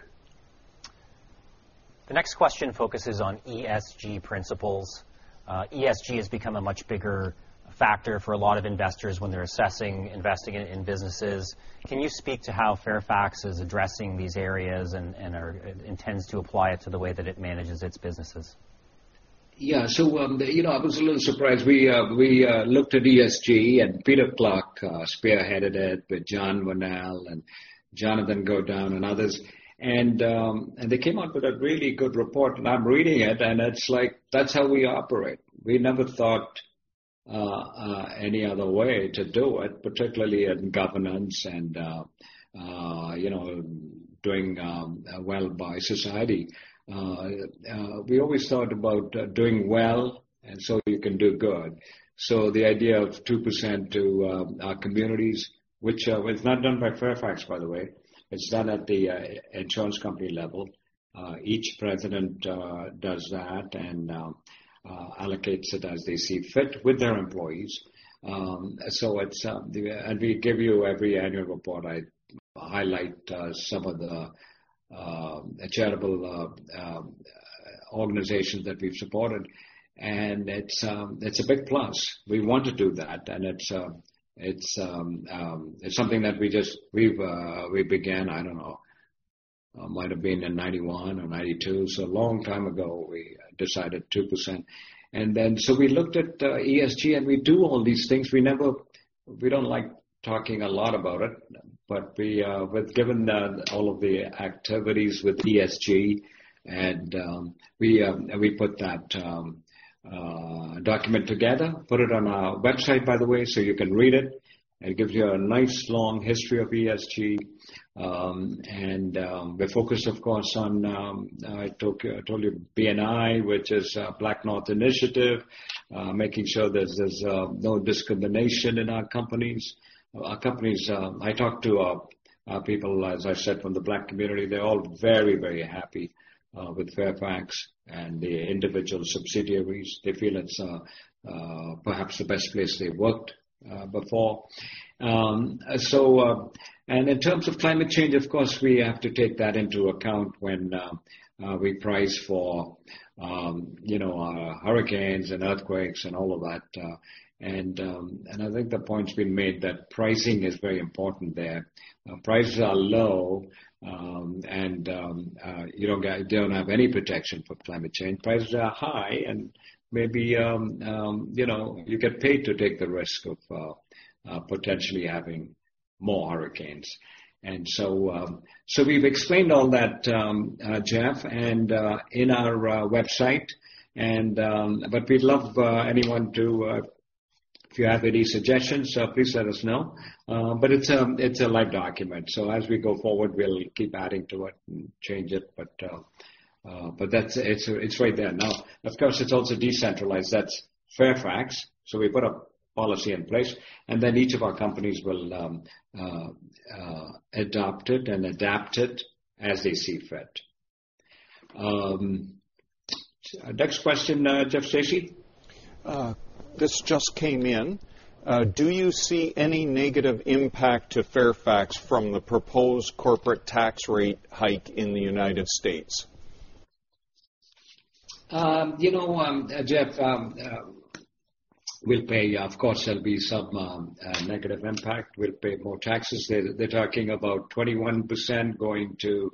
The next question focuses on ESG principles. ESG has become a much bigger factor for a lot of investors when they're assessing investing in businesses. Can you speak to how Fairfax is addressing these areas and intends to apply it to the way that it manages its businesses? Yeah. I was a little surprised. We looked at ESG. Peter Clarke spearheaded it with John Varnell and Jonathan Gordon and others. They came out with a really good report and I'm reading it and it's like that's how we operate. We never thought any other way to do it, particularly in governance and doing well by society. We always thought about doing well and so you can do good. The idea of 2% to our communities, which was not done by Fairfax by the way, it's done at the insurance company level. Each president does that and allocates it as they see fit with their employees. We give you every annual report. I highlight some of the charitable organizations that we've supported and it's a big plus. We want to do that and it's something that we began, I don't know, might have been in '91 or '92. A long time ago we decided 2%. We looked at ESG and we do all these things. We don't like talking a lot about it, but given all of the activities with ESG and we put that document together, put it on our website by the way so you can read it. It gives you a nice long history of ESG. We're focused of course on, I told you BNI, which is BlackNorth Initiative, making sure there's no discrimination in our companies. I talk to people, as I said, from the Black community, they're all very, very happy with Fairfax and the individual subsidiaries. They feel it's perhaps the best place they've worked before. In terms of climate change, of course, we have to take that into account when we price for our hurricanes and earthquakes and all of that. I think the point's been made that pricing is very important there. Prices are low and you don't have any protection for climate change. Prices are high and maybe you get paid to take the risk of potentially having more hurricanes. We've explained all that, Jeff, in our website, but we'd love anyone If you have any suggestions, please let us know. It's a live document as we go forward we'll keep adding to it and change it. It's right there now. Of course, it's also decentralized. That's Fairfax. We put a policy in place then each of our companies will adopt it and adapt it as they see fit. Next question, Jeff Stacey. This just came in. Do you see any negative impact to Fairfax from the proposed corporate tax rate hike in the U.S.? Jeff, we'll pay, of course, there'll be some negative impact. We'll pay more taxes. They're talking about 21% going to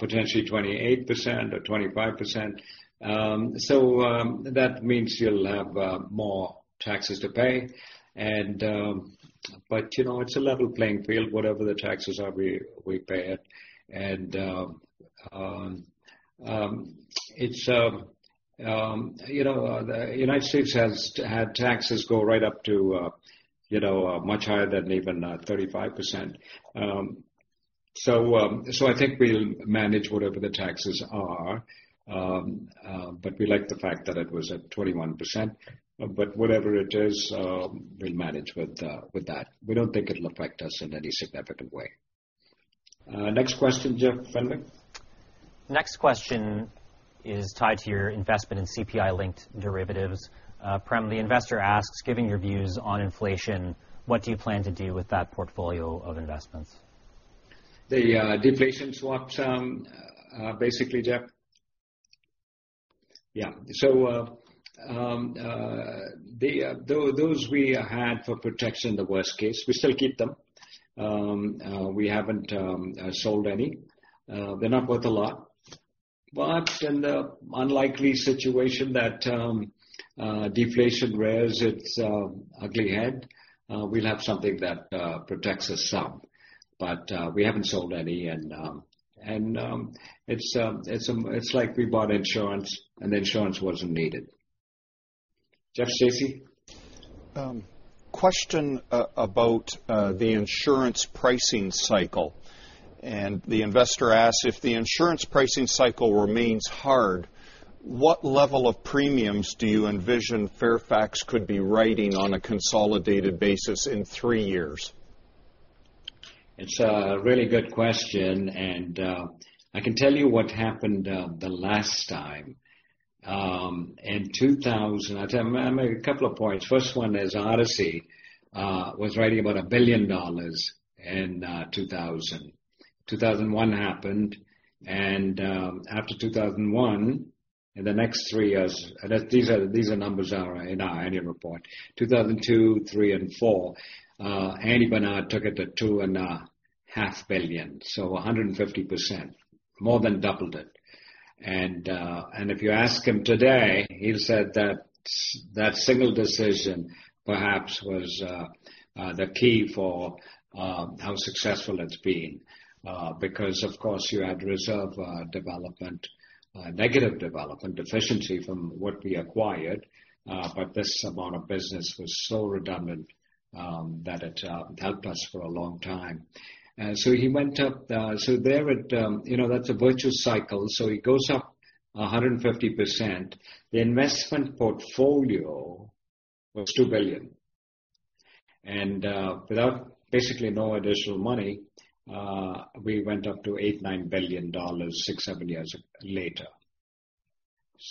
potentially 28% or 25%. That means you'll have more taxes to pay. It's a level playing field. Whatever the taxes are, we pay it. The U.S. has had taxes go right up to much higher than even 35%. I think we'll manage whatever the taxes are. We like the fact that it was at 21%. Whatever it is we'll manage with that. We don't think it'll affect us in any significant way. Next question, Jeff Fenwick. Next question is tied to your investment in CPI-linked derivatives. Prem, the investor asks giving your views on inflation, what do you plan to do with that portfolio of investments? The deflation swaps basically, Jeff? Yeah. Those we had for protection in the worst case. We still keep them. We haven't sold any. They're not worth a lot. In the unlikely situation that deflation rears its ugly head, we'll have something that protects us some. We haven't sold any, and it's like we bought insurance, and insurance wasn't needed. Jeff Stacey? Question about the insurance pricing cycle. The investor asks, "If the insurance pricing cycle remains hard, what level of premiums do you envision Fairfax could be writing on a consolidated basis in three years? It's a really good question, and I can tell you what happened the last time. In 2000, I'll make a couple of points. First one is Odyssey was writing about 1 billion dollars in 2000. 2001 happened, and after 2001, in the next three years, these are numbers are in our annual report, 2002, 2003, and 2004, Andy Barnard took it to 2.5 billion, so 150%, more than doubled it. If you ask him today, he'll say that single decision perhaps was the key for how successful it's been. Because of course, you had reserve development, negative development, deficiency from what we acquired. This amount of business was so redundant that it helped us for a long time. That's a virtuous cycle. He goes up 150%. The investment portfolio was 2 billion. Without basically no additional money, we went up to 8 billion-9 billion dollars, six, seven years later.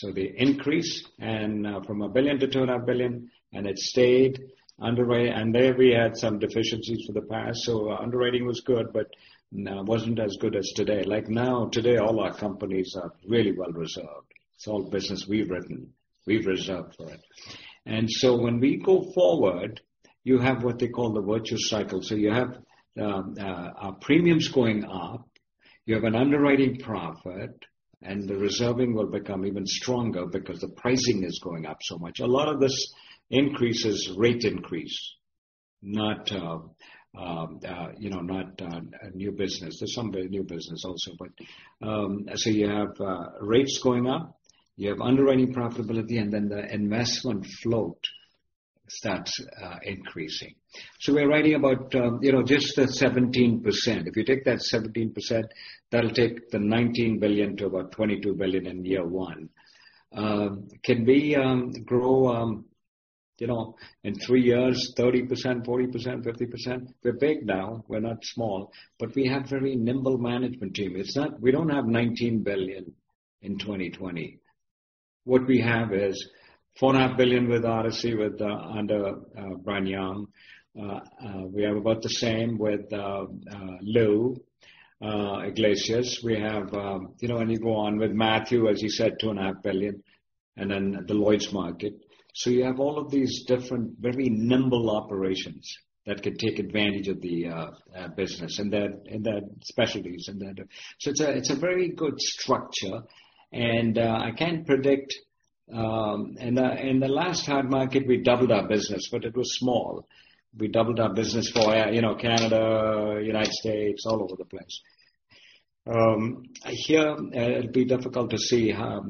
They increased from 1 billion-2.5 billion, and it stayed underway. There we had some deficiencies for the past. Underwriting was good, but wasn't as good as today. Now, today, all our companies are really well reserved. It's all business we've written, we've reserved for it. When we go forward, you have what they call the virtuous cycle. You have our premiums going up, you have an underwriting profit, and the reserving will become even stronger because the pricing is going up so much. A lot of this increase is rate increase, not new business. There's some new business also. You have rates going up, you have underwriting profitability, and then the investment float starts increasing. We're writing about just the 17%. If you take that 17%, that'll take the 19 billion to about 22 billion in year one. Can we grow in three years, 30%, 40%, 50%? We're big now, we're not small, but we have very nimble management team. We don't have 19 billion in 2020. What we have is 4.5 billion with Odyssey Group under Brian Young. We have about the same with Lou Iglesias. You go on with Matthew Wilson, as you said, 2.5 billion, and then the Lloyd's of London market. You have all of these different, very nimble operations that could take advantage of the business and their specialties and that. It's a very good structure. In the last hard market, we doubled our business, but it was small. We doubled our business for Canada, U.S., all over the place. Here, it'd be difficult to see how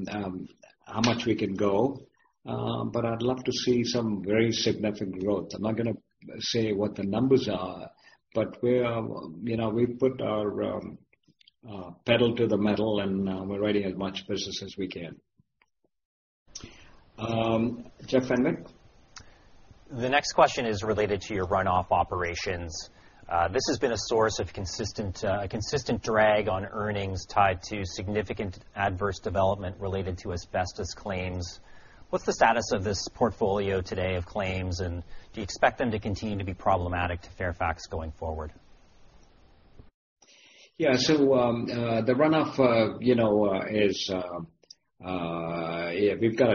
much we can go. I'd love to see some very significant growth. I'm not going to say what the numbers are, but we've put our pedal to the metal, and we're writing as much business as we can. Jeff Fenwick? The next question is related to your runoff operations. This has been a source of a consistent drag on earnings tied to significant adverse development related to asbestos claims. What is the status of this portfolio today of claims, and do you expect them to continue to be problematic to Fairfax going forward? We've got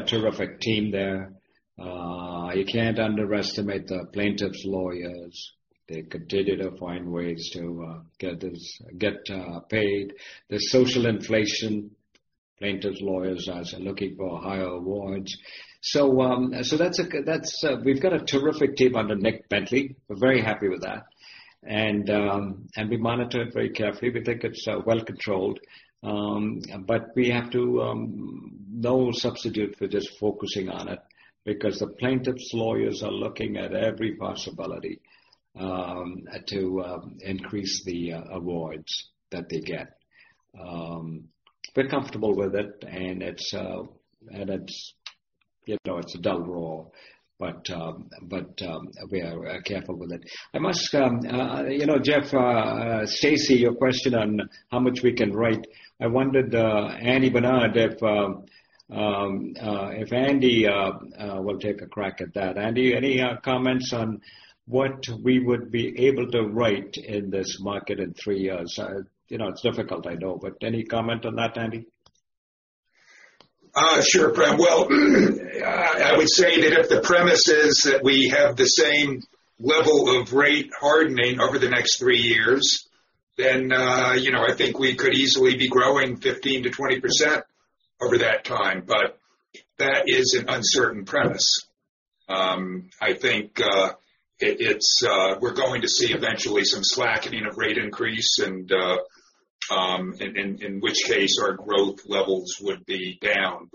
a terrific team there. You can't underestimate the plaintiffs' lawyers. They continue to find ways to get paid. There's social inflation, plaintiffs' lawyers are looking for higher awards. We've got a terrific team under Nick Bentley. We're very happy with that. We monitor it very carefully. We think it's well controlled. No substitute for just focusing on it, because the plaintiffs' lawyers are looking at every possibility to increase the awards that they get. We're comfortable with it, and it's a dull roar. We are careful with it. Jeff Stacey, your question on how much we can write. I wondered Andy Barnard, if Andy will take a crack at that. Andy, any comments on what we would be able to write in this market in three years? It's difficult, I know, but any comment on that, Andy? Sure, Prem. Well, I would say that if the premise is that we have the same level of rate hardening over the next three years, I think we could easily be growing 15%-20% over that time. That is an uncertain premise. I think we're going to see eventually some slackening of rate increase, in which case our growth levels would be down.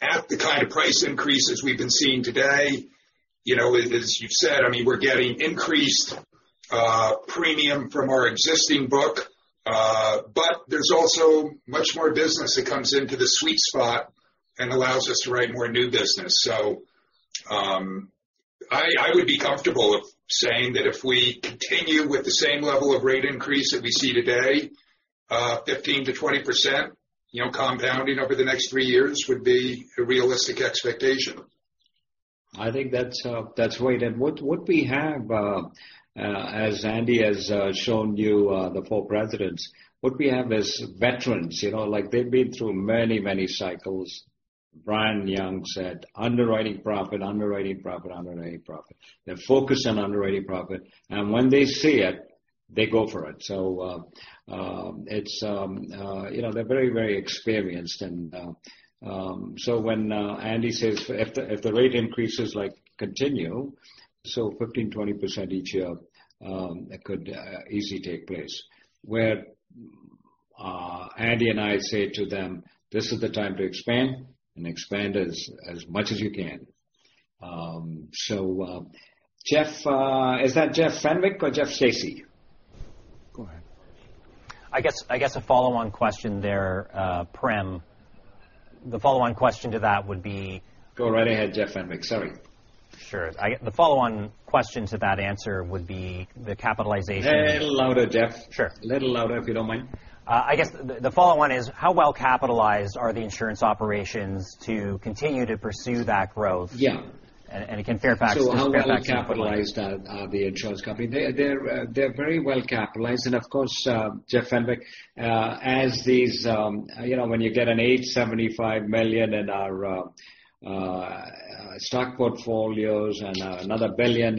At the kind of price increases we've been seeing today, as you've said, we're getting increased premium from our existing book, but there's also much more business that comes into the sweet spot and allows us to write more new business. I would be comfortable saying that if we continue with the same level of rate increase that we see today, 15%-20% compounding over the next three years would be a realistic expectation. I think that's right. What we have, as Andy has shown you the four presidents, what we have is veterans. They've been through many, many cycles. Brian Young said, "Underwriting profit, underwriting profit, underwriting profit." They're focused on underwriting profit. When they see it, they go for it. They're very, very experienced. When Andy says if the rate increases continue, 15%, 20% each year, that could easily take place. Where Andy and I say to them, "This is the time to expand and expand as much as you can." Jeff, is that Jeff Fenwick or Jeff Stacey? Go ahead. I guess a follow-on question there, Prem. Go right ahead, Jeff Fenwick. Sorry. Sure. The follow-on question to that answer would be the capitalization- A little louder, Jeff. Sure. A little louder, if you don't mind. The follow-on is how well-capitalized are the insurance operations to continue to pursue that growth? Yeah. Again. How well capitalized are the insurance company? They are very well capitalized and of course, Jeff Fenwick, when you get an average 75 million in our stock portfolios and another 1 billion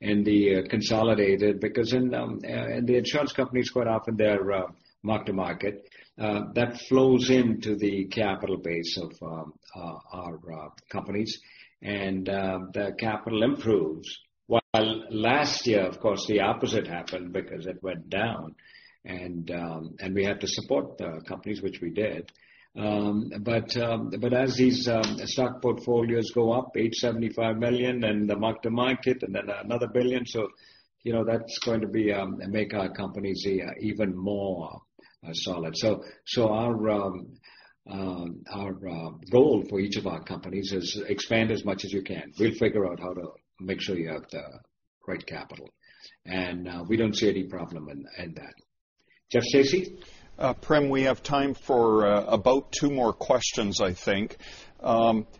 in the consolidated, because in the insurance companies quite often they are mark to market. That flows into the capital base of our companies and the capital improves. While last year, of course, the opposite happened because it went down and we had to support the companies, which we did. As these stock portfolios go up, average 75 million and the mark to market and then another 1 billion, so that is going to make our companies even more solid. Our goal for each of our companies is expand as much as you can. We will figure out how to make sure you have the right capital. We do not see any problem in that. Jeff Stacey? Prem, we have time for about two more questions, I think.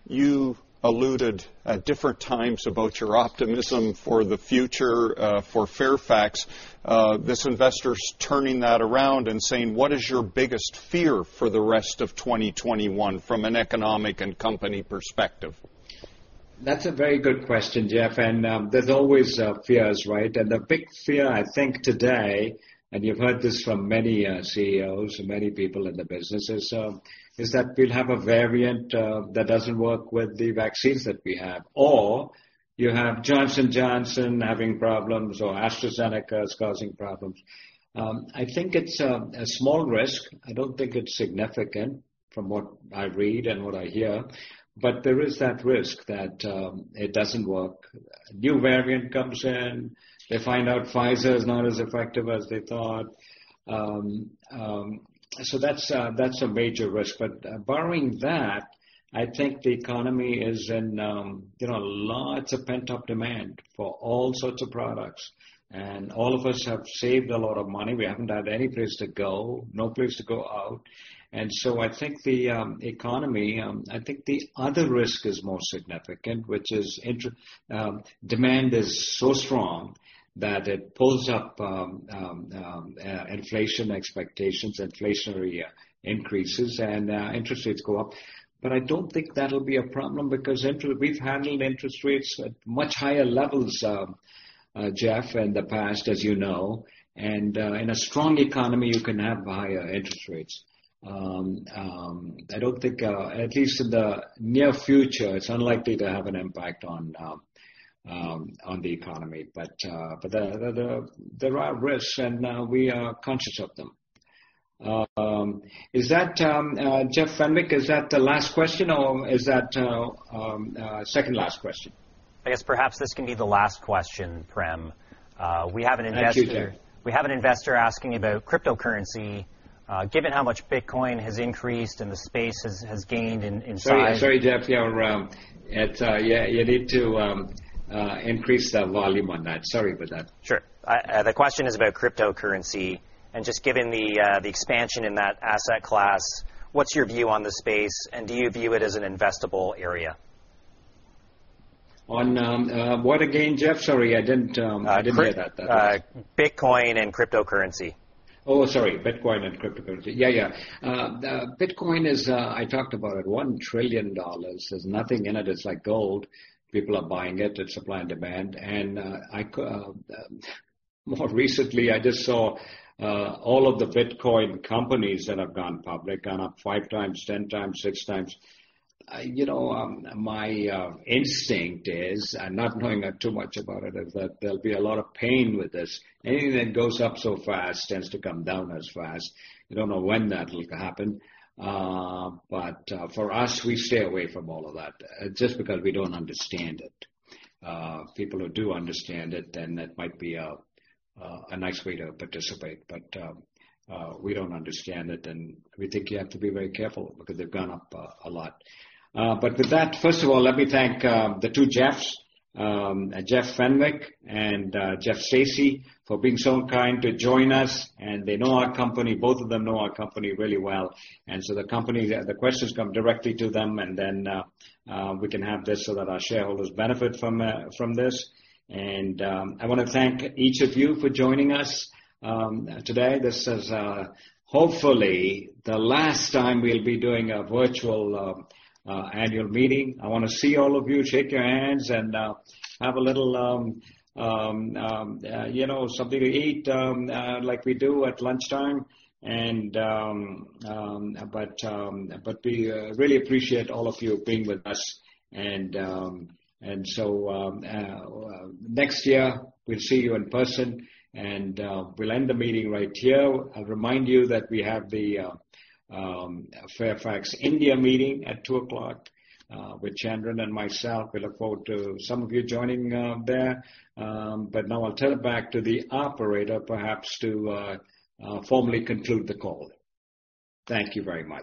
You alluded at different times about your optimism for the future for Fairfax. This investor's turning that around and saying what is your biggest fear for the rest of 2021 from an economic and company perspective? That's a very good question, Jeff. There's always fears, right? The big fear I think today, and you've heard this from many CEOs and many people in the businesses, is that we'll have a variant that doesn't work with the vaccines that we have or you have Johnson & Johnson having problems or AstraZeneca is causing problems. I think it's a small risk. I don't think it's significant from what I read and what I hear. There is that risk that it doesn't work. A new variant comes in. They find out Pfizer is not as effective as they thought. That's a major risk. Barring that, I think the economy is in lots of pent-up demand for all sorts of products. All of us have saved a lot of money. We haven't had any place to go, no place to go out. I think the economy, I think the other risk is more significant, which is demand is so strong that it pulls up inflation expectations, inflationary increases, and interest rates go up. I don't think that'll be a problem because we've handled interest rates at much higher levels, Jeff, in the past, as you know. In a strong economy, you can have higher interest rates. I don't think, at least in the near future, it's unlikely to have an impact on the economy. There are risks and we are conscious of them. Jeff Fenwick, is that the last question or is that second last question? I guess perhaps this can be the last question, Prem. Thank you, Jeff. We have an investor asking about cryptocurrency. Given how much Bitcoin has increased and the space has gained in size. Sorry, Jeff. You need to increase the volume on that. Sorry about that. Sure. The question is about cryptocurrency and just given the expansion in that asset class, what's your view on the space and do you view it as an investable area? On what again, Jeff? Sorry, I didn't hear that. Bitcoin and cryptocurrency. Oh, sorry. Bitcoin and cryptocurrency. Yeah. Bitcoin is, I talked about it, 1 trillion dollars. There's nothing in it. It's like gold. People are buying it. It's supply and demand. More recently, I just saw all of the Bitcoin companies that have gone public are up five times, 10 times, six times. My instinct is, not knowing too much about it, is that there'll be a lot of pain with this. Anything that goes up so fast tends to come down as fast. We don't know when that'll happen. For us, we stay away from all of that, just because we don't understand it. People who do understand it, then that might be a nice way to participate. We don't understand it, and we think you have to be very careful because they've gone up a lot. First of all, let me thank the two Jeffs, Jeff Fenwick and Jeff Stacey, for being so kind to join us. They know our company. Both of them know our company really well. The questions come directly to them, and then we can have this so that our shareholders benefit from this. I want to thank each of you for joining us today. This is, hopefully, the last time we'll be doing a virtual annual meeting. I want to see all of you, shake your hands, and have a little something to eat, like we do at lunchtime. We really appreciate all of you being with us. Next year we'll see you in person. We'll end the meeting right here. I'll remind you that we have the Fairfax India meeting at two o'clock with Chandran and myself. We look forward to some of you joining there. Now I'll turn it back to the operator, perhaps, to formally conclude the call. Thank you very much.